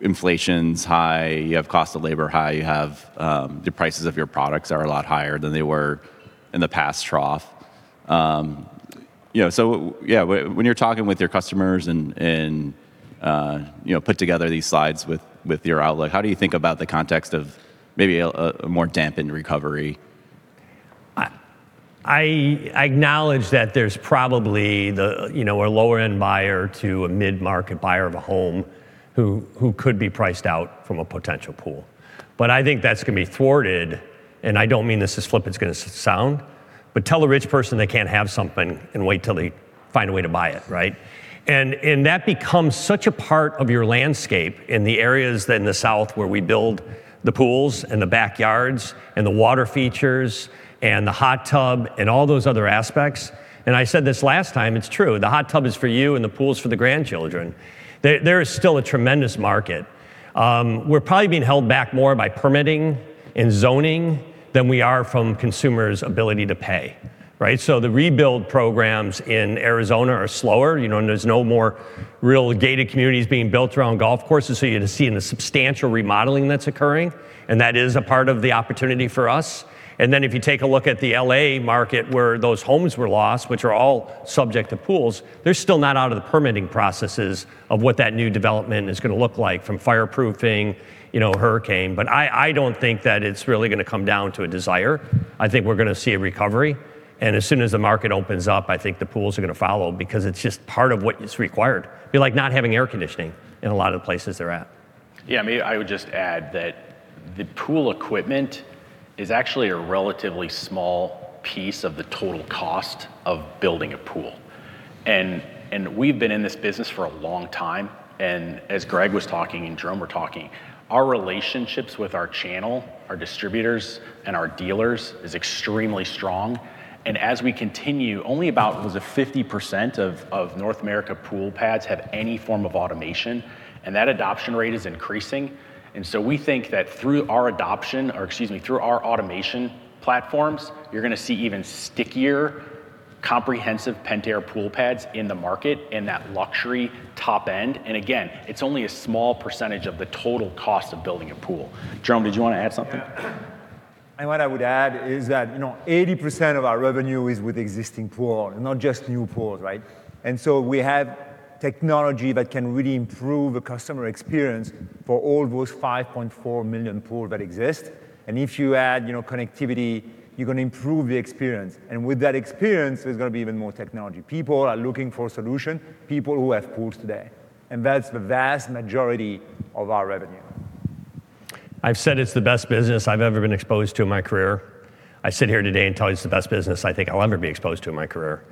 Inflation's high, you have cost of labor high, you have the prices of your products are a lot higher than they were in the past trough. You know, when you're talking with your customers and, you know, put together these slides with your outlook, how do you think about the context of maybe a more dampened recovery? I acknowledge that there's probably the, you know, a lower end buyer to a mid-market buyer of a home who could be priced out from a potential pool. I think that's gonna be thwarted, and I don't mean this as flippant as it's gonna sound. Tell a rich person they can't have something, and wait till they find a way to buy it, right? That becomes such a part of your landscape in the areas in the South where we build the pools and the backyards and the water features and the hot tub and all those other aspects. I said this last time, it's true. The hot tub is for you and the pool's for the grandchildren. There is still a tremendous market. We're probably being held back more by permitting and zoning than we are from consumers' ability to pay, right? The rebuild programs in Arizona are slower, you know. There's no more real gated communities being built around golf courses, so you're just seeing the substantial remodeling that's occurring, and that is a part of the opportunity for us. If you take a look at the L.A. market where those homes were lost, which are all subject to pools, they're still not out of the permitting processes of what that new development is gonna look like from fireproofing, you know, hurricane. I don't think that it's really gonna come down to a desire. I think we're gonna see a recovery, and as soon as the market opens up, I think the pools are gonna follow because it's just part of what is required. It'd be like not having air conditioning in a lot of the places they're at. Maybe I would just add that the pool equipment is actually a relatively small piece of the total cost of building a pool. we've been in this business for a long time, as Jerome was talking, and Jerome were talking, our relationships with our channel, our distributors, and our dealers is extremely strong. as we continue, only about was it 50% of North America pool pads have any form of automation, and that adoption rate is increasing. we think that through our adoption, or excuse me, through our automation platforms, you're gonna see even stickier, comprehensive Pentair pool pads in the market in that luxury top end. again, it's only a small percentage of the total cost of building a pool. Jerome, did you wanna add something? What I would add is that, you know, 80% of our revenue is with existing pools, not just new pools, right? We have technology that can really improve the customer experience for all those 5.4 million pools that exist. If you add, you know, connectivity, you're gonna improve the experience. With that experience, there's gonna be even more technology. People are looking for solutions, people who have pools today, and that's the vast majority of our revenue. I've said it's the best business I've ever been exposed to in my career. I sit here today and tell you it's the best business I think I'll ever be exposed to in my career.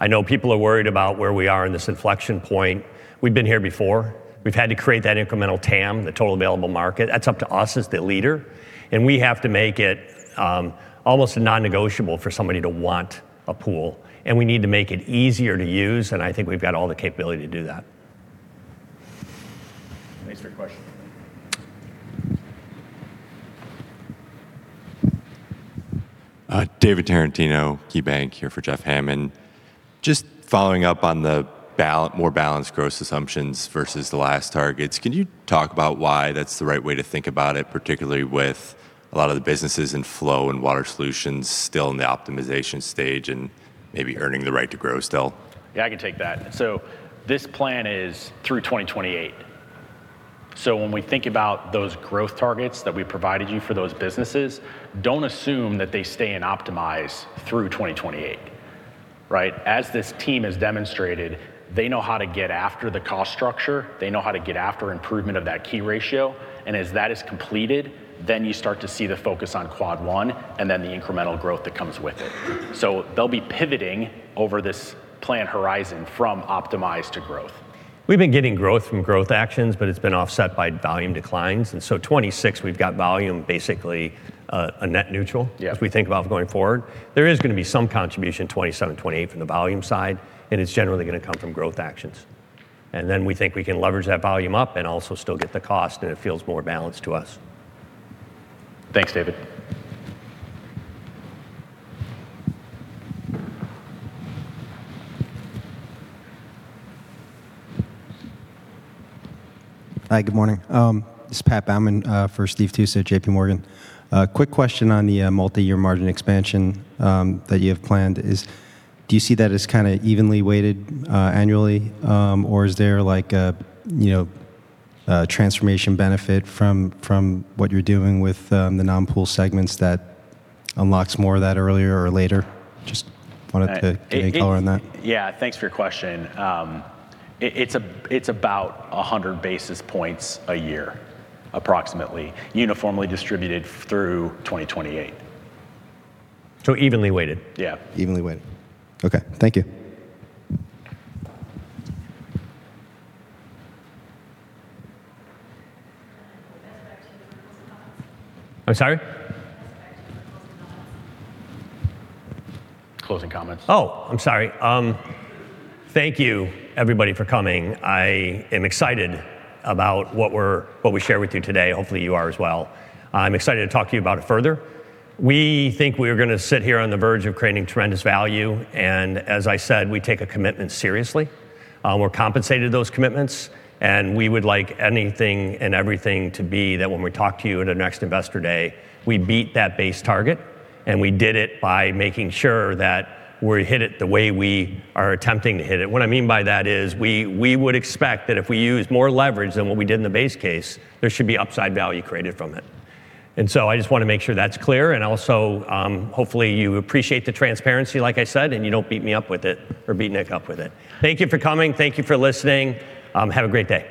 I know people are worried about where we are in this inflection point. We've been here before. We've had to create that incremental TAM, the total available market. That's up to us as the leader, and we have to make it almost non-negotiable for somebody to want a pool. We need to make it easier to use, and I think we've got all the capability to do that. Thanks for your question. David Tarantino, KeyBanc, here for Jeff Hammond. Just following up on the more balanced gross assumptions versus the last targets. Can you talk about why that's the right way to think about it, particularly with a lot of the businesses in Flow and Water Solutions still in the optimization stage and maybe earning the right to grow still? I can take that. This plan is through 2028. When we think about those growth targets that we provided you for those businesses, don't assume that they stay in optimize through 2028, right? As this team has demonstrated, they know how to get after the cost structure. They know how to get after improvement of that key ratio. As that is completed, you start to see the focus on Quad 1, and then the incremental growth that comes with it. They'll be pivoting over this plan horizon from optimize to growth. We've been getting growth from growth actions, but it's been offset by volume declines. 2026, we've got volume basically a net neutral. Yeah... as we think about going forward. There is gonna be some contribution in 2027, 2028 from the volume side, and it's generally gonna come from growth actions. Then we think we can leverage that volume up and also still get the cost, and it feels more balanced to us. Thanks, David. Hi, good morning. This is Pat Baumann for Stephen Tusa at JP Morgan. A quick question on the multi-year margin expansion that you have planned is, do you see that as kind of evenly weighted annually, or is there like a, you know, a transformation benefit from what you're doing with the non-Pool segments that unlocks more of that earlier or later? Just wanted to get your color on that. Thanks for your question. It's about 100 basis points a year, approximately, uniformly distributed through 2028. Evenly weighted. Yeah. Evenly weighted. Okay, thank you. Best back to your closing comments. I'm sorry? Best back to your closing comments. Closing comments. Oh, I'm sorry. Thank you, everybody, for coming. I am excited about what we shared with you today. Hopefully, you are as well. I'm excited to talk to you about it further. We think we're gonna sit here on the verge of creating tremendous value. As I said, we take a commitment seriously. We're compensated those commitments, and we would like anything and everything to be that when we talk to you at our next Investor Day, we beat that base target, and we did it by making sure that we hit it the way we are attempting to hit it. What I mean by that is we would expect that if we use more leverage than what we did in the base case, there should be upside value created from it. I just wanna make sure that's clear. Also, hopefully, you appreciate the transparency, like I said, and you don't beat me up with it or beat Nick up with it. Thank you for coming. Thank you for listening. Have a great day.